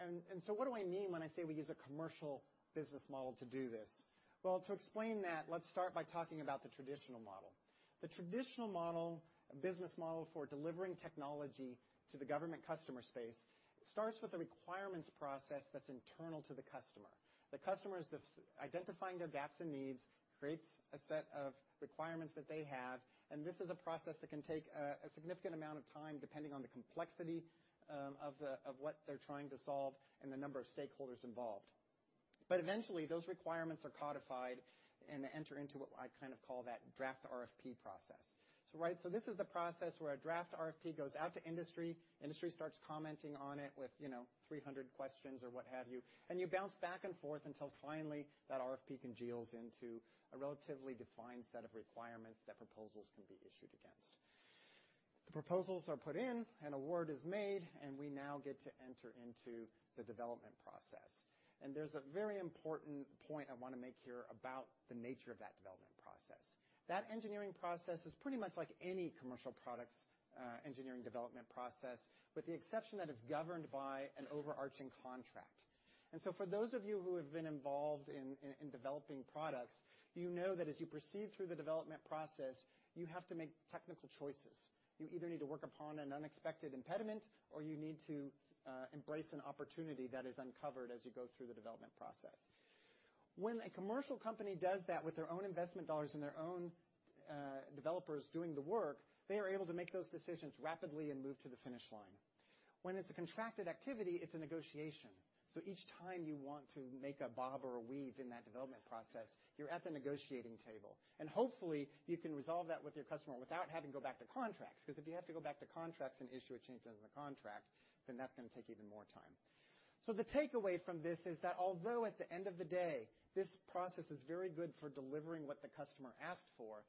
And so what do I mean when I say we use a commercial business model to do this? Well, to explain that, let's start by talking about the traditional model. The traditional business model for delivering technology to the government customer space starts with a requirements process that's internal to the customer. The customer is identifying their gaps and needs, creates a set of requirements that they have, and this is a process that can take a significant amount of time depending on the complexity of what they're trying to solve and the number of stakeholders involved. But eventually, those requirements are codified and enter into what I kind of call that draft RFP process. So this is the process where a draft RFP goes out to industry. Industry starts commenting on it with 300 questions or what have you, and you bounce back and forth until finally that RFP congeals into a relatively defined set of requirements that proposals can be issued against. The proposals are put in, an award is made, and we now get to enter into the development process. And there's a very important point I want to make here about the nature of that development process. That engineering process is pretty much like any commercial product's engineering development process, with the exception that it's governed by an overarching contract. And so for those of you who have been involved in developing products, you know that as you proceed through the development process, you have to make technical choices. You either need to work upon an unexpected impediment, or you need to embrace an opportunity that is uncovered as you go through the development process. When a commercial company does that with their own investment dollars and their own developers doing the work, they are able to make those decisions rapidly and move to the finish line. When it's a contracted activity, it's a negotiation. So each time you want to make a bob or a weave in that development process, you're at the negotiating table. And hopefully, you can resolve that with your customer without having to go back to contracts because if you have to go back to contracts and issue a change in the contract, then that's going to take even more time. The takeaway from this is that although at the end of the day, this process is very good for delivering what the customer asked for,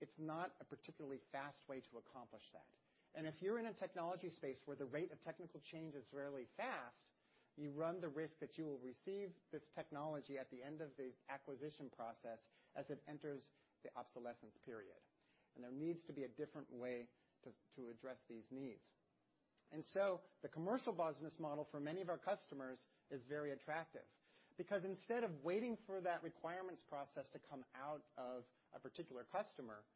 it's not a particularly fast way to accomplish that. And if you're in a technology space where the rate of technical change is fairly fast, you run the risk that you will receive this technology at the end of the acquisition process as it enters the obsolescence period. And there needs to be a different way to address these needs. And so the commercial business model for many of our customers is very attractive because instead of waiting for that requirements process to come out of a particular customer,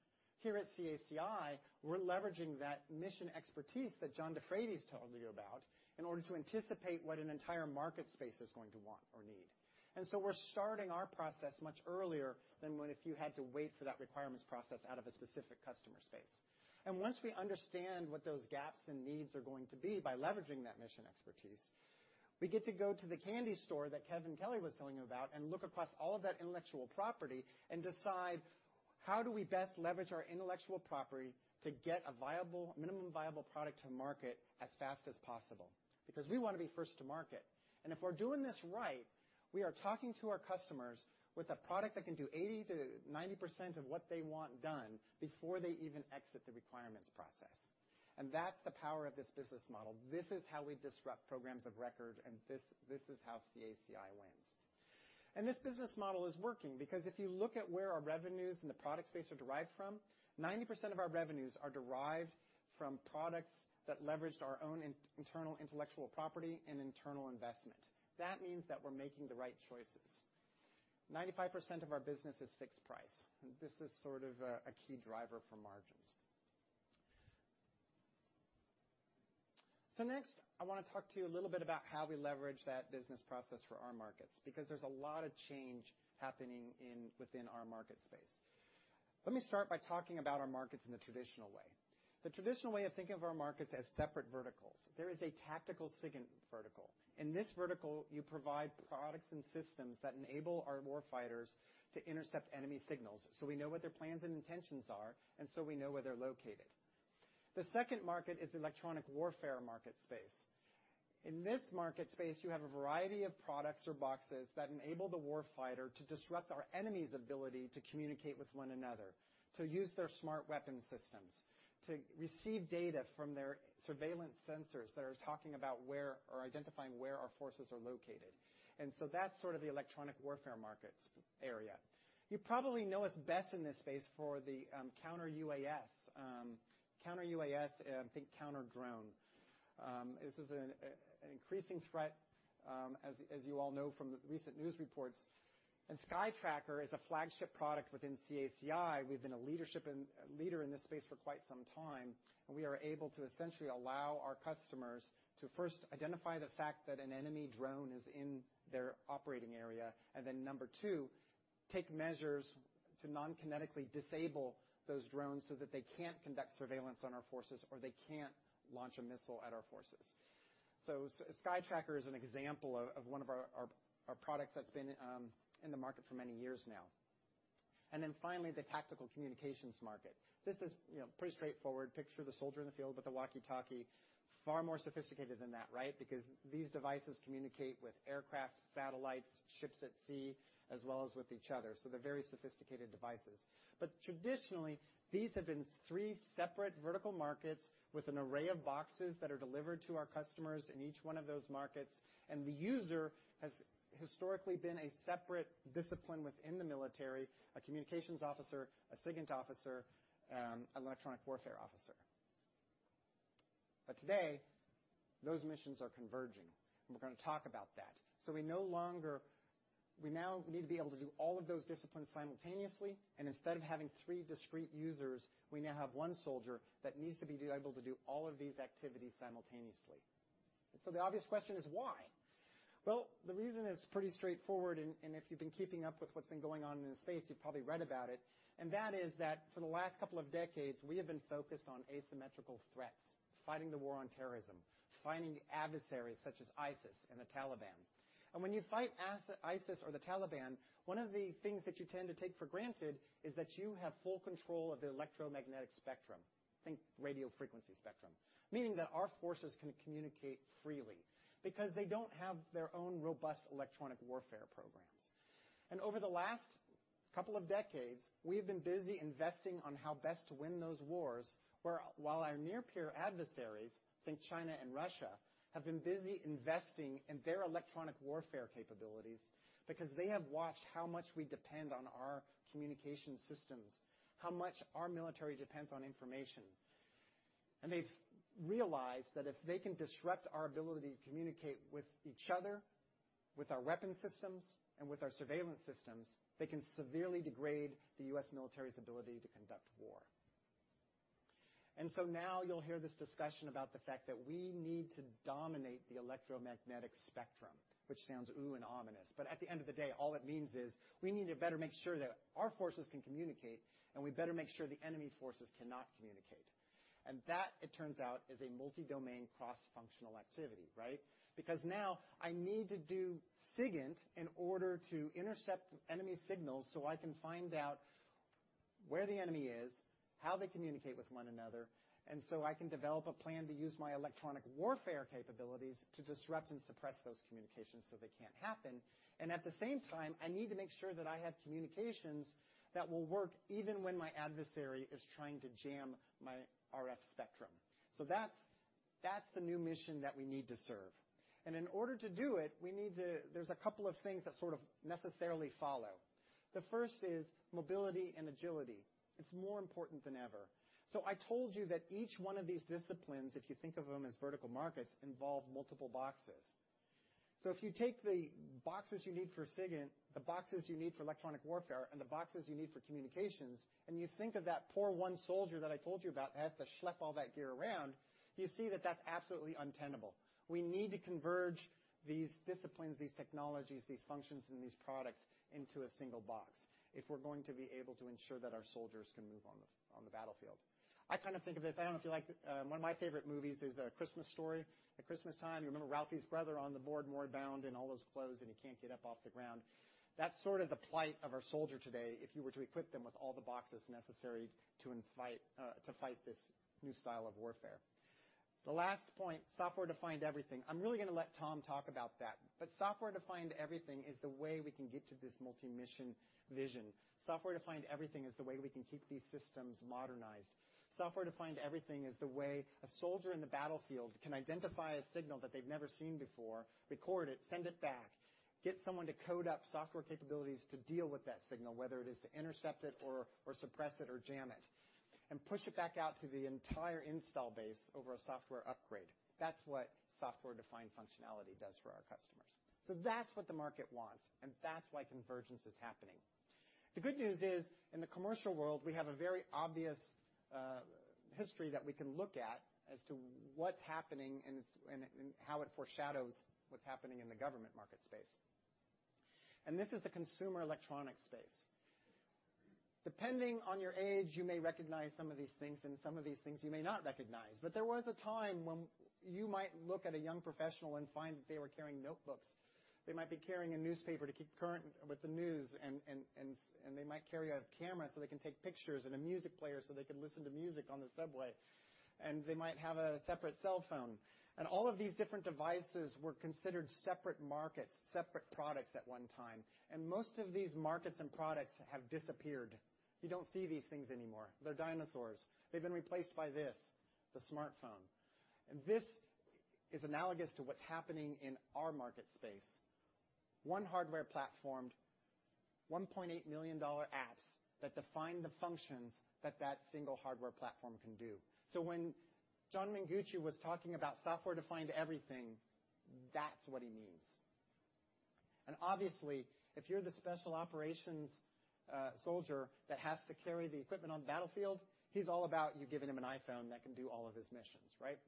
here at CACI, we're leveraging that mission expertise that John DeFreitas told you about in order to anticipate what an entire market space is going to want or need. And so we're starting our process much earlier than if you had to wait for that requirements process out of a specific customer space. And once we understand what those gaps and needs are going to be by leveraging that mission expertise, we get to go to the candy store that Kevin Kelly was telling you about and look across all of that intellectual property and decide how do we best leverage our intellectual property to get a minimum viable product to market as fast as possible because we want to be first to market. And if we're doing this right, we are talking to our customers with a product that can do 80%-90% of what they want done before they even exit the requirements process. And that's the power of this business model. This is how we disrupt programs of record, and this is how CACI wins. And this business model is working because if you look at where our revenues and the product space are derived from, 90% of our revenues are derived from products that leveraged our own internal intellectual property and internal investment. That means that we're making the right choices. 95% of our business is fixed price. This is sort of a key driver for margins. So next, I want to talk to you a little bit about how we leverage that business process for our markets because there's a lot of change happening within our market space. Let me start by talking about our markets in the traditional way. The traditional way of thinking of our markets as separate verticals. There is a tactical signal vertical. In this vertical, you provide products and systems that enable our warfighters to intercept enemy signals so we know what their plans and intentions are, and so we know where they're located. The second market is the electronic warfare market space. In this market space, you have a variety of products or boxes that enable the warfighter to disrupt our enemy's ability to communicate with one another, to use their smart weapon systems, to receive data from their surveillance sensors that are talking about where or identifying where our forces are located. And so that's sort of the electronic warfare markets area. You probably know us best in this space for the counter-UAS, counter-UAS, I think counter drone. This is an increasing threat, as you all know from recent news reports. And SkyTracker is a flagship product within CACI. We've been a leader in this space for quite some time, and we are able to essentially allow our customers to first identify the fact that an enemy drone is in their operating area, and then number two, take measures to non-kinetically disable those drones so that they can't conduct surveillance on our forces or they can't launch a missile at our forces. So SkyTracker is an example of one of our products that's been in the market for many years now. And then finally, the tactical communications market. This is pretty straightforward. Picture the soldier in the field with the walkie-talkie. Far more sophisticated than that, right? Because these devices communicate with aircraft, satellites, ships at sea, as well as with each other. So they're very sophisticated devices. But traditionally, these have been three separate vertical markets with an array of boxes that are delivered to our customers in each one of those markets. And the user has historically been a separate discipline within the military, a communications officer, a signal officer, an electronic warfare officer. But today, those missions are converging, and we're going to talk about that. So we now need to be able to do all of those disciplines simultaneously, and instead of having three discrete users, we now have one soldier that needs to be able to do all of these activities simultaneously. And so the obvious question is, why? Well, the reason is pretty straightforward, and if you've been keeping up with what's been going on in the space, you've probably read about it. And that is that for the last couple of decades, we have been focused on asymmetrical threats, fighting the war on terrorism, fighting adversaries such as ISIS and the Taliban. And when you fight ISIS or the Taliban, one of the things that you tend to take for granted is that you have full control of the electromagnetic spectrum, think radio frequency spectrum, meaning that our forces can communicate freely because they don't have their own robust electronic warfare programs. And over the last couple of decades, we have been busy investing on how best to win those wars while our near-peer adversaries, think China and Russia, have been busy investing in their electronic warfare capabilities because they have watched how much we depend on our communication systems, how much our military depends on information. They've realized that if they can disrupt our ability to communicate with each other, with our weapon systems, and with our surveillance systems, they can severely degrade the U.S. military's ability to conduct war. So now you'll hear this discussion about the fact that we need to dominate the electromagnetic spectrum, which sounds ooh and ominous. But at the end of the day, all it means is we need to better make sure that our forces can communicate, and we better make sure the enemy forces cannot communicate. And that, it turns out, is a multi-domain cross-functional activity, right? Because now I need to do SIGINT in order to intercept enemy signals so I can find out where the enemy is, how they communicate with one another, and so I can develop a plan to use my electronic warfare capabilities to disrupt and suppress those communications so they can't happen, and at the same time, I need to make sure that I have communications that will work even when my adversary is trying to jam my RF spectrum, so that's the new mission that we need to serve, and in order to do it, there's a couple of things that sort of necessarily follow. The first is mobility and agility. It's more important than ever, so I told you that each one of these disciplines, if you think of them as vertical markets, involve multiple boxes. So if you take the boxes you need for signal, the boxes you need for electronic warfare, and the boxes you need for communications, and you think of that poor one soldier that I told you about that has to schlep all that gear around, you see that that's absolutely untenable. We need to converge these disciplines, these technologies, these functions, and these products into a single box if we're going to be able to ensure that our soldiers can move on the battlefield. I kind of think of this, I don't know if you like, one of my favorite movies is A Christmas Story. At Christmas time, you remember Ralphie's brother on the floor, more bound in all those clothes, and he can't get up off the ground. That's sort of the plight of our soldier today if you were to equip them with all the boxes necessary to fight this new style of warfare. The last point, software-defined everything. I'm really going to let Tom talk about that. But software-defined everything is the way we can get to this multi-mission vision. Software-defined everything is the way we can keep these systems modernized. Software-defined everything is the way a soldier in the battlefield can identify a signal that they've never seen before, record it, send it back, get someone to code up software capabilities to deal with that signal, whether it is to intercept it or suppress it or jam it, and push it back out to the entire install base over a software upgrade. That's what software-defined functionality does for our customers. So that's what the market wants, and that's why convergence is happening. The good news is, in the commercial world, we have a very obvious history that we can look at as to what's happening and how it foreshadows what's happening in the government market space. And this is the consumer electronics space. Depending on your age, you may recognize some of these things, and some of these things you may not recognize. But there was a time when you might look at a young professional and find that they were carrying notebooks. They might be carrying a newspaper to keep current with the news, and they might carry a camera so they can take pictures and a music player so they can listen to music on the subway, and they might have a separate cell phone. And all of these different devices were considered separate markets, separate products at one time. And most of these markets and products have disappeared. You don't see these things anymore. They're dinosaurs. They've been replaced by this, the smartphone, and this is analogous to what's happening in our market space, one hardware-platformed, $1.8 million apps that define the functions that that single hardware platform can do. So when John Mengucci was talking about software-defined everything, that's what he means, and obviously, if you're the special operations soldier that has to carry the equipment on the battlefield, he's all about you giving him an iPhone that can do all of his missions, right,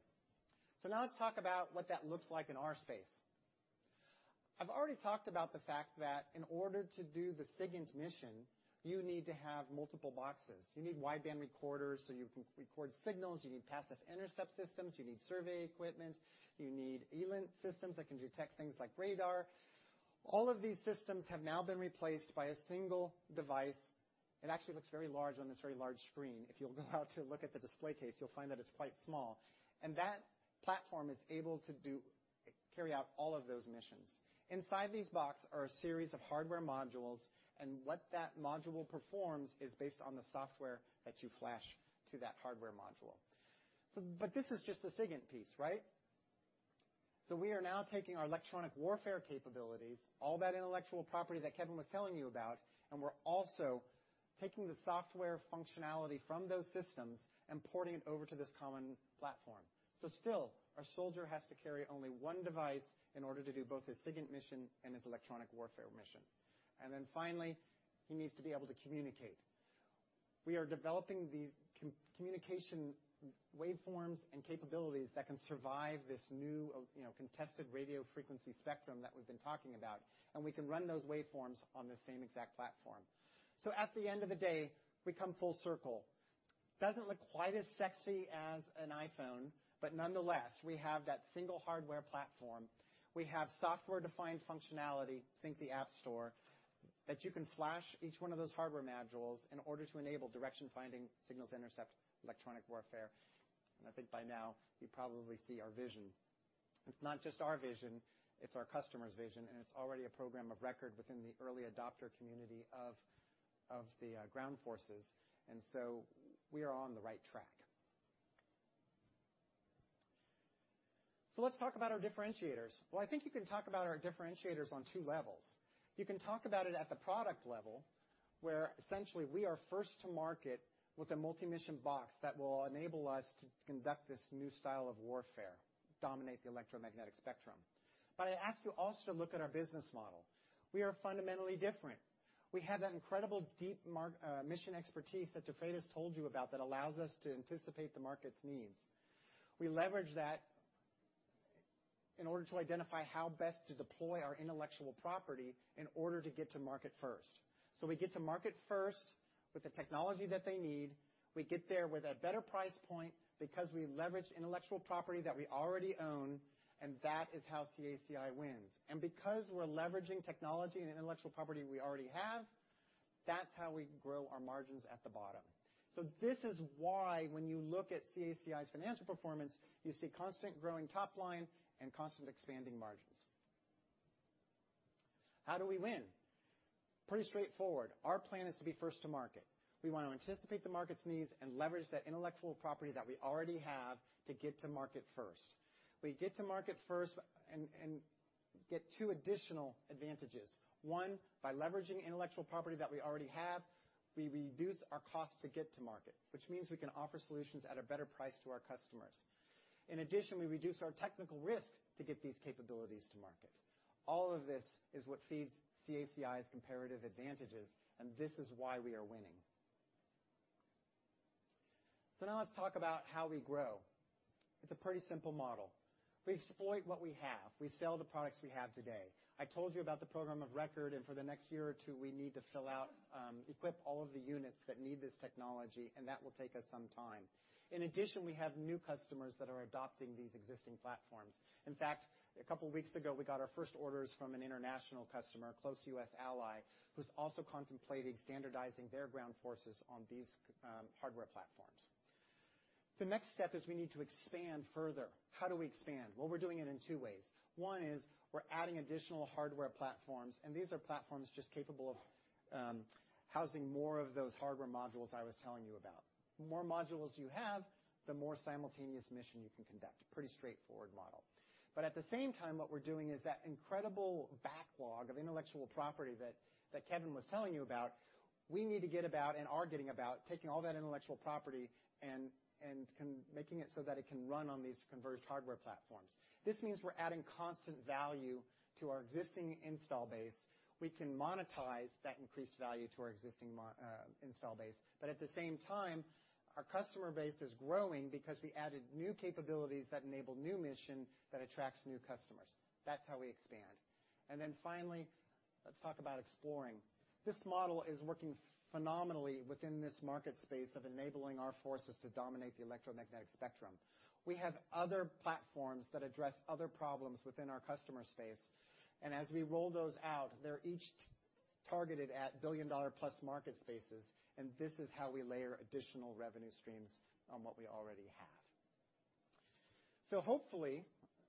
so now let's talk about what that looks like in our space. I've already talked about the fact that in order to do the signal mission, you need to have multiple boxes. You need wideband recorders so you can record signals. You need passive intercept systems. You need survey equipment. You need ELINT systems that can detect things like radar. All of these systems have now been replaced by a single device. It actually looks very large on this very large screen. If you'll go out to look at the display case, you'll find that it's quite small, and that platform is able to carry out all of those missions. Inside these boxes are a series of hardware modules, and what that module performs is based on the software that you flash to that hardware module, but this is just the signal piece, right, so we are now taking our electronic warfare capabilities, all that intellectual property that Kevin was telling you about, and we're also taking the software functionality from those systems and porting it over to this common platform, so still, our soldier has to carry only one device in order to do both his signal mission and his electronic warfare mission. And then finally, he needs to be able to communicate. We are developing these communication waveforms and capabilities that can survive this new contested radio frequency spectrum that we've been talking about, and we can run those waveforms on the same exact platform. So at the end of the day, we come full circle. It doesn't look quite as sexy as an iPhone, but nonetheless, we have that single hardware platform. We have software-defined functionality, think the App Store, that you can flash each one of those hardware modules in order to enable direction-finding signals intercept electronic warfare. And I think by now you probably see our vision. It's not just our vision; it's our customer's vision, and it's already a program of record within the early adopter community of the ground forces. And so we are on the right track. So let's talk about our differentiators. I think you can talk about our differentiators on two levels. You can talk about it at the product level, where essentially we are first to market with a multi-mission box that will enable us to conduct this new style of warfare, dominate the electromagnetic spectrum. But I ask you also to look at our business model. We are fundamentally different. We have that incredible deep mission expertise that DeEtte has told you about that allows us to anticipate the market's needs. We leverage that in order to identify how best to deploy our intellectual property in order to get to market first. So we get to market first with the technology that they need. We get there with a better price point because we leverage intellectual property that we already own, and that is how CACI wins. Because we're leveraging technology and intellectual property we already have, that's how we grow our margins at the bottom. This is why when you look at CACI's financial performance, you see constant growing top line and constant expanding margins. How do we win? Pretty straightforward. Our plan is to be first to market. We want to anticipate the market's needs and leverage that intellectual property that we already have to get to market first. We get to market first and get two additional advantages. One, by leveraging intellectual property that we already have, we reduce our costs to get to market, which means we can offer solutions at a better price to our customers. In addition, we reduce our technical risk to get these capabilities to market. All of this is what feeds CACI's comparative advantages, and this is why we are winning. So now let's talk about how we grow. It's a pretty simple model. We exploit what we have. We sell the products we have today. I told you about the program of record, and for the next year or two, we need to fill out, equip all of the units that need this technology, and that will take us some time. In addition, we have new customers that are adopting these existing platforms. In fact, a couple of weeks ago, we got our first orders from an international customer, a close U.S. ally, who's also contemplating standardizing their ground forces on these hardware platforms. The next step is we need to expand further. How do we expand? Well, we're doing it in two ways. One is we're adding additional hardware platforms, and these are platforms just capable of housing more of those hardware modules I was telling you about. The more modules you have, the more simultaneous mission you can conduct. Pretty straightforward model. But at the same time, what we're doing is that incredible backlog of intellectual property that Kevin was telling you about, we need to get about and are getting about taking all that intellectual property and making it so that it can run on these converged hardware platforms. This means we're adding constant value to our existing install base. We can monetize that increased value to our existing install base. But at the same time, our customer base is growing because we added new capabilities that enable new mission that attracts new customers. That's how we expand. And then finally, let's talk about exploring. This model is working phenomenally within this market space of enabling our forces to dominate the electromagnetic spectrum. We have other platforms that address other problems within our customer space, and as we roll those out, they're each targeted at billion-dollar-plus market spaces, and this is how we layer additional revenue streams on what we already have. So hopefully,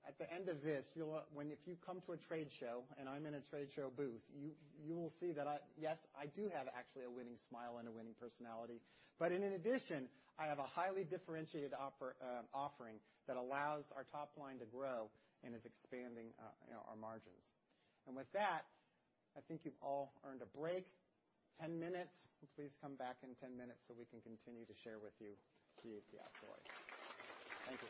at the end of this, if you come to a trade show and I'm in a trade show booth, you will see that, yes, I do have actually a winning smile and a winning personality, but in addition, I have a highly differentiated offering that allows our top line to grow and is expanding our margins. And with that, I think you've all earned a break, 10 minutes. Please come back in 10 minutes so we can continue to share with you CACI story. Thank you.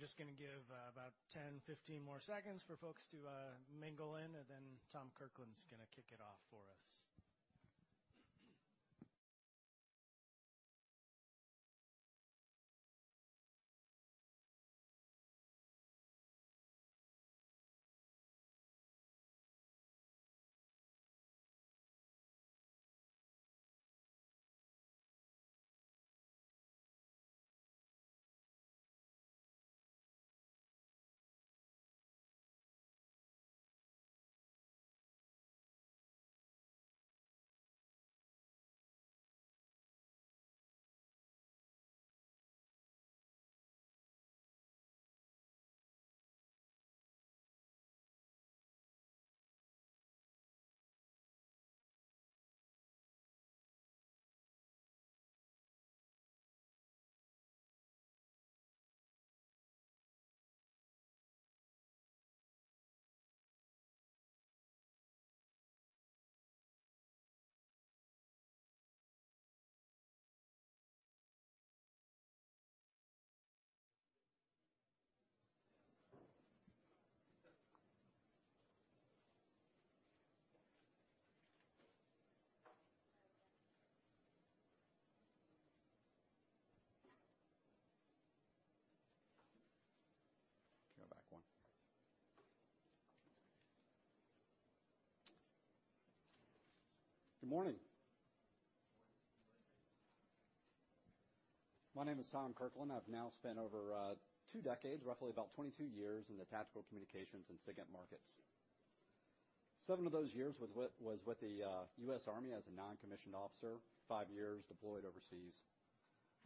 We're just going to give about 10, 15 more seconds for folks to mingle in, and then Tom Kirkland's going to kick it off for us. Come back one. Good morning. My name is Tom Kirkland. I've now spent over two decades, roughly about 22 years in the tactical communications and SIGINT markets. Seven of those years was with the U.S. Army as a non-commissioned officer, five years deployed overseas.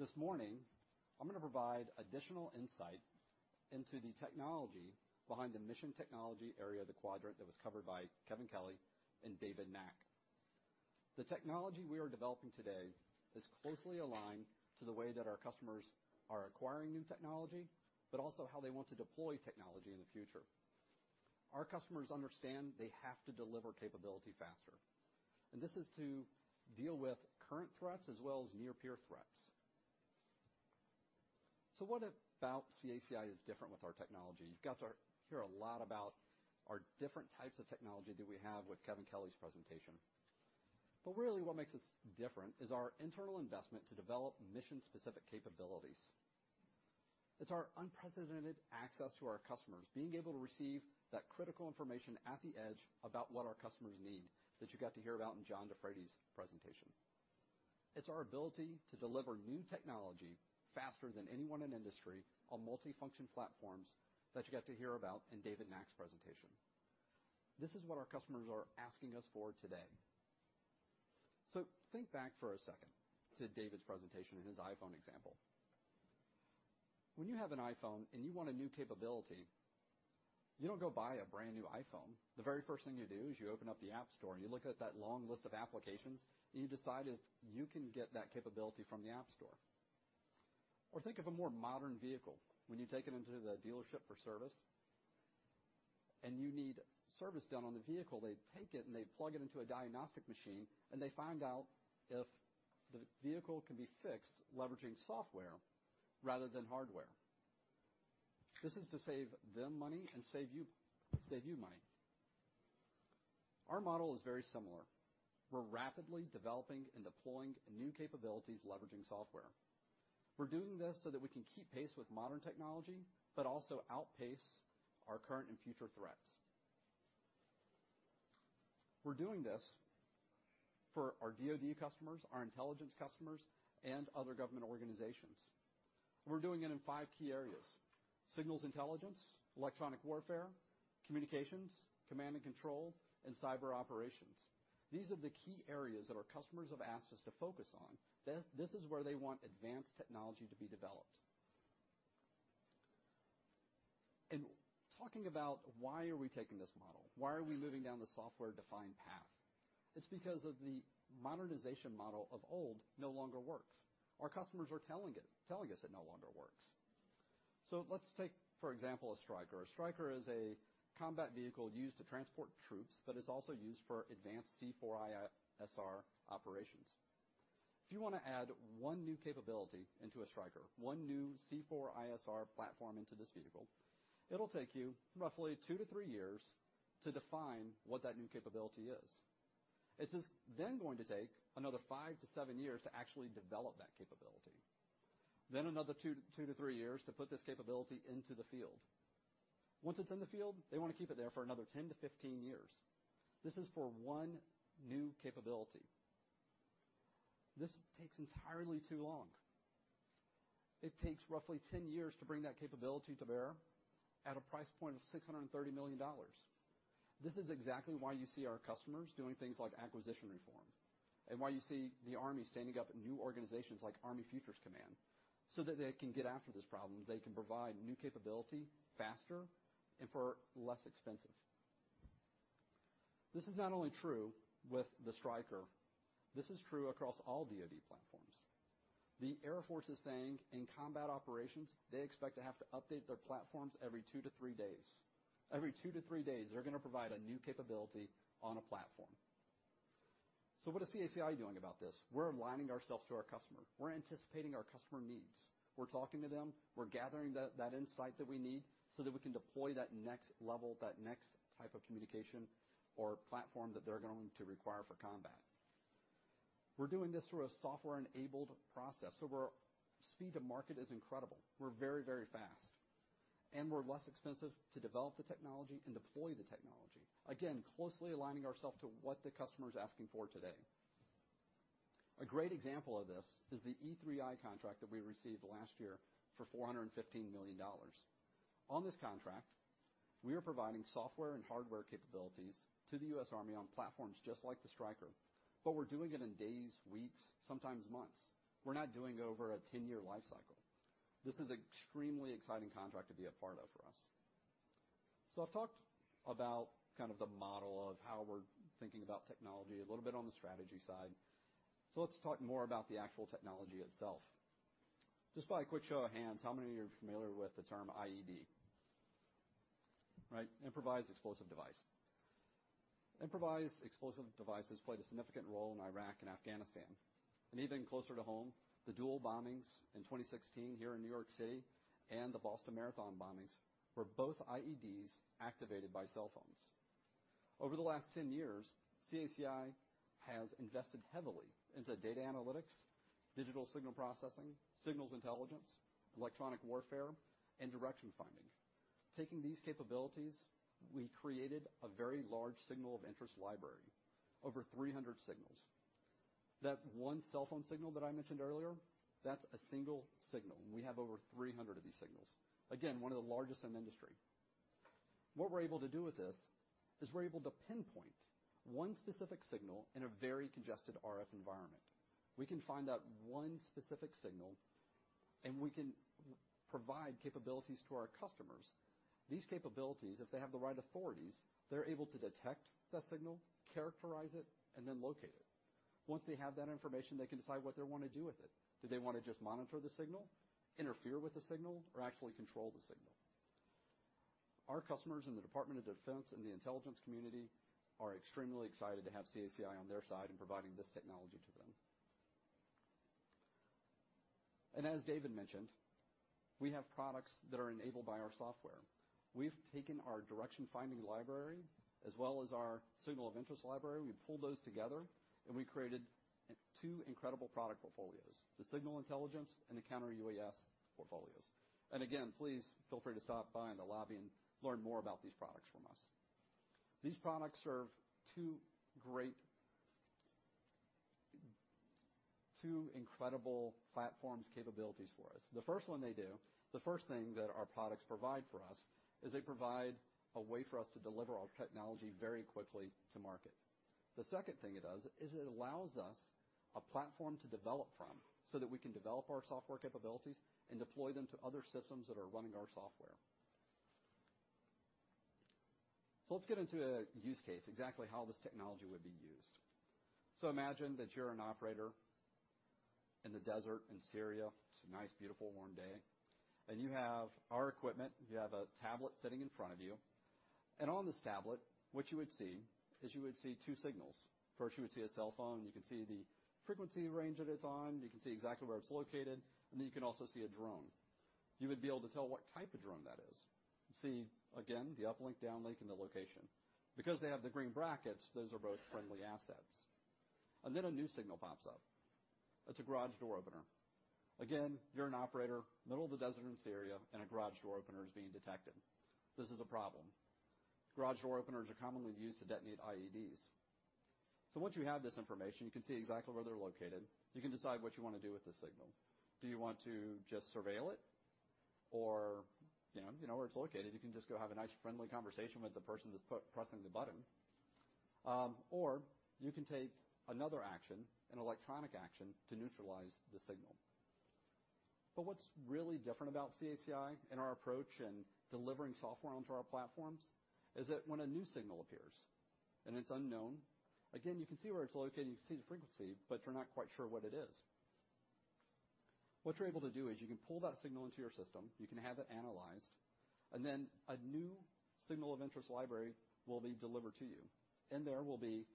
This morning, I'm going to provide additional insight into the technology behind the mission technology area of the quadrant that was covered by Kevin Kelly and David Nack. The technology we are developing today is closely aligned to the way that our customers are acquiring new technology, but also how they want to deploy technology in the future. Our customers understand they have to deliver capability faster. This is to deal with current threats as well as near-peer threats. So what about CACI is different with our technology? You've got to hear a lot about our different types of technology that we have with Kevin Kelly's presentation. But really, what makes us different is our internal investment to develop mission-specific capabilities. It's our unprecedented access to our customers, being able to receive that critical information at the edge about what our customers need that you got to hear about in John DeFreitas's presentation. It's our ability to deliver new technology faster than anyone in industry on multi-function platforms that you got to hear about in David Nack's presentation. This is what our customers are asking us for today. So think back for a second to David's presentation and his iPhone example. When you have an iPhone and you want a new capability, you don't go buy a brand new iPhone. The very first thing you do is you open up the App Store, and you look at that long list of applications, and you decide if you can get that capability from the App Store. Or think of a more modern vehicle. When you take it into the dealership for service and you need service done on the vehicle, they take it and they plug it into a diagnostic machine, and they find out if the vehicle can be fixed leveraging software rather than hardware. This is to save them money and save you money. Our model is very similar. We're rapidly developing and deploying new capabilities leveraging software. We're doing this so that we can keep pace with modern technology, but also outpace our current and future threats. We're doing this for our DoD customers, our intelligence customers, and other government organizations. We're doing it in five key areas, signals intelligence, electronic warfare, communications, command and control, and cyber operations. These are the key areas that our customers have asked us to focus on. This is where they want advanced technology to be developed. And talking about why are we taking this model? Why are we moving down the software-defined path? It's because the modernization model of old no longer works. Our customers are telling us it no longer works. So let's take, for example, a Stryker. A Stryker is a combat vehicle used to transport troops, but it's also used for advanced C4ISR operations. If you want to add one new capability into a Stryker, one new C4ISR platform into this vehicle, it'll take you roughly two to three years to define what that new capability is. It's then going to take another five to seven years to actually develop that capability. Then another two to three years to put this capability into the field. Once it's in the field, they want to keep it there for another 10-15 years. This is for one new capability. This takes entirely too long. It takes roughly 10 years to bring that capability to bear at a price point of $630 million. This is exactly why you see our customers doing things like acquisition reform and why you see the Army standing up new organizations like Army Futures Command so that they can get after this problem. They can provide new capability faster and for less expensive. This is not only true with the Stryker. This is true across all DoD platforms. The Air Force is saying in combat operations, they expect to have to update their platforms every two to three days. Every two to three days, they're going to provide a new capability on a platform. So what is CACI doing about this? We're aligning ourselves to our customer. We're anticipating our customer needs. We're talking to them. We're gathering that insight that we need so that we can deploy that next level, that next type of communication or platform that they're going to require for combat. We're doing this through a software-enabled process. So our speed to market is incredible. We're very, very fast. And we're less expensive to develop the technology and deploy the technology. Again, closely aligning ourselves to what the customer is asking for today. A great example of this is the E3I contract that we received last year for $415 million. On this contract, we are providing software and hardware capabilities to the U.S. Army on platforms just like the Stryker, but we're doing it in days, weeks, sometimes months. We're not doing it over a 10-year life cycle. This is an extremely exciting contract to be a part of for us, so I've talked about kind of the model of how we're thinking about technology, a little bit on the strategy side, so let's talk more about the actual technology itself. Just by a quick show of hands, how many of you are familiar with the term IED? Right? Improvised Explosive Device. Improvised Explosive Devices played a significant role in Iraq and Afghanistan, and even closer to home, the dual bombings in 2016 here in New York City and the Boston Marathon bombings were both IEDs activated by cell phones. Over the last 10 years, CACI has invested heavily into data analytics, digital signal processing, signals intelligence, electronic warfare, and direction finding. Taking these capabilities, we created a very large signal of interest library, over 300 signals. That one cell phone signal that I mentioned earlier, that's a single signal. We have over 300 of these signals. Again, one of the largest in the industry. What we're able to do with this is we're able to pinpoint one specific signal in a very congested RF environment. We can find that one specific signal, and we can provide capabilities to our customers. These capabilities, if they have the right authorities, they're able to detect the signal, characterize it, and then locate it. Once they have that information, they can decide what they want to do with it. Do they want to just monitor the signal, interfere with the signal, or actually control the signal? Our customers in the Department of Defense and the intelligence community are extremely excited to have CACI on their side in providing this technology to them. And as David mentioned, we have products that are enabled by our software. We've taken our direction-finding library as well as our signal of interest library. We've pulled those together, and we created two incredible product portfolios: the signals intelligence and the counter-UAS portfolios. And again, please feel free to stop by in the lobby and learn more about these products from us. These products serve two great, two incredible platforms' capabilities for us. The first one they do, the first thing that our products provide for us is they provide a way for us to deliver our technology very quickly to market. The second thing it does is it allows us a platform to develop from so that we can develop our software capabilities and deploy them to other systems that are running our software. So let's get into a use case, exactly how this technology would be used. So imagine that you're an operator in the desert in Syria. It's a nice, beautiful, warm day. And you have our equipment. You have a tablet sitting in front of you. And on this tablet, what you would see is you would see two signals. First, you would see a cell phone. You can see the frequency range that it's on. You can see exactly where it's located. And then you can also see a drone. You would be able to tell what type of drone that is, see, again, the uplink, downlink, and the location. Because they have the green brackets, those are both friendly assets. And then a new signal pops up. It's a garage door opener. Again, you're an operator, middle of the desert in Syria, and a garage door opener is being detected. This is a problem. Garage door openers are commonly used to detonate IEDs. So once you have this information, you can see exactly where they're located. You can decide what you want to do with the signal. Do you want to just surveil it? Or you know where it's located. You can just go have a nice, friendly conversation with the person that's pressing the button. Or you can take another action, an electronic action, to neutralize the signal. But what's really different about CACI and our approach in delivering software onto our platforms is that when a new signal appears and it's unknown, again, you can see where it's located. You can see the frequency, but you're not quite sure what it is. What you're able to do is you can pull that signal into your system. You can have it analyzed. And then a new signal of interest library will be delivered to you. And there will be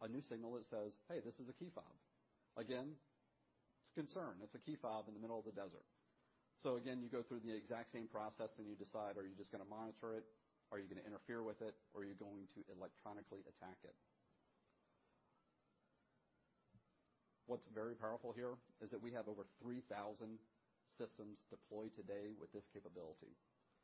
a new signal that says, hey, this is a key fob. Again, it's a concern. It's a key fob in the middle of the desert. So again, you go through the exact same process and you decide, are you just going to monitor it? Are you going to interfere with it? Or are you going to electronically attack it? What's very powerful here is that we have over 3,000 systems deployed today with this capability.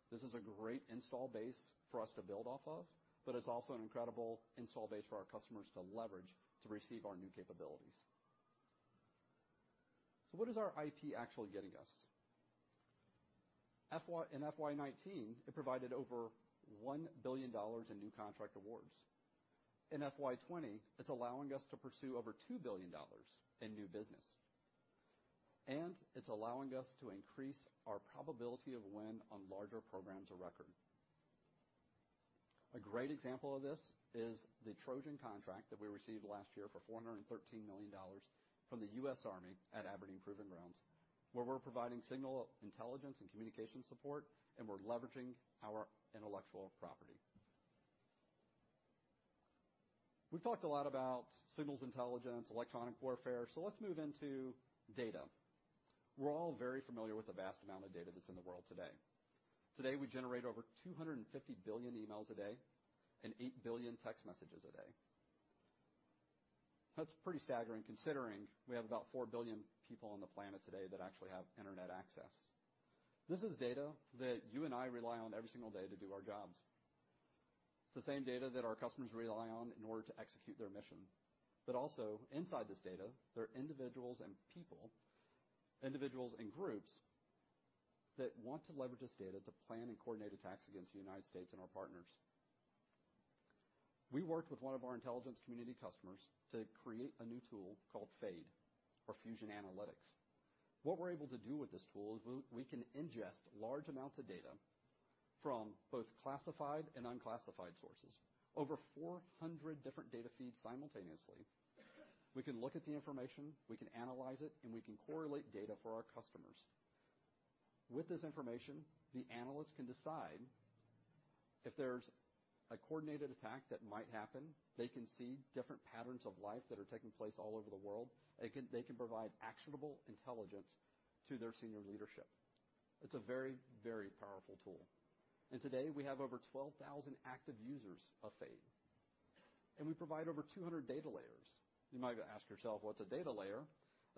This is a great install base for us to build off of, but it's also an incredible install base for our customers to leverage to receive our new capabilities. So what is our IP actually getting us? In FY 2019, it provided over $1 billion in new contract awards. In FY 2020, it's allowing us to pursue over $2 billion in new business. And it's allowing us to increase our probability of win on larger programs or record. A great example of this is the Trojan contract that we received last year for $413 million from the U.S. Army at Aberdeen Proving Ground, where we're providing signals intelligence and communication support, and we're leveraging our intellectual property. We've talked a lot about signals intelligence, electronic warfare. So let's move into data. We're all very familiar with the vast amount of data that's in the world today. Today, we generate over 250 billion emails a day and 8 billion text messages a day. That's pretty staggering considering we have about 4 billion people on the planet today that actually have internet access. This is data that you and I rely on every single day to do our jobs. It's the same data that our customers rely on in order to execute their mission. But also inside this data, there are individuals and people, individuals and groups that want to leverage this data to plan and coordinate attacks against the United States and our partners. We worked with one of our intelligence community customers to create a new tool called FADE, or Fusion Analysis and Development Effort. What we're able to do with this tool is we can ingest large amounts of data from both classified and unclassified sources, over 400 different data feeds simultaneously. We can look at the information, we can analyze it, and we can correlate data for our customers. With this information, the analysts can decide if there's a coordinated attack that might happen. They can see different patterns of life that are taking place all over the world. They can provide actionable intelligence to their senior leadership. It's a very, very powerful tool, and today we have over 12,000 active users of FADE, and we provide over 200 data layers. You might ask yourself, what's a data layer?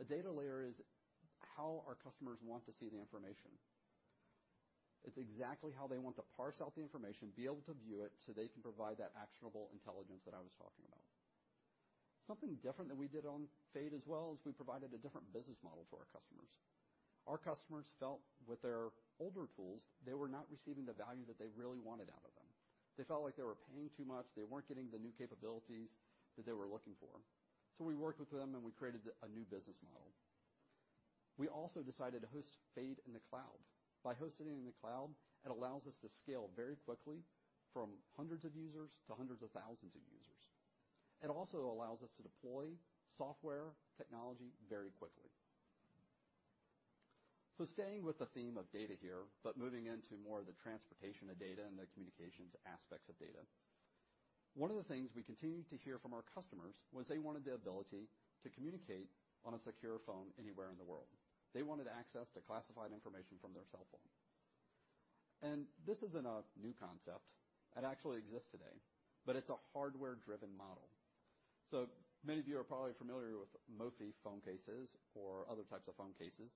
A data layer is how our customers want to see the information. It's exactly how they want to parse out the information, be able to view it so they can provide that actionable intelligence that I was talking about. Something different that we did on FADE as well is we provided a different business model to our customers. Our customers felt with their older tools, they were not receiving the value that they really wanted out of them. They felt like they were paying too much. They weren't getting the new capabilities that they were looking for. So we worked with them and we created a new business model. We also decided to host FADE in the cloud. By hosting it in the cloud, it allows us to scale very quickly from hundreds of users to hundreds of thousands of users. It also allows us to deploy software technology very quickly. So staying with the theme of data here, but moving into more of the transportation of data and the communications aspects of data. One of the things we continued to hear from our customers was they wanted the ability to communicate on a secure phone anywhere in the world. They wanted access to classified information from their cell phone. And this isn't a new concept. It actually exists today, but it's a hardware-driven model. So many of you are probably familiar with mophie phone cases or other types of phone cases.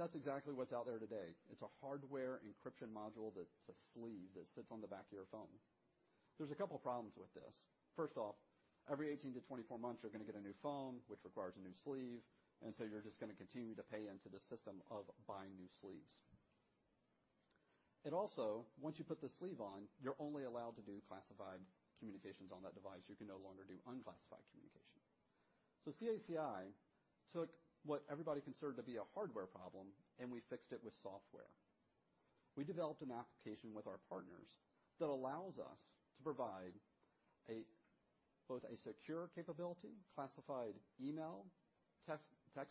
That's exactly what's out there today. It's a hardware encryption module that's a sleeve that sits on the back of your phone. There's a couple of problems with this. First off, every 18-24 months, you're going to get a new phone, which requires a new sleeve. And so you're just going to continue to pay into the system of buying new sleeves. And also, once you put the sleeve on, you're only allowed to do classified communications on that device. You can no longer do unclassified communication. So CACI took what everybody considered to be a hardware problem, and we fixed it with software. We developed an application with our partners that allows us to provide both a secure capability, classified email, text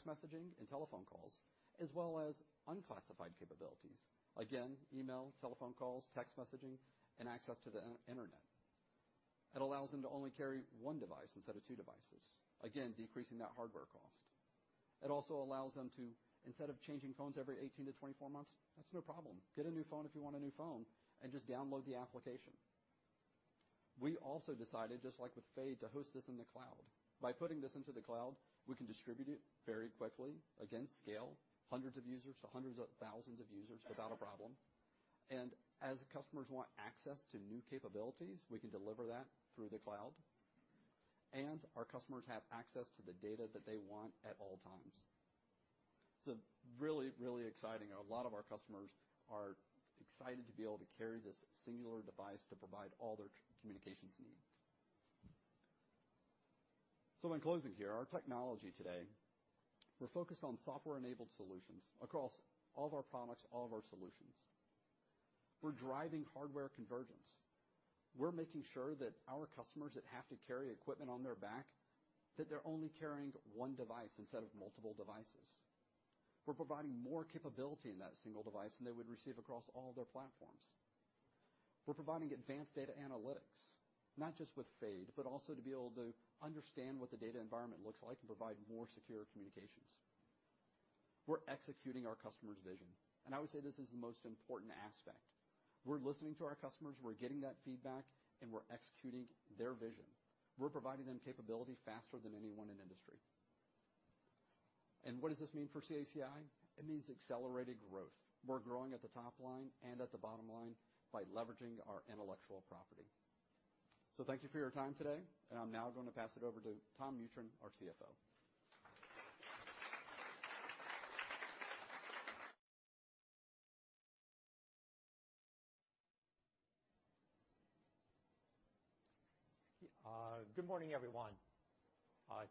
messaging, and telephone calls, as well as unclassified capabilities. Again, email, telephone calls, text messaging, and access to the internet. It allows them to only carry one device instead of two devices, again, decreasing that hardware cost. It also allows them to, instead of changing phones every 18-24 months, that's no problem. Get a new phone if you want a new phone and just download the application. We also decided, just like with FADE, to host this in the cloud. By putting this into the cloud, we can distribute it very quickly. Again, scale hundreds of users to hundreds of thousands of users without a problem, and as customers want access to new capabilities, we can deliver that through the cloud, and our customers have access to the data that they want at all times. It's really, really exciting. A lot of our customers are excited to be able to carry this singular device to provide all their communications needs, so in closing here, our technology today, we're focused on software-enabled solutions across all of our products, all of our solutions. We're driving hardware convergence. We're making sure that our customers that have to carry equipment on their back, that they're only carrying one device instead of multiple devices. We're providing more capability in that single device than they would receive across all of their platforms. We're providing advanced data analytics, not just with FADE, but also to be able to understand what the data environment looks like and provide more secure communications. We're executing our customer's vision. And I would say this is the most important aspect. We're listening to our customers. We're getting that feedback, and we're executing their vision. We're providing them capability faster than anyone in industry. And what does this mean for CACI? It means accelerated growth. We're growing at the top line and at the bottom line by leveraging our intellectual property. So thank you for your time today. And I'm now going to pass it over to Tom Mutryn, our CFO. Good morning, everyone. I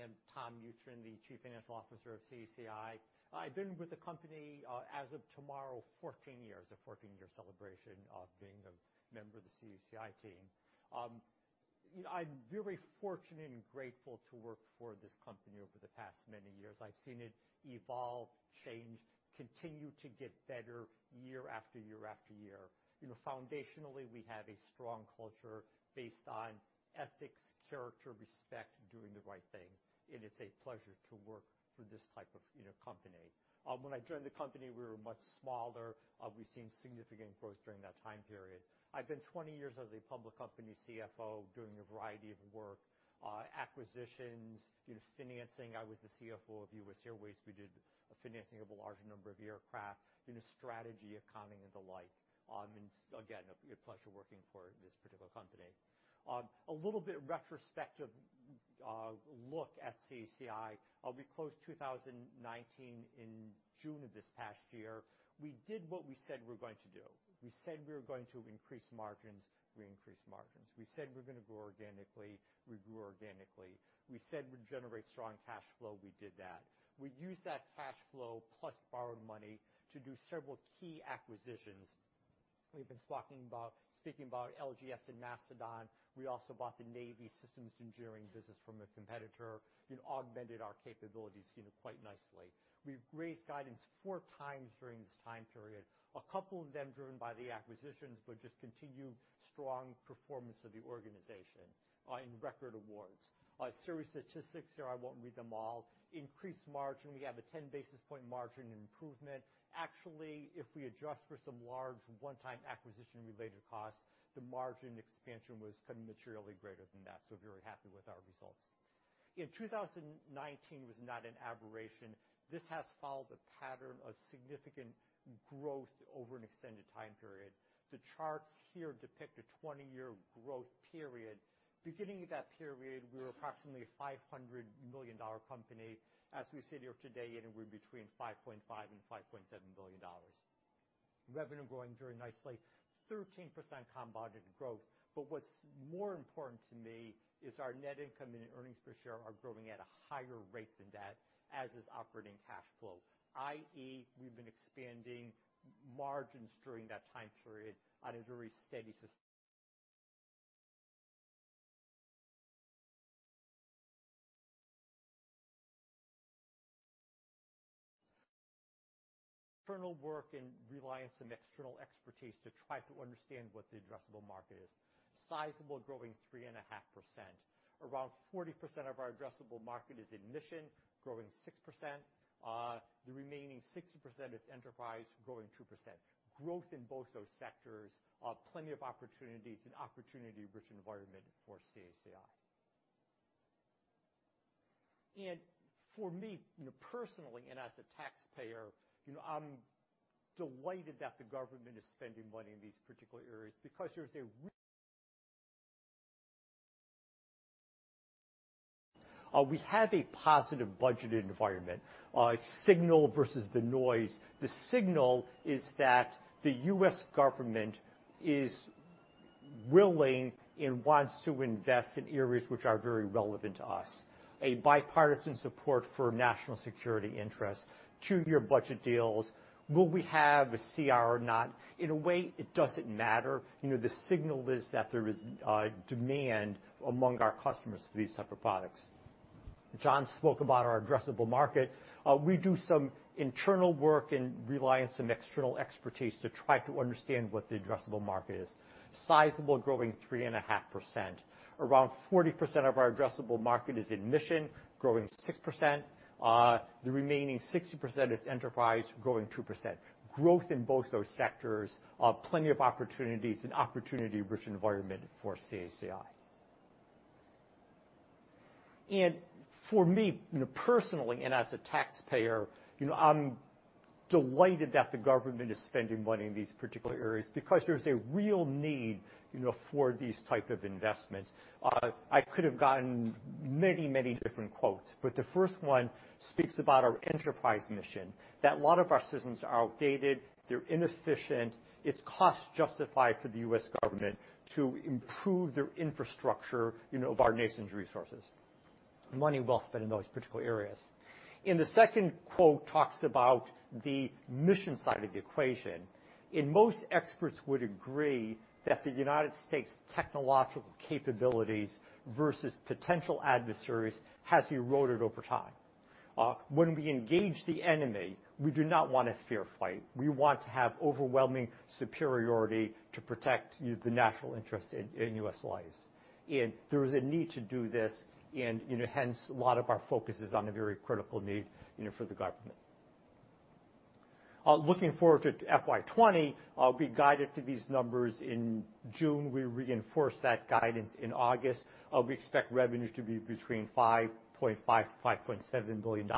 am Tom Mutryn, the Chief Financial Officer of CACI. I've been with the company as of tomorrow, 14 years, a 14-year celebration of being a member of the CACI team. I'm very fortunate and grateful to work for this company over the past many years. I've seen it evolve, change, continue to get better year after year after year. Foundationally, we have a strong culture based on ethics, character, respect, doing the right thing. And it's a pleasure to work for this type of company. When I joined the company, we were much smaller. We've seen significant growth during that time period. I've been 20 years as a public company CFO, doing a variety of work, acquisitions, financing. I was the CFO of US Airways. We did financing of a large number of aircraft, strategy, accounting, and the like. And again, a pleasure working for this particular company. A little bit retrospective look at CACI. We closed 2019 in June of this past year. We did what we said we were going to do. We said we were going to increase margins. We increased margins. We said we were going to grow organically. We grew organically. We said we'd generate strong cash flow. We did that. We used that cash flow plus borrowed money to do several key acquisitions. We've been speaking about LGS and Mastodon. We also bought the Navy Systems Engineering business from a competitor, augmented our capabilities quite nicely. We've raised guidance four times during this time period, a couple of them driven by the acquisitions, but just continued strong performance of the organization in record awards. Serious statistics here. I won't read them all. Increased margin. We have a 10 basis point margin improvement. Actually, if we adjust for some large one-time acquisition-related costs, the margin expansion was materially greater than that. So we're very happy with our results. In 2019 was not an aberration. This has followed a pattern of significant growth over an extended time period. The charts here depict a 20-year growth period. Beginning of that period, we were approximately a $500 million company. As we sit here today, we're between $5.5 billion and $5.7 billion. Revenue growing very nicely, 13% compounded growth. But what's more important to me is our net income and earnings per share are growing at a higher rate than that, as is operating cash flow, i.e., we've been expanding margins during that time period on a very steady system. Internal work and relying on some external expertise to try to understand what the addressable market is. Sizable, growing 3.5%. Around 40% of our addressable market is mission, growing 6%. The remaining 60% is enterprise, growing 2%. Growth in both those sectors, plenty of opportunities, an opportunity-rich environment for CACI. And for me personally, and as a taxpayer, I'm delighted that the government is spending money in these particular areas because we have a positive budget environment. Signal versus the noise. The signal is that the U.S. government is willing and wants to invest in areas which are very relevant to us. A bipartisan support for national security interests, two-year budget deals. Will we have a CR or not? In a way, it doesn't matter. The signal is that there is demand among our customers for these types of products. John spoke about our addressable market. We do some internal work and rely on some external expertise to try to understand what the addressable market is. Sizable, growing 3.5%. Around 40% of our addressable market is mission, growing 6%. The remaining 60% is enterprise, growing 2%. Growth in both those sectors, plenty of opportunities, an opportunity-rich environment for CACI. For me personally, and as a taxpayer, I'm delighted that the government is spending money in these particular areas because there's a real need for these types of investments. I could have gotten many, many different quotes, but the first one speaks about our enterprise mission, that a lot of our systems are outdated, they're inefficient. It's cost-justified for the U.S. government to improve their infrastructure of our nation's resources. Money well spent in those particular areas. The second quote talks about the mission side of the equation. Most experts would agree that the United States' technological capabilities versus potential adversaries have eroded over time. When we engage the enemy, we do not want a fair fight. We want to have overwhelming superiority to protect the national interests and U.S. lives. There is a need to do this. Hence, a lot of our focus is on a very critical need for the government. Looking forward to FY 2020, we guided to these numbers in June. We reinforced that guidance in August. We expect revenues to be between $5.5 and $5.7 billion.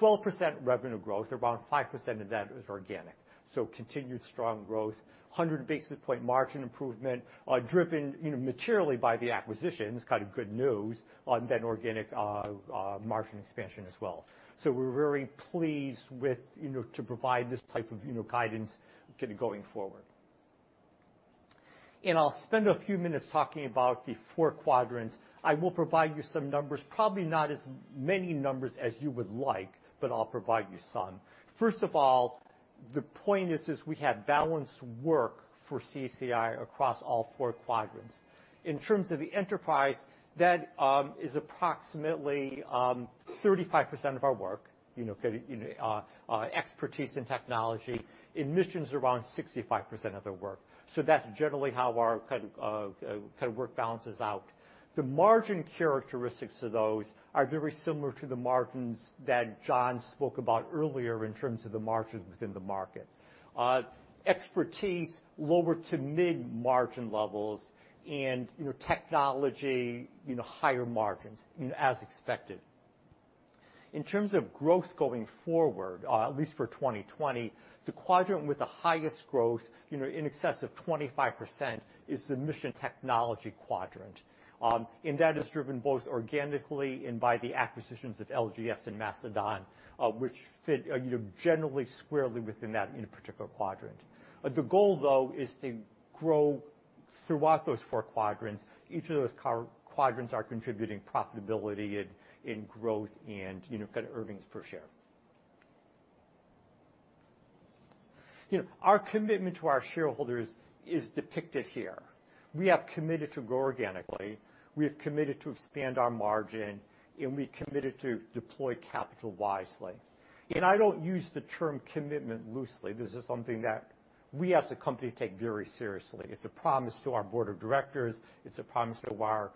12% revenue growth, around 5% of that is organic. So continued strong growth, 100 basis point margin improvement, driven materially by the acquisitions, kind of good news, and then organic margin expansion as well. We're very pleased to provide this type of guidance going forward. I'll spend a few minutes talking about the four quadrants. I will provide you some numbers, probably not as many numbers as you would like, but I'll provide you some. First of all, the point is we have balanced work for CACI across all four quadrants. In terms of the enterprise, that is approximately 35% of our work, expertise and technology. Missions are around 65% of their work. So that's generally how our kind of work balances out. The margin characteristics of those are very similar to the margins that John spoke about earlier in terms of the margins within the market. Expertise, lower to mid-margin levels, and technology, higher margins, as expected. In terms of growth going forward, at least for 2020, the quadrant with the highest growth in excess of 25% is the mission technology quadrant. And that is driven both organically and by the acquisitions of LGS and Mastodon, which fit generally squarely within that particular quadrant. The goal, though, is to grow throughout those four quadrants. Each of those quadrants are contributing profitability and growth and kind of earnings per share. Our commitment to our shareholders is depicted here. We have committed to grow organically. We have committed to expand our margin, and we've committed to deploy capital wisely, and I don't use the term commitment loosely. This is something that we as a company take very seriously. It's a promise to our board of directors. It's a promise to our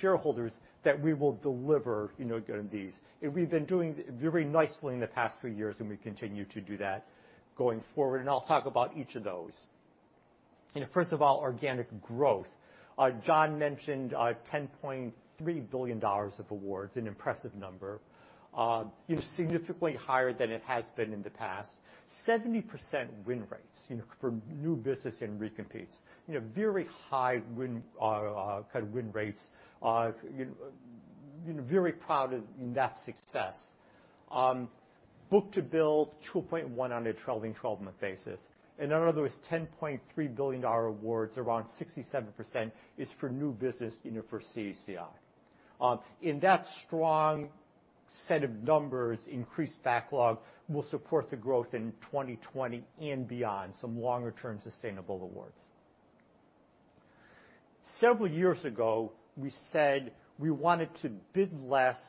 shareholders that we will deliver on these, and we've been doing very nicely in the past few years, and we continue to do that going forward, and I'll talk about each of those. First of all, organic growth. John mentioned $10.3 billion of awards, an impressive number, significantly higher than it has been in the past. 70% win rates for new business and recompetes, very high win rates, very proud of that success. Book-to-bill 2.1 on a trailing 12-month basis. In other words, $10.3 billion awards, around 67% is for new business for CACI. That strong set of numbers, increased backlog, will support the growth in 2020 and beyond, some longer-term sustainable awards. Several years ago, we said we wanted to bid less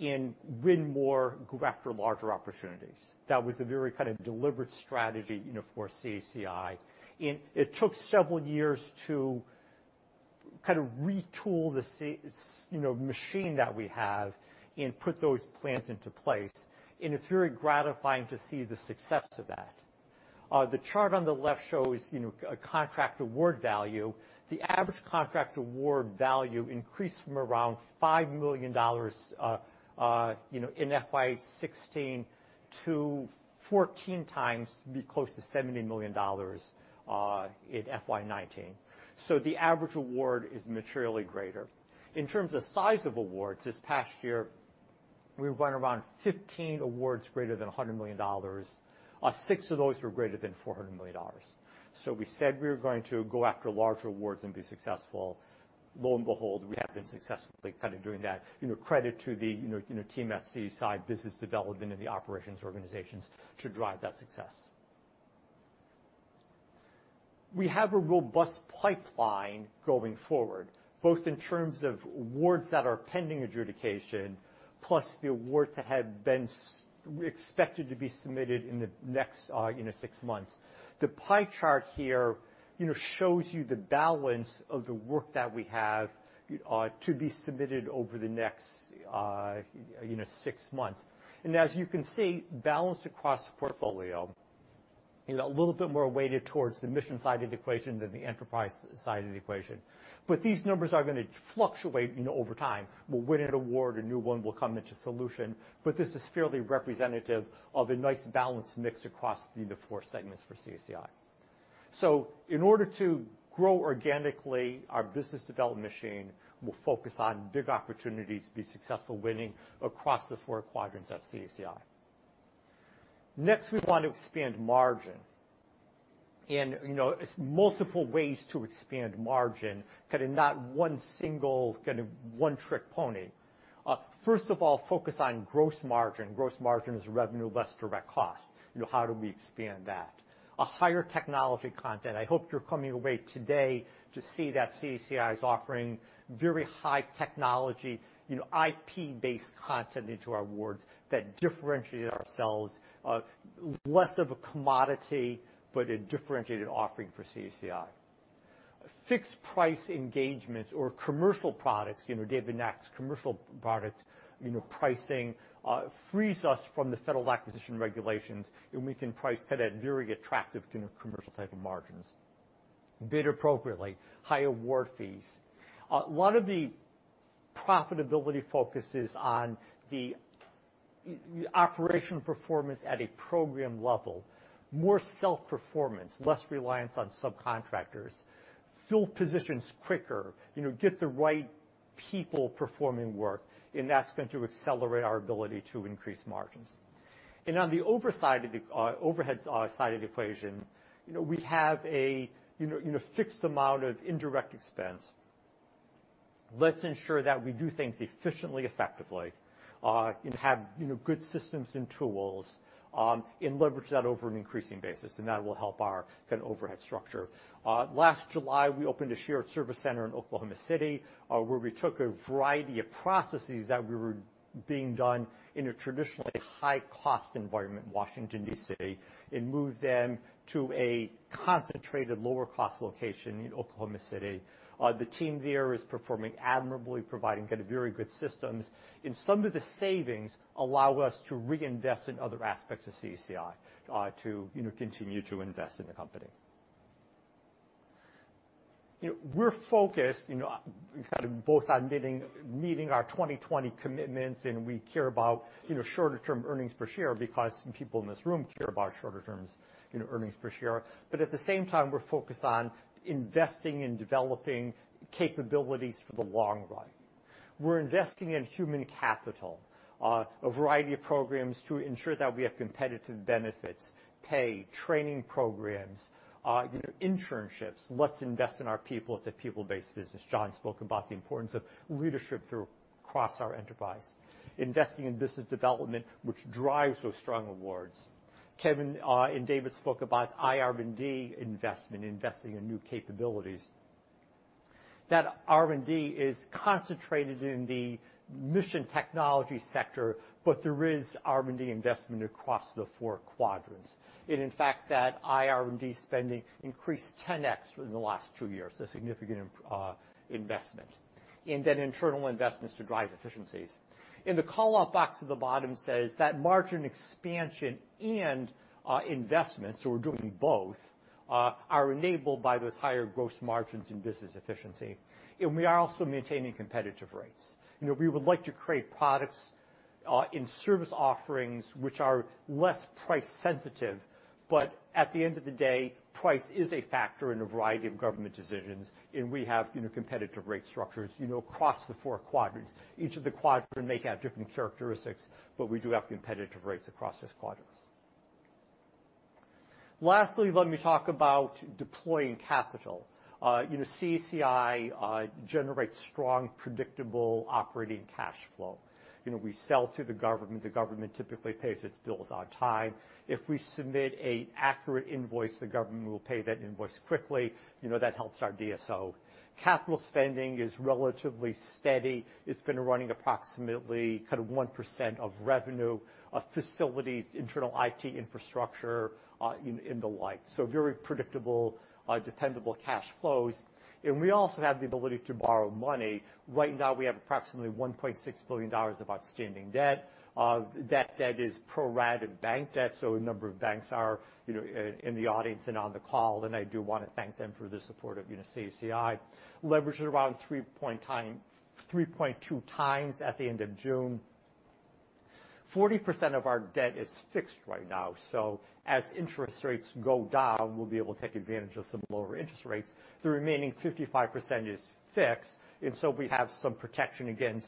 and win more after larger opportunities. That was a very kind of deliberate strategy for CACI. It took several years to kind of retool the machine that we have and put those plans into place. It's very gratifying to see the success of that. The chart on the left shows a contract award value. The average contract award value increased from around $5 million in FY 2016 to 14x, to be close to $70 million in FY 2019. The average award is materially greater. In terms of size of awards, this past year, we went around 15 awards greater than $100 million. Six of those were greater than $400 million. So we said we were going to go after larger awards and be successful. Lo and behold, we have been successfully kind of doing that. Credit to the team at CACI, business development, and the operations organizations to drive that success. We have a robust pipeline going forward, both in terms of awards that are pending adjudication, plus the awards that have been expected to be submitted in the next six months. The pie chart here shows you the balance of the work that we have to be submitted over the next six months. And as you can see, balance across the portfolio, a little bit more weighted towards the mission side of the equation than the enterprise side of the equation. But these numbers are going to fluctuate over time. We'll win an award, a new one will come into solution, but this is fairly representative of a nice balance mix across the four segments for CACI. So in order to grow organically, our business development machine will focus on big opportunities, be successful, winning across the four quadrants of CACI. Next, we want to expand margin. And it's multiple ways to expand margin, kind of not one single, kind of one trick pony. First of all, focus on gross margin. Gross margin is revenue less direct cost. How do we expand that? A higher technology content. I hope you're coming away today to see that CACI is offering very high technology, IP-based content into our awards that differentiates ourselves, less of a commodity, but a differentiated offering for CACI. Fixed price engagements or commercial products. David Nack's commercial product pricing frees us from the federal acquisition regulations, and we can price kind of very attractive commercial type of margins. Bid appropriately, high award fees. A lot of the profitability focuses on the operational performance at a program level, more self-performance, less reliance on subcontractors, fill positions quicker, get the right people performing work, and that's going to accelerate our ability to increase margins, and on the overhead side of the equation, we have a fixed amount of indirect expense. Let's ensure that we do things efficiently, effectively, have good systems and tools, and leverage that over an increasing basis, and that will help our kind of overhead structure. Last July, we opened a shared service center in Oklahoma City where we took a variety of processes that were being done in a traditionally high-cost environment, Washington, D.C., and moved them to a concentrated lower-cost location in Oklahoma City. The team there is performing admirably, providing kind of very good systems, and some of the savings allow us to reinvest in other aspects of CACI to continue to invest in the company. We're focused kind of both on meeting our 2020 commitments, and we care about shorter-term earnings per share because people in this room care about shorter-term earnings per share, but at the same time, we're focused on investing in developing capabilities for the long run. We're investing in human capital, a variety of programs to ensure that we have competitive benefits, pay, training programs, internships. Let's invest in our people. It's a people-based business. John spoke about the importance of leadership across our enterprise, investing in business development, which drives those strong awards. Kevin and David spoke about IR&D investment, investing in new capabilities. That R&D is concentrated in the mission technology sector, but there is R&D investment across the four quadrants. And in fact, that IR&D spending increased 10x in the last two years, a significant investment. And then internal investments to drive efficiencies. In the callout box at the bottom says that margin expansion and investments, so we're doing both, are enabled by those higher gross margins and business efficiency. And we are also maintaining competitive rates. We would like to create products and service offerings which are less price-sensitive, but at the end of the day, price is a factor in a variety of government decisions, and we have competitive rate structures across the four quadrants. Each of the quadrants may have different characteristics, but we do have competitive rates across those quadrants. Lastly, let me talk about deploying capital. CACI generates strong, predictable operating cash flow. We sell to the government. The government typically pays its bills on time. If we submit an accurate invoice, the government will pay that invoice quickly. That helps our DSO. Capital spending is relatively steady. It's been running approximately kind of 1% of revenue of facilities, internal IT infrastructure, and the like. So very predictable, dependable cash flows. And we also have the ability to borrow money. Right now, we have approximately $1.6 billion of outstanding debt. That debt is pro-rata bank debt, so a number of banks are in the audience and on the call, and I do want to thank them for the support of CACI. Leverage is around 3.2x at the end of June. 40% of our debt is fixed right now. So as interest rates go down, we'll be able to take advantage of some lower interest rates. The remaining 55% is fixed, and so we have some protection against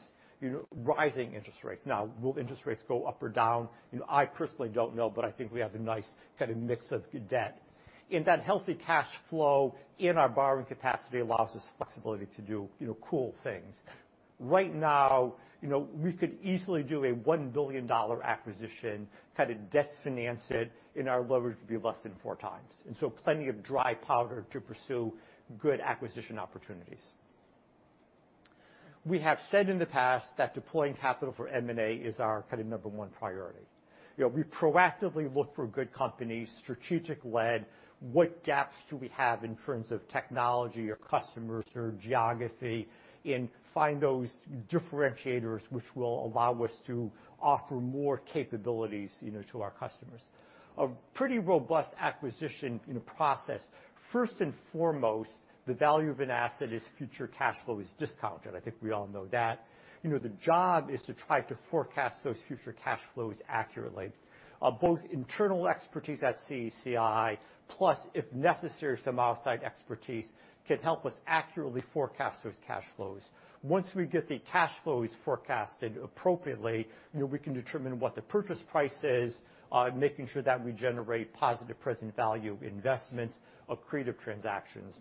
rising interest rates. Now, will interest rates go up or down? I personally don't know, but I think we have a nice kind of mix of debt. And that healthy cash flow in our borrowing capacity allows us flexibility to do cool things. Right now, we could easily do a $1 billion acquisition, kind of debt finance it, and our leverage would be less than four times. And so plenty of dry powder to pursue good acquisition opportunities. We have said in the past that deploying capital for M&A is our kind of number one priority. We proactively look for good companies, strategic-led. What gaps do we have in terms of technology or customers or geography, and find those differentiators which will allow us to offer more capabilities to our customers? A pretty robust acquisition process. First and foremost, the value of an asset is future cash flow is discounted. I think we all know that. The job is to try to forecast those future cash flows accurately. Both internal expertise at CACI, plus if necessary, some outside expertise can help us accurately forecast those cash flows. Once we get the cash flows forecasted appropriately, we can determine what the purchase price is, making sure that we generate positive present value investments, accretive transactions,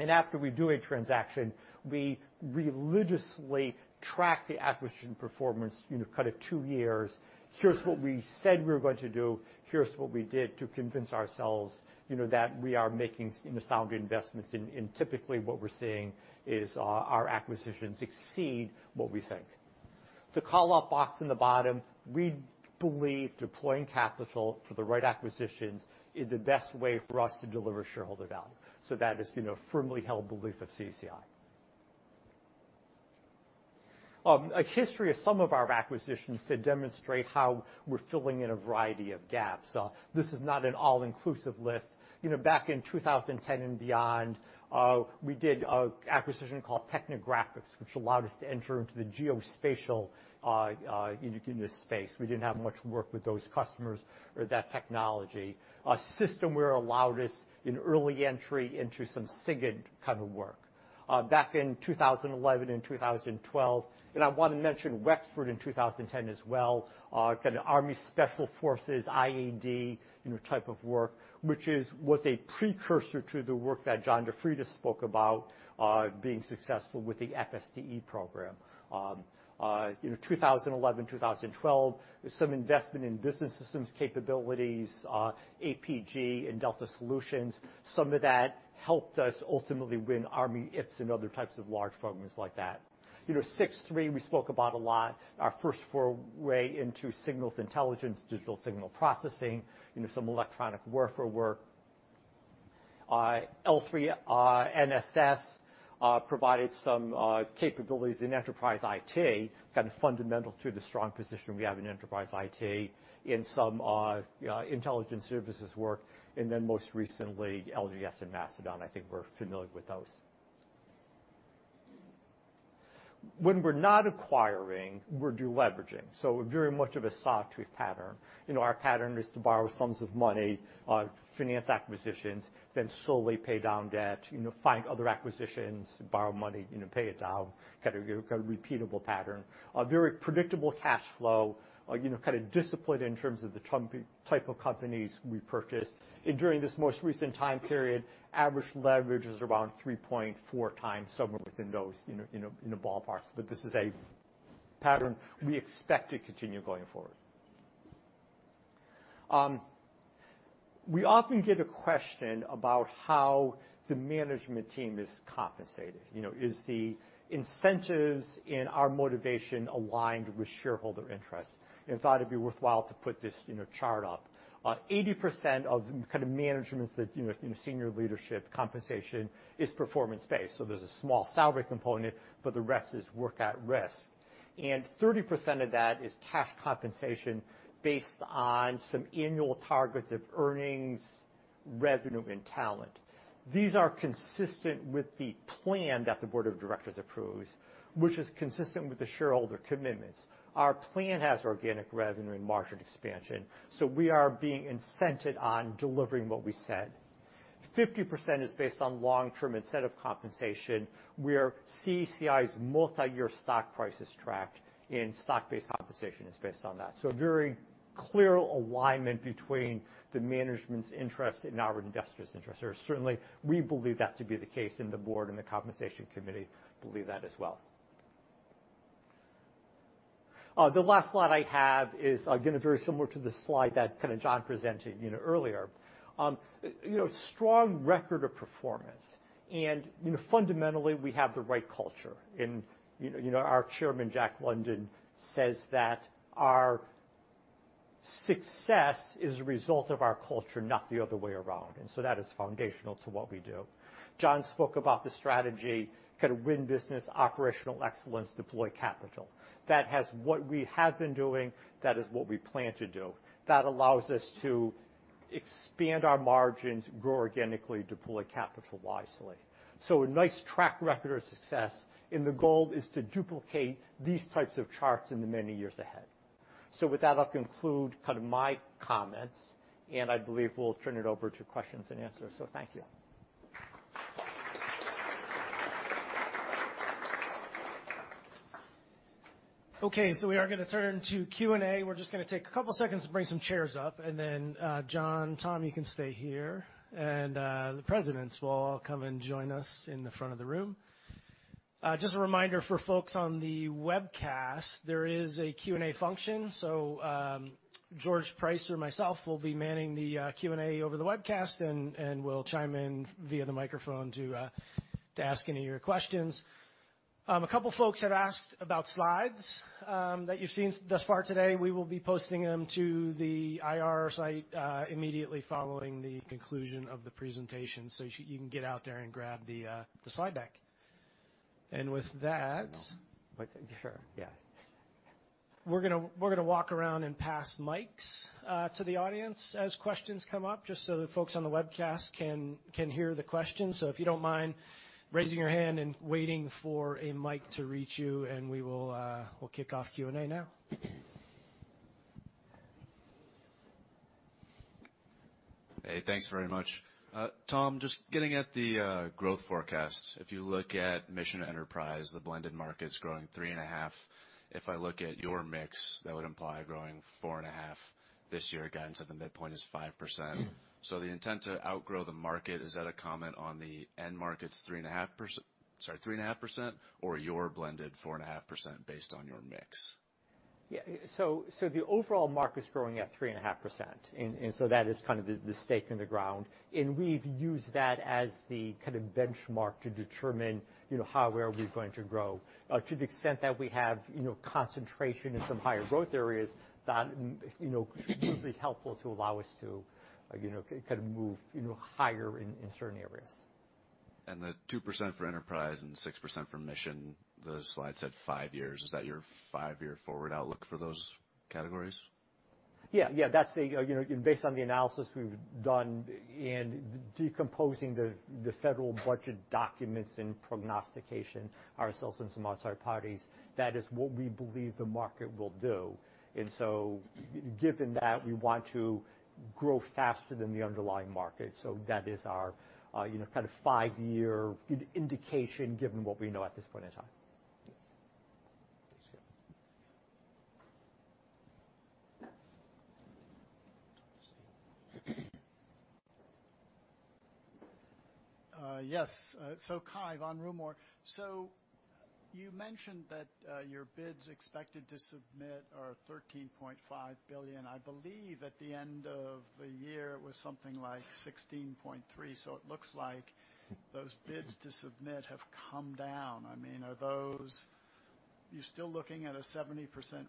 and after we do a transaction, we religiously track the acquisition performance, kind of two years. Here's what we said we were going to do. Here's what we did to convince ourselves that we are making sound investments. Typically, what we're seeing is our acquisitions exceed what we think. The callout box on the bottom, we believe deploying capital for the right acquisitions is the best way for us to deliver shareholder value. That is a firmly held belief of CACI. A history of some of our acquisitions to demonstrate how we're filling in a variety of gaps. This is not an all-inclusive list. Back in 2010 and beyond, we did an acquisition called Techni-Graphics, which allowed us to enter into the geospatial space. We didn't have much work with those customers or that technology. A system where it allowed us an early entry into some SIGINT kind of work. Back in 2011 and 2012, and I want to mention Wexford in 2010 as well, kind of Army Special Forces, IED type of work, which was a precursor to the work that John DeFreitas spoke about being successful with the FSDE program. 2011, 2012, some investment in business systems capabilities, APG and Delta Solutions. Some of that helped us ultimately win Army IPPS and other types of large programs like that. Six3, we spoke about a lot. Our first foray into signals intelligence, digital signal processing, some electronic warfare work. L-3 NSS provided some capabilities in enterprise IT, kind of fundamental to the strong position we have in enterprise IT and some intelligence services work. And then most recently, LGS and Mastodon, I think we're familiar with those. When we're not acquiring, we're leveraging. So very much of a sawtooth pattern. Our pattern is to borrow sums of money, finance acquisitions, then slowly pay down debt, find other acquisitions, borrow money, pay it down, kind of a repeatable pattern. Very predictable cash flow, kind of disciplined in terms of the type of companies we purchased, and during this most recent time period, average leverage is around 3.4x, somewhere within those in the ballpark, but this is a pattern we expect to continue going forward. We often get a question about how the management team is compensated. Is the incentives and our motivation aligned with shareholder interests, and thought it'd be worthwhile to put this chart up. 80% of kind of managements, the senior leadership compensation is performance-based, so there's a small salary component, but the rest is work at risk, and 30% of that is cash compensation based on some annual targets of earnings, revenue, and talent. These are consistent with the plan that the board of directors approves, which is consistent with the shareholder commitments. Our plan has organic revenue and margin expansion. So we are being incented on delivering what we said. 50% is based on long-term incentive compensation. Where CACI's multi-year stock price is tracked and stock-based compensation is based on that. So a very clear alignment between the management's interests and our investors' interests. Certainly, we believe that to be the case and the board and the compensation committee believe that as well. The last slide I have is again very similar to the slide that kind of John presented earlier. Strong record of performance. And fundamentally, we have the right culture. And our Chairman, Jack London, says that our success is a result of our culture, not the other way around. And so that is foundational to what we do. John spoke about the strategy, kind of win business, operational excellence, deploy capital. That is what we have been doing. That is what we plan to do. That allows us to expand our margins, grow organically, deploy capital wisely. So a nice track record of success. And the goal is to duplicate these types of charts in the many years ahead. So with that, I'll conclude kind of my comments, and I believe we'll turn it over to questions and answers. So thank you. Okay. So we are going to turn to Q&A. We're just going to take a couple of seconds to bring some chairs up. And then John, Tom, you can stay here. And the presidents will all come and join us in the front of the room. Just a reminder for folks on the webcast, there is a Q&A function. George Price or myself will be manning the Q&A over the webcast and will chime in via the microphone to ask any of your questions. A couple of folks have asked about slides that you've seen thus far today. We will be posting them to the IR site immediately following the conclusion of the presentation. You can get out there and grab the slide deck. With that. Sure. Yeah. We're going to walk around and pass mics to the audience as questions come up just so the folks on the webcast can hear the questions, so if you don't mind raising your hand and waiting for a mic to reach you, and we will kick off Q&A now. Hey, thanks very much. Tom, just getting at the growth forecast. If you look at mission enterprise, the blended market's growing 3.5%. If I look at your mix, that would imply growing 4.5% this year. Guidance at the midpoint is 5%. So the intent to outgrow the market, is that a comment on the end market's 3.5%, sorry, 3.5%, or your blended 4.5% based on your mix? Yeah. So the overall market's growing at 3.5%. And so that is kind of the stake in the ground. And we've used that as the kind of benchmark to determine how well we're going to grow. To the extent that we have concentration in some higher growth areas, that should be helpful to allow us to kind of move higher in certain areas. The 2% for enterprise and 6% for mission, the slide said five years. Is that your five-year forward outlook for those categories? Yeah. Yeah. That's based on the analysis we've done and decomposing the federal budget documents and prognostication, ourselves and some outside parties. That is what we believe the market will do, and so given that, we want to grow faster than the underlying market, so that is our kind of five-year indication given what we know at this point in time. Thanks, Tom. Yes. So Cai von Rumohr. So you mentioned that your bids expected to submit are $13.5 billion. I believe at the end of the year, it was something like $16.3 billion. So it looks like those bids to submit have come down. I mean, are those you're still looking at a 70%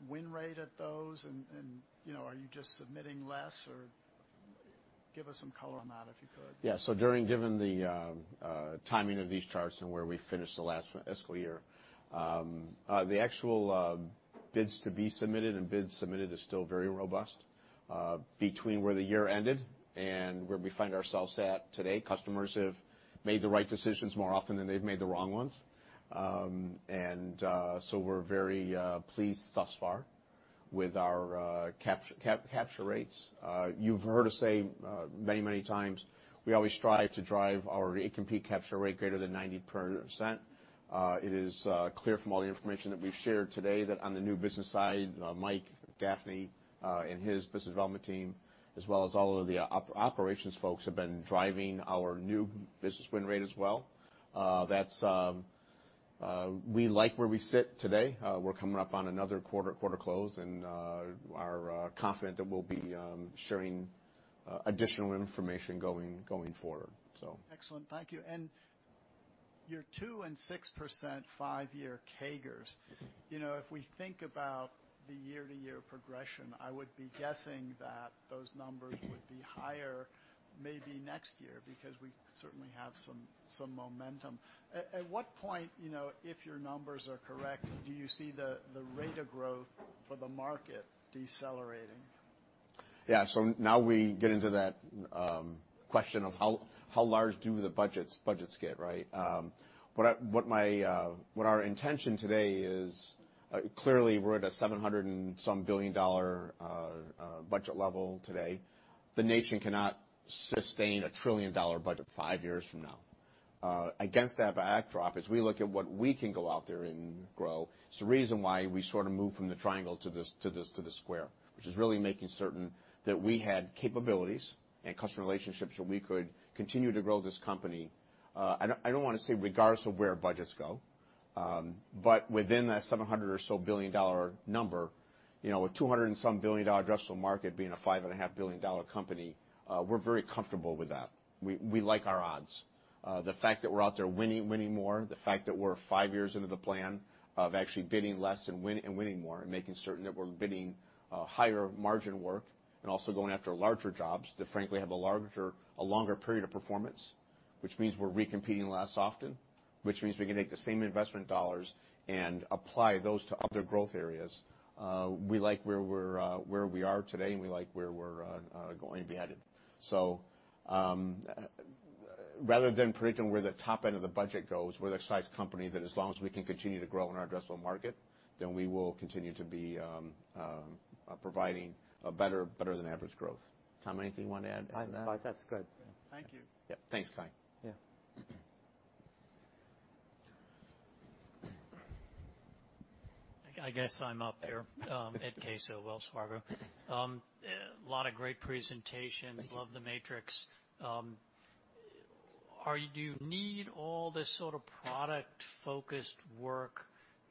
win rate at those, and are you just submitting less, or give us some color on that if you could? Yeah. So given the timing of these charts and where we finished the last fiscal year, the actual bids to be submitted and bids submitted is still very robust between where the year ended and where we find ourselves at today. Customers have made the right decisions more often than they've made the wrong ones. And so we're very pleased thus far with our capture rates. You've heard us say many, many times, we always strive to drive our incomplete capture rate greater than 90%. It is clear from all the information that we've shared today that on the new business side, Mike Duffy, and his business development team, as well as all of the operations folks, have been driving our new business win rate as well. We like where we sit today. We're coming up on another quarter close, and we're confident that we'll be sharing additional information going forward, so. Excellent. Thank you. And your 2% and 6% five-year CAGRs, if we think about the year-to-year progression, I would be guessing that those numbers would be higher maybe next year because we certainly have some momentum. At what point, if your numbers are correct, do you see the rate of growth for the market decelerating? Yeah. So now we get into that question of how large do the budgets get, right? What our intention today is clearly we're at a $700-and-some billion budget level today. The nation cannot sustain a $1 trillion budget five years from now. Against that backdrop, as we look at what we can go out there and grow, it's the reason why we sort of moved from the triangle to the square, which is really making certain that we had capabilities and customer relationships so we could continue to grow this company. I don't want to say regardless of where budgets go, but within that $700-or-so billion number, with $200-and-some billion addressable market being a $5.5 billion company, we're very comfortable with that. We like our odds. The fact that we're out there winning more, the fact that we're five years into the plan of actually bidding less and winning more and making certain that we're bidding higher margin work and also going after larger jobs that, frankly, have a longer period of performance, which means we're recompeting less often, which means we can take the same investment dollars and apply those to other growth areas. We like where we are today, and we like where we're going to be headed. So rather than predicting where the top end of the budget goes, we're the size company that as long as we can continue to grow in our addressable market, then we will continue to be providing a better-than-average growth. Tom, anything you want to add? That's good. Thank you. Yeah. Thanks, Cai. Yeah. I guess I'm up here, Ed Caso, Wells Fargo. A lot of great presentations. Love the matrix. Do you need all this sort of product-focused work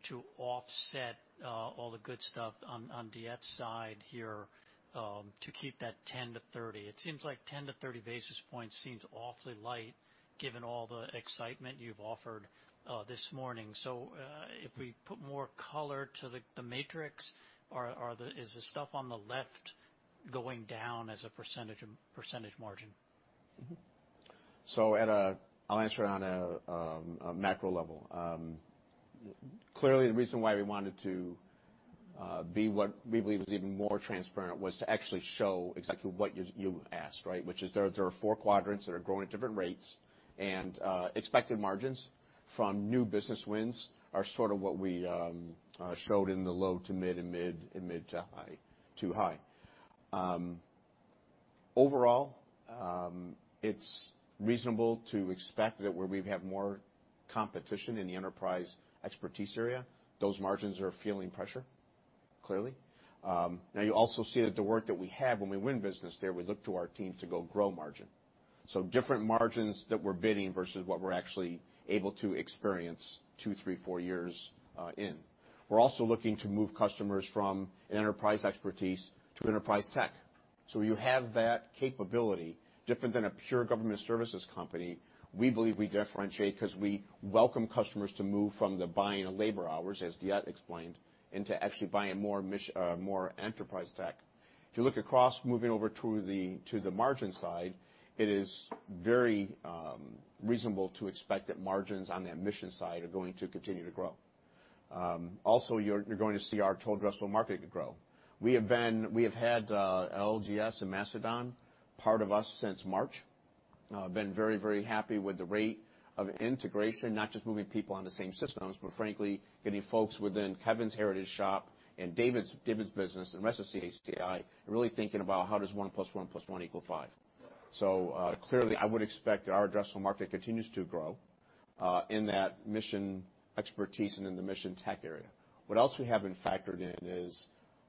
to offset all the good stuff on DeEtte's side here to keep that 10-30 basis points? It seems like 10-30 basis points seems awfully light given all the excitement you've offered this morning. So if we put more color to the matrix, is the stuff on the left going down as a percentage margin? So I'll answer on a macro level. Clearly, the reason why we wanted to be what we believe is even more transparent was to actually show exactly what you asked, right, which is there are four quadrants that are growing at different rates, and expected margins from new business wins are sort of what we showed in the low to mid and mid to high. Overall, it's reasonable to expect that where we have more competition in the enterprise expertise area, those margins are feeling pressure, clearly. Now, you also see that the work that we have when we win business there, we look to our team to go grow margin. So different margins that we're bidding versus what we're actually able to experience two, three, four years in. We're also looking to move customers from enterprise expertise to enterprise tech. So you have that capability. Different than a pure government services company, we believe we differentiate because we welcome customers to move from the buying of labor hours, as DeEtte explained, into actually buying more enterprise tech. If you look across moving over to the margin side, it is very reasonable to expect that margins on that mission side are going to continue to grow. Also, you're going to see our total addressable market grow. We have had LGS and Mastodon part of us since March. Been very, very happy with the rate of integration, not just moving people on the same systems, but frankly, getting folks within Kevin's Heritage Shop and David's business and the rest of CACI and really thinking about how does one plus one plus one equal five. So clearly, I would expect that our addressable market continues to grow in that mission expertise and in the mission tech area. What else we have been factored in is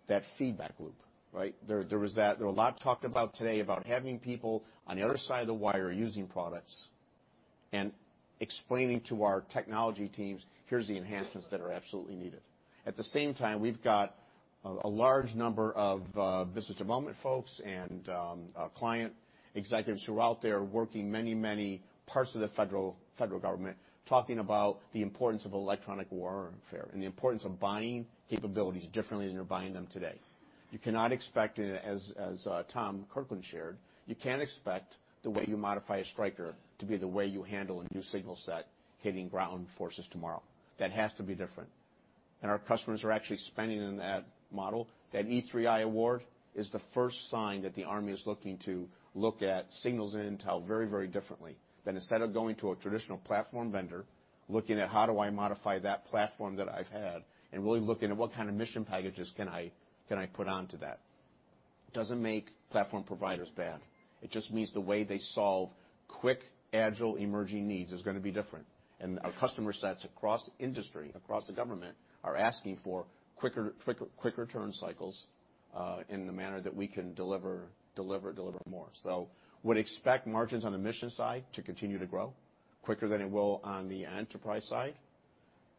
that feedback loop, right? There was a lot talked about today about having people on the other side of the wire using products and explaining to our technology teams, here's the enhancements that are absolutely needed. At the same time, we've got a large number of business development folks and client executives who are out there working many, many parts of the federal government talking about the importance of electronic warfare and the importance of buying capabilities differently than you're buying them today. You cannot expect, as Tom Kirkland shared, you can't expect the way you modify a Stryker to be the way you handle a new signal set hitting ground forces tomorrow. That has to be different. And our customers are actually spending in that model. That E3I award is the first sign that the Army is looking to look at signals and intel very, very differently. That instead of going to a traditional platform vendor, looking at how do I modify that platform that I've had and really looking at what kind of mission packages can I put onto that. It doesn't make platform providers bad. It just means the way they solve quick, agile, emerging needs is going to be different. Our customer sets across the industry, across the government, are asking for quicker turn cycles in the manner that we can deliver, deliver, deliver more. So we would expect margins on the mission side to continue to grow quicker than it will on the enterprise side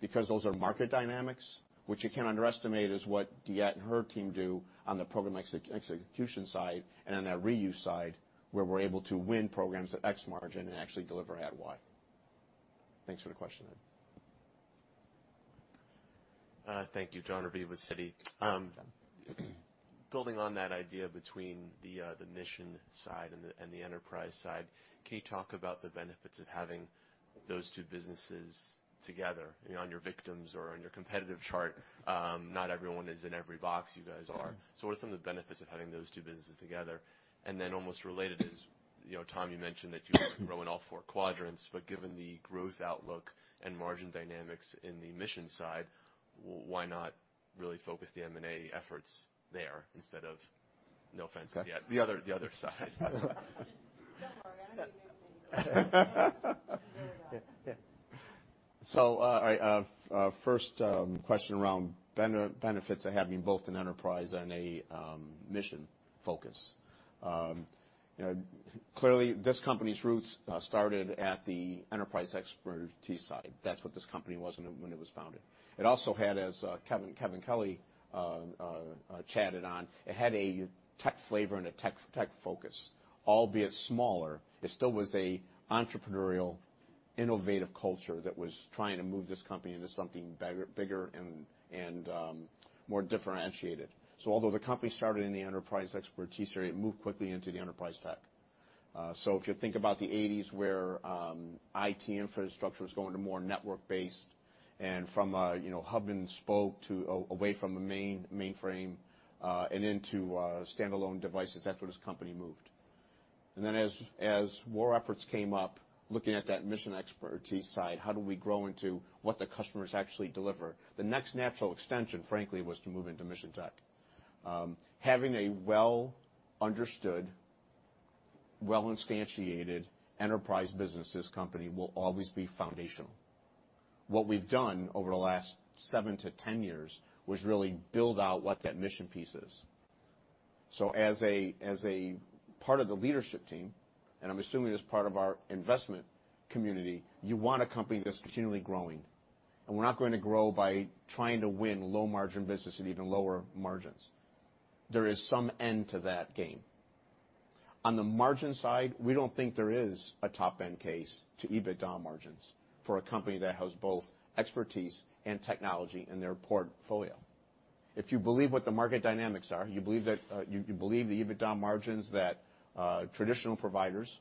because those are market dynamics, which you can't underestimate is what DeEtte and her team do on the program execution side and on that reuse side where we're able to win programs at X margin and actually deliver at Y. Thanks for the question. Thank you, John. Building on that idea between the mission side and the enterprise side, can you talk about the benefits of having those two businesses together? I mean, on your Venn diagram or on your competitive chart, not everyone is in every box you guys are. So what are some of the benefits of having those two businesses together? And then almost related is, Tom, you mentioned that you're growing all four quadrants, but given the growth outlook and margin dynamics in the mission side, why not really focus the M&A efforts there instead of no offense to the other side? So all right. First question around benefits of having both an enterprise and a mission focus. Clearly, this company's roots started at the enterprise expertise side. That's what this company was when it was founded. It also had, as Kevin Kelly chatted on, it had a tech flavor and a tech focus. Albeit smaller, it still was an entrepreneurial, innovative culture that was trying to move this company into something bigger and more differentiated. So although the company started in the enterprise expertise area, it moved quickly into the enterprise tech. So if you think about the 1980s where IT infrastructure was going to more network-based and from a hub-and-spoke to away from the mainframe and into standalone devices, that's where this company moved. And then as more efforts came up, looking at that mission expertise side, how do we grow into what the customers actually deliver? The next natural extension, frankly, was to move into mission tech. Having a well-understood, well-instantiated enterprise businesses company will always be foundational. What we've done over the last seven to 10 years was really build out what that mission piece is, so as a part of the leadership team, and I'm assuming as part of our investment community, you want a company that's continually growing, and we're not going to grow by trying to win low-margin business at even lower margins. There is some end to that game. On the margin side, we don't think there is a top-end case to EBITDA margins for a company that has both expertise and technology in their portfolio. If you believe what the market dynamics are, you believe the EBITDA margins that traditional providers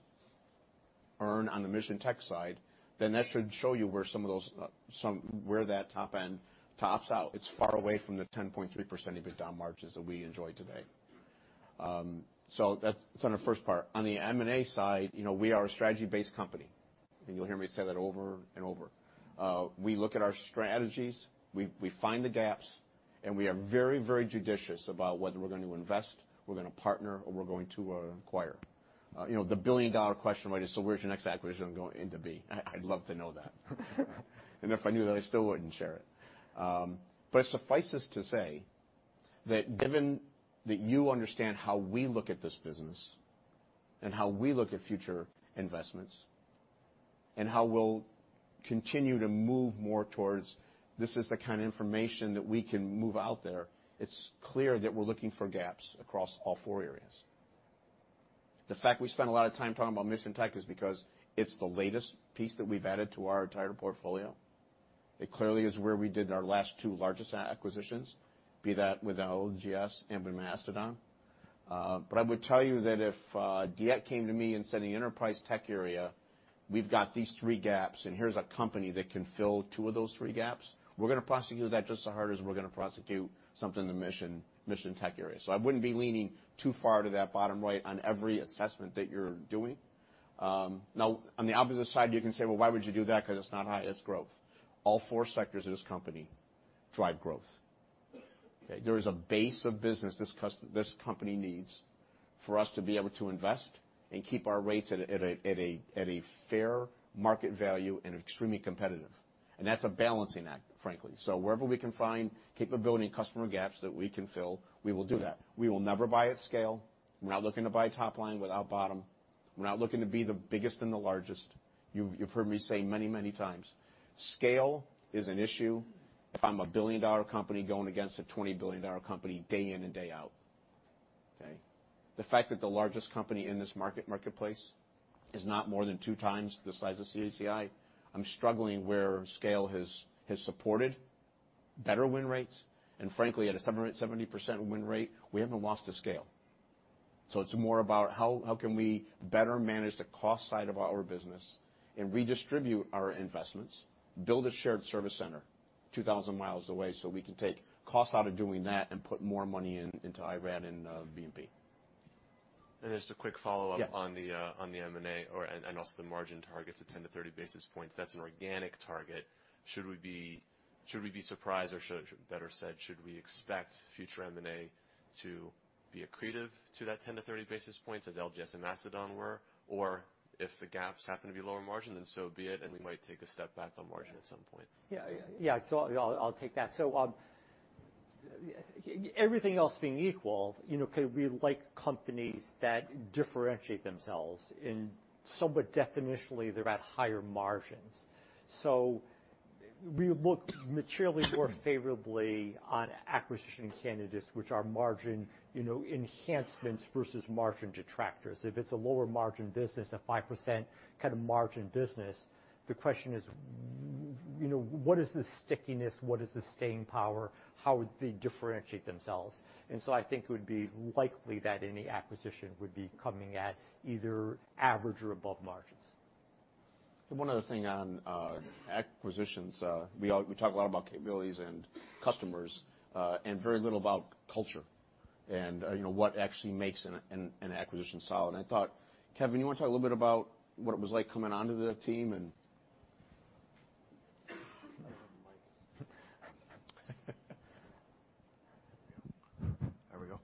earn on the mission tech side, then that should show you where that top-end tops out. It's far away from the 10.3% EBITDA margins that we enjoy today, so that's on the first part. On the M&A side, we are a strategy-based company, and you'll hear me say that over and over. We look at our strategies, we find the gaps, and we are very, very judicious about whether we're going to invest, we're going to partner, or we're going to acquire. The billion-dollar question right is, so where's your next acquisition going to be? I'd love to know that, and if I knew that, I still wouldn't share it, but it suffices to say that given that you understand how we look at this business and how we look at future investments and how we'll continue to move more towards this is the kind of information that we can move out there, it's clear that we're looking for gaps across all four areas. The fact we spent a lot of time talking about mission tech is because it's the latest piece that we've added to our entire portfolio. It clearly is where we did our last two largest acquisitions, be that with LGS and with Mastodon. But I would tell you that if DeEtte came to me and said, in the enterprise tech area, we've got these three gaps, and here's a company that can fill two of those three gaps, we're going to prosecute with that just as hard as we're going to prosecute something in the mission tech area. So I wouldn't be leaning too far to that bottom right on every assessment that you're doing. Now, on the opposite side, you can say, well, why would you do that? Because it's not highest growth. All four sectors of this company drive growth. There is a base of business this company needs for us to be able to invest and keep our rates at a fair market value and extremely competitive. That's a balancing act, frankly. Wherever we can find capability and customer gaps that we can fill, we will do that. We will never buy at scale. We're not looking to buy top line without bottom. We're not looking to be the biggest and the largest. You've heard me say many, many times, scale is an issue if I'm a $1 billion company going against a $20 billion company day in and day out. The fact that the largest company in this marketplace is not more than two times the size of CACI, I'm struggling where scale has supported better win rates. Frankly, at a 70% win rate, we haven't lost to scale. It's more about how we can better manage the cost side of our business and redistribute our investments. Build a shared service center 2,000 miles away so we can take costs out of doing that and put more money into IRAD and BD. Just a quick follow-up on the M&A and also the margin targets at 10-30 basis points. That's an organic target. Should we be surprised or better said, should we expect future M&A to be accretive to that 10-30 basis points as LGS and Mastodon were? Or if the acquisitions happen to be lower margin, then so be it, and we might take a step back on margin at some point. Yeah. Yeah. So I'll take that. So everything else being equal, we like companies that differentiate themselves in somewhat definitionally they're at higher margins. So we look materially more favorably on acquisition candidates, which are margin enhancements versus margin detractors. If it's a lower margin business, a 5% kind of margin business, the question is, what is the stickiness? What is the staying power? How would they differentiate themselves? And so I think it would be likely that any acquisition would be coming at either average or above margins. One other thing on acquisitions. We talk a lot about capabilities and customers and very little about culture and what actually makes an acquisition solid, and I thought, Kevin, you want to talk a little bit about what it was like coming onto the team and. There we go.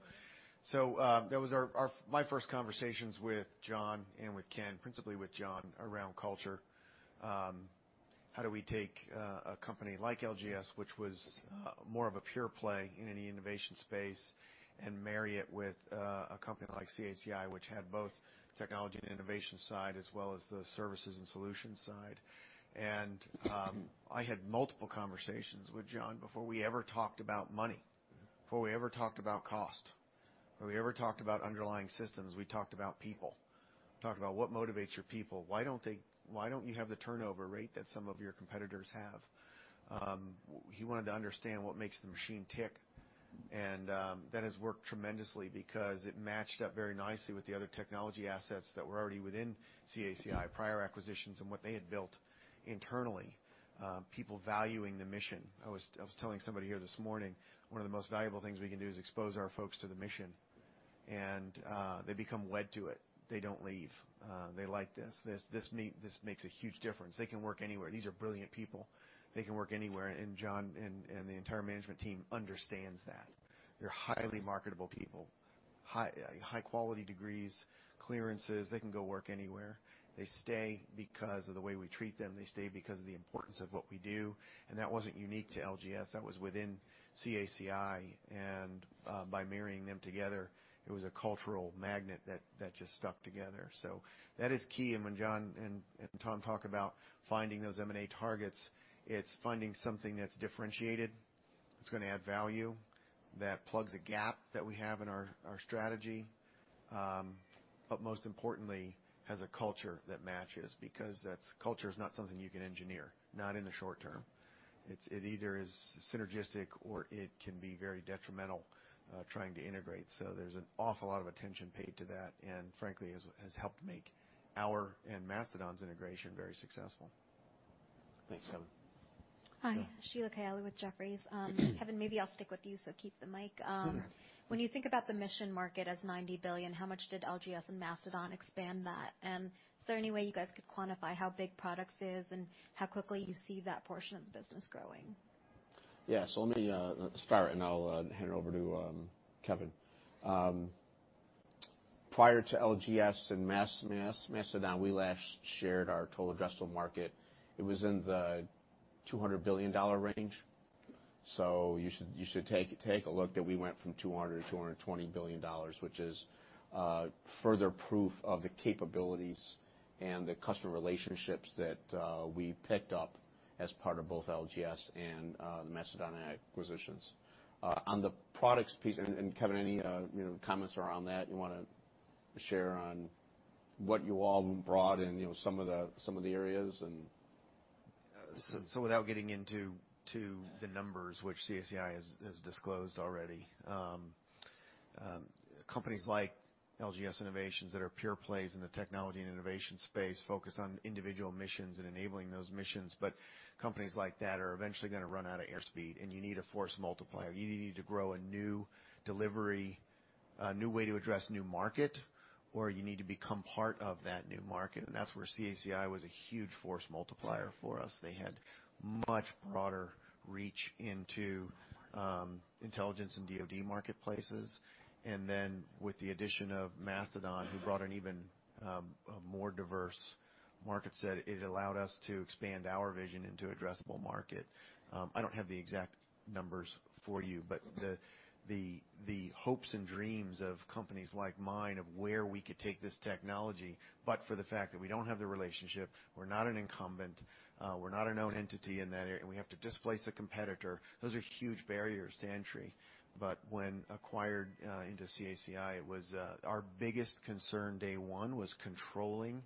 So that was my first conversations with John and with Ken, principally with John around culture. How do we take a company like LGS, which was more of a pure play in any innovation space, and marry it with a company like CACI, which had both technology and innovation side as well as the services and solutions side? And I had multiple conversations with John before we ever talked about money, before we ever talked about cost, before we ever talked about underlying systems. We talked about people. We talked about what motivates your people. Why don't you have the turnover rate that some of your competitors have? He wanted to understand what makes the machine tick. And that has worked tremendously because it matched up very nicely with the other technology assets that were already within CACI, prior acquisitions and what they had built internally, people valuing the mission. I was telling somebody here this morning, one of the most valuable things we can do is expose our folks to the mission. And they become wed to it. They don't leave. They like this. This makes a huge difference. They can work anywhere. These are brilliant people. They can work anywhere. And John and the entire management team understands that. They're highly marketable people, high-quality degrees, clearances. They can go work anywhere. They stay because of the way we treat them. They stay because of the importance of what we do. And that wasn't unique to LGS. That was within CACI. And by marrying them together, it was a cultural magnet that just stuck together. That is key. When John and Tom talk about finding those M&A targets, it's finding something that's differentiated, that's going to add value, that plugs a gap that we have in our strategy, but most importantly, has a culture that matches because culture is not something you can engineer, not in the short term. It either is synergistic or it can be very detrimental trying to integrate. There's an awful lot of attention paid to that and frankly has helped make our and Mastodon's integration very successful. Thanks, Kevin. Hi. Sheila Kahyaoglu with Jefferies. Kevin, maybe I'll stick with you, so keep the mic. When you think about the mission market as $90 billion, how much did LGS and Mastodon expand that? And is there any way you guys could quantify how big products is and how quickly you see that portion of the business growing? Yeah. So let me start and I'll hand it over to Kevin. Prior to LGS and Mastodon, we last shared our total addressable market. It was in the $200 billion range. So you should take a look that we went from $200 to $220 billion, which is further proof of the capabilities and the customer relationships that we picked up as part of both LGS and the Mastodon acquisitions. On the products piece, and Kevin, any comments around that you want to share on what you all brought in some of the areas? So without getting into the numbers, which CACI has disclosed already, companies like LGS Innovations that are pure plays in the technology and innovation space focus on individual missions and enabling those missions. But companies like that are eventually going to run out of airspeed, and you need a force multiplier. You need to grow a new delivery, a new way to address new market, or you need to become part of that new market. And that's where CACI was a huge force multiplier for us. They had much broader reach into intelligence and DOD marketplaces. And then with the addition of Mastodon, who brought an even more diverse market set, it allowed us to expand our vision into addressable market. I don't have the exact numbers for you, but the hopes and dreams of companies like mine of where we could take this technology, but for the fact that we don't have the relationship, we're not an incumbent, we're not our own entity in that area, and we have to displace a competitor. Those are huge barriers to entry. But when acquired into CACI, our biggest concern day one was controlling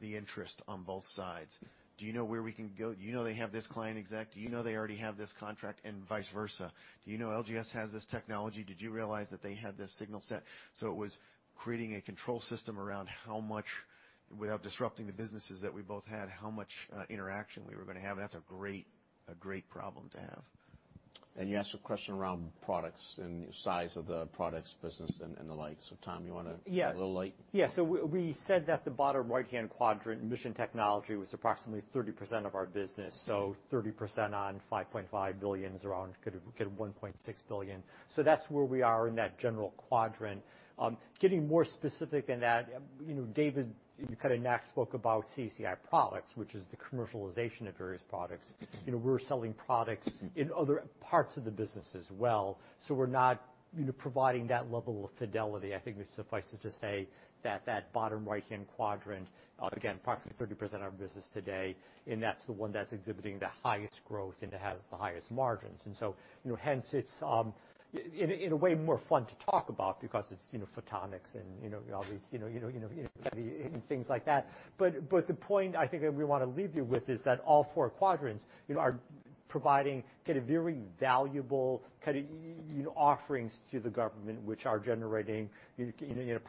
the interest on both sides. Do you know where we can go? Do you know they have this client exec? Do you know they already have this contract? And vice versa. Do you know LGS has this technology? Did you realize that they had this signal set? So it was creating a control system around how much, without disrupting the businesses that we both had, how much interaction we were going to have. That's a great problem to have. You asked a question around products and the size of the products business and the like. Tom, you want to get a little light? Yeah. So we said that the bottom right-hand quadrant, mission technology, was approximately 30% of our business. So 30% on $5.5 billion is around $1.6 billion. So that's where we are in that general quadrant. Getting more specific than that, David, you kind of spoke about CACI products, which is the commercialization of various products. We're selling products in other parts of the business as well. So we're not providing that level of fidelity. I think it suffices to say that that bottom right-hand quadrant, again, approximately 30% of our business today, and that's the one that's exhibiting the highest growth and has the highest margins. And so hence, it's in a way more fun to talk about because it's photonics and all these things like that. But the point I think that we want to leave you with is that all four quadrants are providing kind of very valuable kind of offerings to the government, which are generating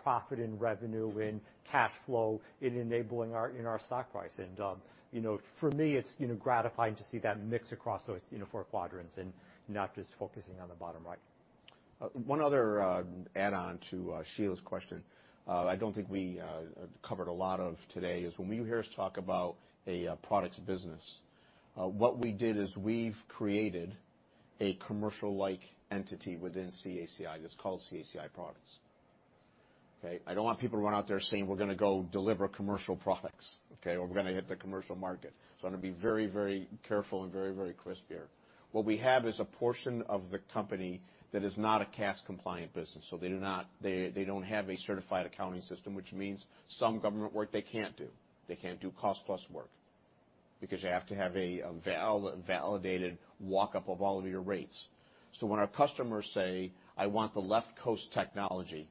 profit and revenue and cash flow in enabling our stock price. And for me, it's gratifying to see that mix across those four quadrants and not just focusing on the bottom right. One other add-on to Sheila's question, I don't think we covered a lot of today, is when we hear us talk about a products business, what we did is we've created a commercial-like entity within CACI that's called CACI Products. Okay? I don't want people to run out there saying, we're going to go deliver commercial products, okay, or, we're going to hit the commercial market. So I'm going to be very, very careful and very, very crisp here. What we have is a portion of the company that is not a CAS compliant business. So they don't have a certified accounting system, which means some government work they can't do. They can't do cost-plus work because you have to have a validated build-up of all of your rates. So when our customers say, I want the left coast technology,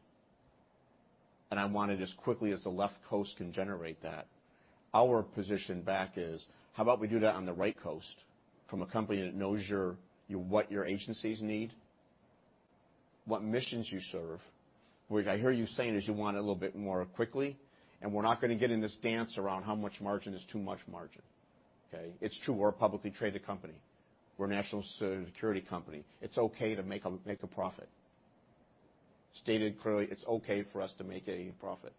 and I want it as quickly as the left coast can generate that, our position back is, how about we do that on the right coast from a company that knows what your agencies need, what missions you serve? What I hear you saying is you want it a little bit more quickly, and we're not going to get in this dance around how much margin is too much margin. Okay? It's true. We're a publicly traded company. We're a national security company. It's okay to make a profit. Stated clearly, it's okay for us to make a profit.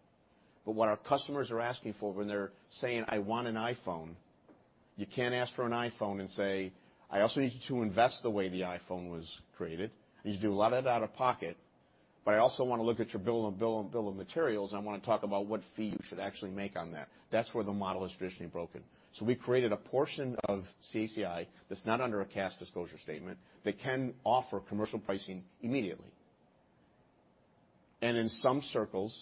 But what our customers are asking for when they're saying, I want an iPhone, you can't ask for an iPhone and say, I also need you to invest the way the iPhone was created. I need you to do a lot of that out of pocket, but I also want to look at your bill of materials, and I want to talk about what fee you should actually make on that. That's where the model is traditionally broken. So we created a portion of CACI that's not under a CAS disclosure statement that can offer commercial pricing immediately. And in some circles,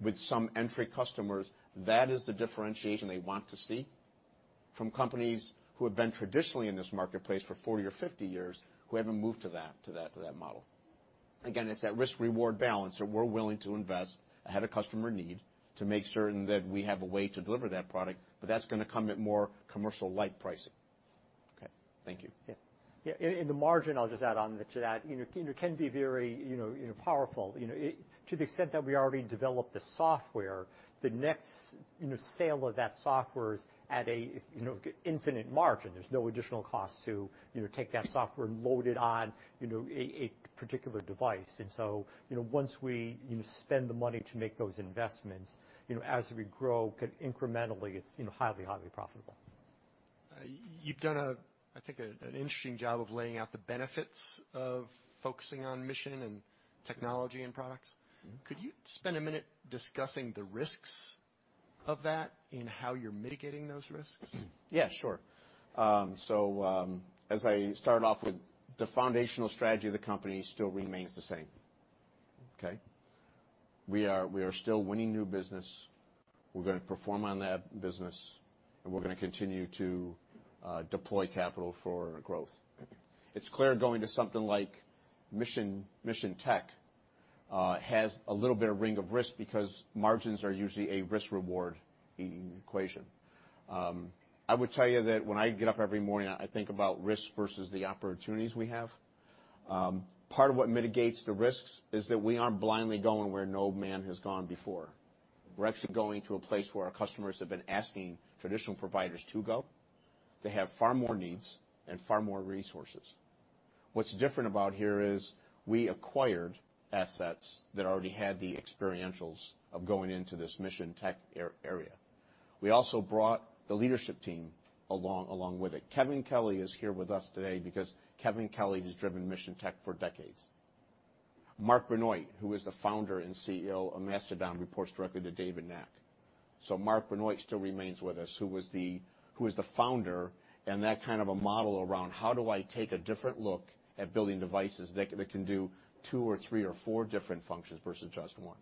with some entry customers, that is the differentiation they want to see from companies who have been traditionally in this marketplace for 40 or 50 years who haven't moved to that model. Again, it's that risk-reward balance that we're willing to invest ahead of customer need to make certain that we have a way to deliver that product, but that's going to come at more commercial-like pricing. Okay. Thank you. Yeah. Yeah. And the margin, I'll just add on to that, can be very powerful. To the extent that we already develop the software, the next sale of that software is at an infinite margin. There's no additional cost to take that software and load it on a particular device. And so once we spend the money to make those investments, as we grow incrementally, it's highly, highly profitable. You've done, I think, an interesting job of laying out the benefits of focusing on mission and technology and products. Could you spend a minute discussing the risks of that and how you're mitigating those risks? Yeah, sure. So as I started off with, the foundational strategy of the company still remains the same. Okay? We are still winning new business. We're going to perform on that business, and we're going to continue to deploy capital for growth. It's clear going to something like mission tech has a little bit of ring of risk because margins are usually a risk-reward equation. I would tell you that when I get up every morning, I think about risks versus the opportunities we have. Part of what mitigates the risks is that we aren't blindly going where no man has gone before. We're actually going to a place where our customers have been asking traditional providers to go. They have far more needs and far more resources. What's different about here is we acquired assets that already had the experience of going into this mission tech area. We also brought the leadership team along with it. Kevin Kelly is here with us today because Kevin Kelly has driven mission tech for decades. Mark Benoit, who is the founder and CEO of Mastodon, reports directly to David Nack. So Mark Benoit still remains with us, who is the founder and that kind of a model around how do I take a different look at building devices that can do two or three or four different functions versus just one.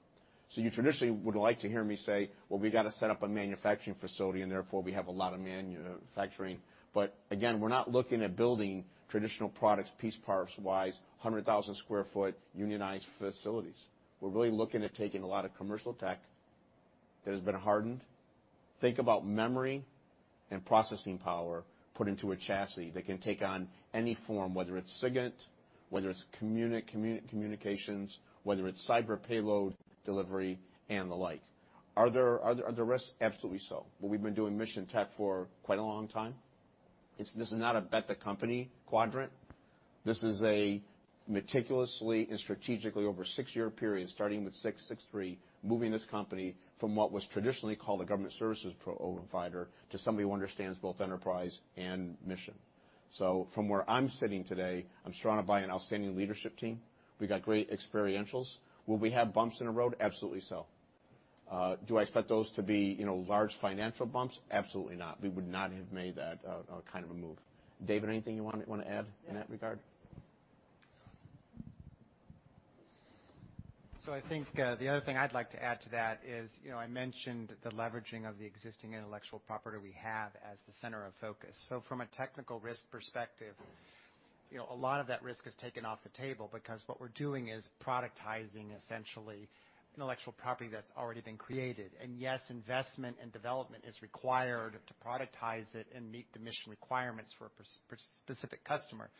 So you traditionally would like to hear me say, well, we got to set up a manufacturing facility, and therefore we have a lot of manufacturing. But again, we're not looking at building traditional products piece parts-wise, 100,000 sq ft unionized facilities. We're really looking at taking a lot of commercial tech that has been hardened. Think about memory and processing power put into a chassis that can take on any form, whether it's SIGINT, whether it's communications, whether it's cyber payload delivery, and the like. Are there risks? Absolutely so. But we've been doing mission tech for quite a long time. This is not a bet-the-company quadrant. This is a meticulously and strategically over a six-year period, starting with Six3, moving this company from what was traditionally called a government services provider to somebody who understands both enterprise and mission. So from where I'm sitting today, I'm surrounded by an outstanding leadership team. We got great experientials. Will we have bumps in the road? Absolutely so. Do I expect those to be large financial bumps? Absolutely not. We would not have made that kind of a move. David, anything you want to add in that regard? So I think the other thing I'd like to add to that is I mentioned the leveraging of the existing intellectual property we have as the center of focus. So from a technical risk perspective, a lot of that risk is taken off the table because what we're doing is productizing, essentially, intellectual property that's already been created. And yes, investment and development is required to productize it and meet the mission requirements for a specific customer.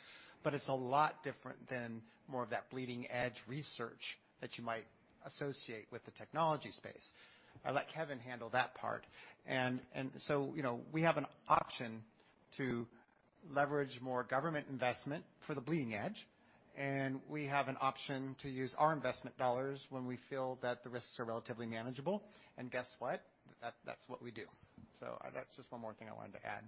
But it's a lot different than more of that bleeding-edge research that you might associate with the technology space. I'll let Kevin handle that part. And so we have an option to leverage more government investment for the bleeding edge. And we have an option to use our investment dollars when we feel that the risks are relatively manageable. And guess what? That's what we do. So that's just one more thing I wanted to add.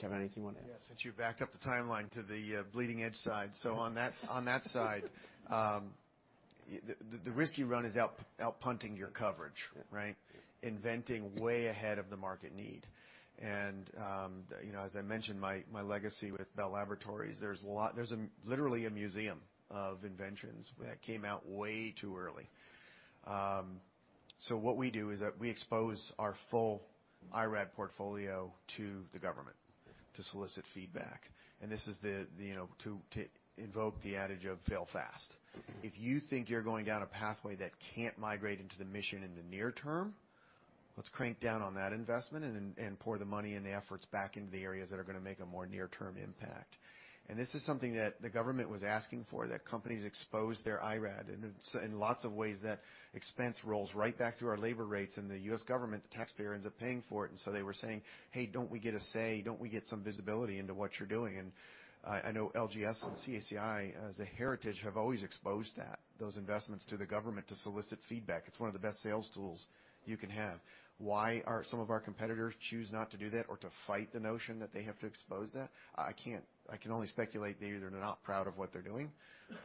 Kevin, anything you want to add? Yeah. Since you backed up the timeline to the bleeding-edge side, so on that side, the risk you run is out punting your coverage, right? Inventing way ahead of the market need. And as I mentioned, my legacy with Bell Laboratories, there's literally a museum of inventions that came out way too early. So what we do is we expose our full IRAD portfolio to the government to solicit feedback. And this is to invoke the adage of fail fast. If you think you're going down a pathway that can't migrate into the mission in the near term, let's crank down on that investment and pour the money and the efforts back into the areas that are going to make a more near-term impact. And this is something that the government was asking for, that companies expose their IRAD in lots of ways that expense rolls right back through our labor rates, and the U.S. government, the taxpayer, ends up paying for it. And so they were saying, hey, don't we get a say? Don't we get some visibility into what you're doing? And I know LGS and CACI, as a heritage, have always exposed those investments to the government to solicit feedback. It's one of the best sales tools you can have. Why are some of our competitors choose not to do that or to fight the notion that they have to expose that? I can only speculate they're either not proud of what they're doing,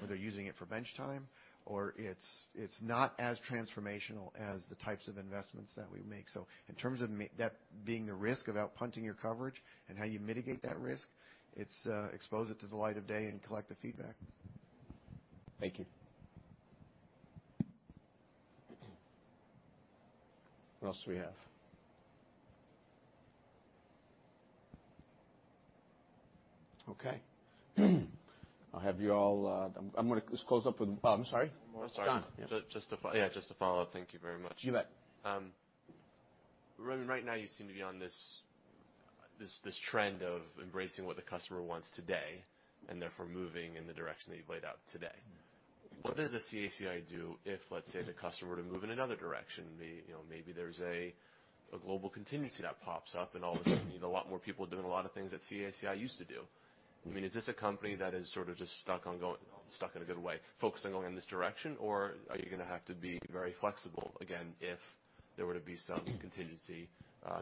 or they're using it for bench time, or it's not as transformational as the types of investments that we make. So in terms of that being the risk of out punting your coverage and how you mitigate that risk, it's expose it to the light of day and collect the feedback. Thank you. What else do we have? Okay. I'll have you all. I'm going to close up with. Oh, I'm sorry. Just a follow-up. Yeah, just a follow-up. Thank you very much. You bet. Right now, you seem to be on this trend of embracing what the customer wants today and therefore moving in the direction that you've laid out today. What does a CACI do if, let's say, the customer were to move in another direction? Maybe there's a global contingency that pops up and all of a sudden you need a lot more people doing a lot of things that CACI used to do. I mean, is this a company that is sort of just stuck in a good way, focused on going in this direction, or are you going to have to be very flexible, again, if there were to be some contingency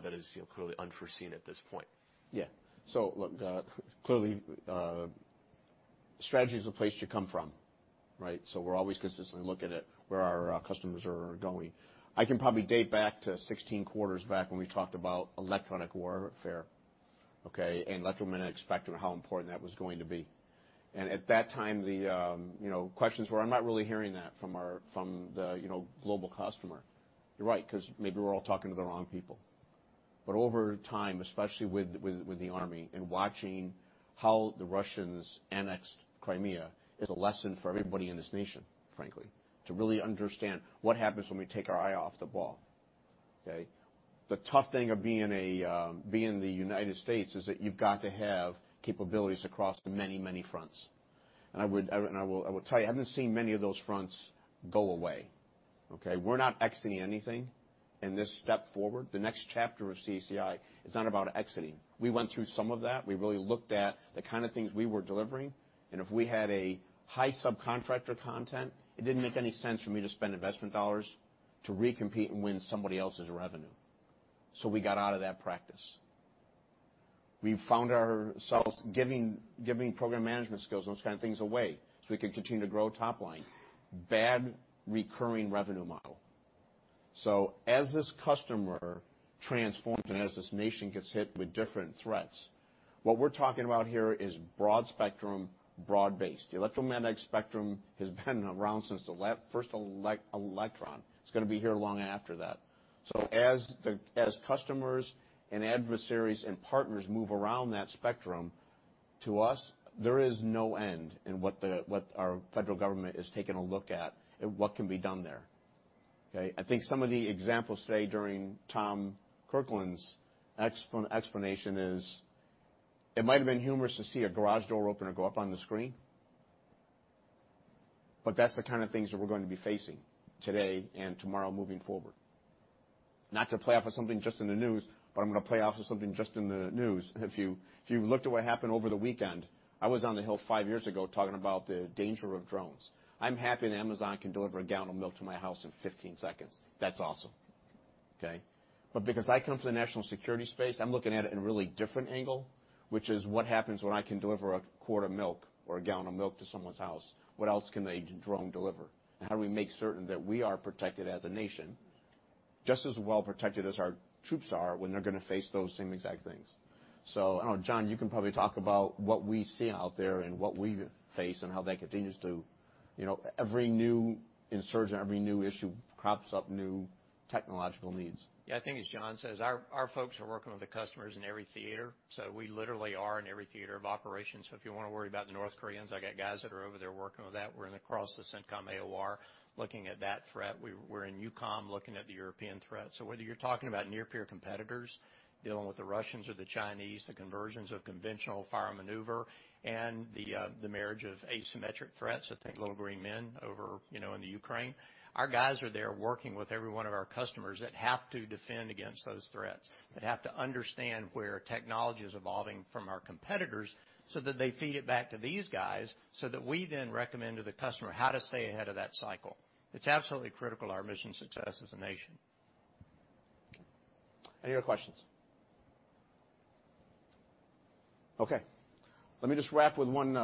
that is clearly unforeseen at this point? Yeah. So look, clearly, strategy is a place to come from, right? So we're always consistently looking at where our customers are going. I can probably date back to 16 quarters back when we talked about electronic warfare, okay, and electromagnetic spectrum and how important that was going to be. And at that time, the questions were, I'm not really hearing that from the global customer. You're right because maybe we're all talking to the wrong people. But over time, especially with the Army and watching how the Russians annexed Crimea, it's a lesson for everybody in this nation, frankly, to really understand what happens when we take our eye off the ball. Okay? The tough thing of being the United States is that you've got to have capabilities across many, many fronts. And I will tell you, I haven't seen many of those fronts go away. Okay? We're not exiting anything in this step forward. The next chapter of CACI is not about exiting. We went through some of that. We really looked at the kind of things we were delivering. And if we had a high subcontractor content, it didn't make any sense for me to spend investment dollars to recompete and win somebody else's revenue. So we got out of that practice. We found ourselves giving program management skills and those kind of things away so we could continue to grow top line. Bad recurring revenue model. So as this customer transforms and as this nation gets hit with different threats, what we're talking about here is broad spectrum, broad-based. The electromagnetic spectrum has been around since the first electron. It's going to be here long after that. So as customers and adversaries and partners move around that spectrum to us, there is no end in what our federal government is taking a look at and what can be done there. Okay? I think some of the examples today during Tom Kirkland's explanation is it might have been humorous to see a garage door open or go up on the screen, but that's the kind of things that we're going to be facing today and tomorrow moving forward. Not to play off of something just in the news, but I'm going to play off of something just in the news. If you looked at what happened over the weekend, I was on the Hill five years ago talking about the danger of drones. I'm happy that Amazon can deliver a gallon of milk to my house in 15 seconds. That's awesome. Okay? But because I come from the national security space, I'm looking at it in a really different angle, which is what happens when I can deliver a quart of milk or a gallon of milk to someone's house. What else can a drone deliver? And how do we make certain that we are protected as a nation, just as well protected as our troops are when they're going to face those same exact things? So I don't know. John, you can probably talk about what we see out there and what we face and how that continues to every new insurgent, every new issue crops up new technological needs. Yeah, I think as John says, our folks are working with the customers in every theater. So we literally are in every theater of operations. So if you want to worry about the North Koreans, I got guys that are over there working with that. We're across the CENTCOM AOR looking at that threat. We're in EUCOM looking at the European threat. So whether you're talking about near-peer competitors dealing with the Russians or the Chinese, the convergence of conventional fire maneuver, and the marriage of asymmetric threats, I think little green men over in the Ukraine, our guys are there working with every one of our customers that have to defend against those threats, that have to understand where technology is evolving from our competitors so that they feed it back to these guys so that we then recommend to the customer how to stay ahead of that cycle. It's absolutely critical to our mission success as a nation. Any other questions? Okay. Let me just wrap with one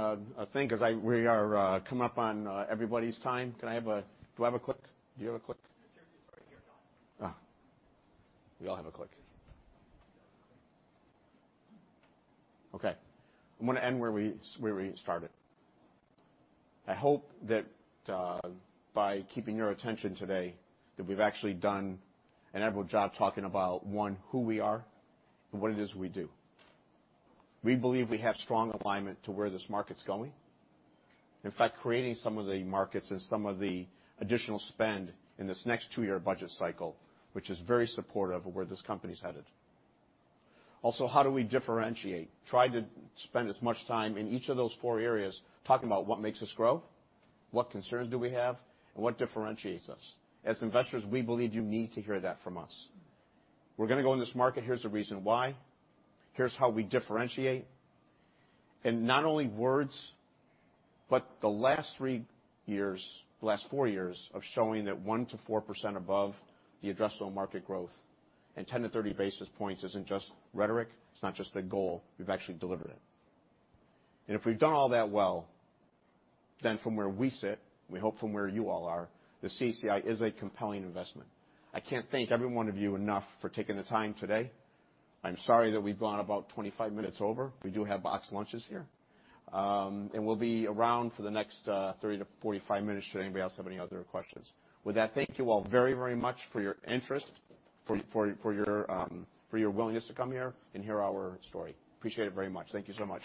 thing because we are coming up on everybody's time. Can I have a click? Do I have a click? Do you have a click? We all have a click. Okay. I'm going to end where we started. I hope that by keeping your attention today, that we've actually done an admirable job talking about, one, who we are and what it is we do. We believe we have strong alignment to where this market's going, in fact, creating some of the markets and some of the additional spend in this next two-year budget cycle, which is very supportive of where this company's headed. Also, how do we differentiate? Try to spend as much time in each of those four areas talking about what makes us grow, what concerns do we have, and what differentiates us. As investors, we believe you need to hear that from us. We're going to go in this market. Here's the reason why. Here's how we differentiate. And not only words, but the last three years, the last four years of showing that 1%-4% above the addressable market growth and 10-30 basis points isn't just rhetoric. It's not just a goal. We've actually delivered it. And if we've done all that well, then from where we sit, we hope from where you all are, the CACI is a compelling investment. I can't thank every one of you enough for taking the time today. I'm sorry that we've gone about 25 minutes over. We do have boxed lunches here. And we'll be around for the next 30-45 minutes should anybody else have any other questions. With that, thank you all very, very much for your interest, for your willingness to come here and hear our story. Appreciate it very much. Thank you so much.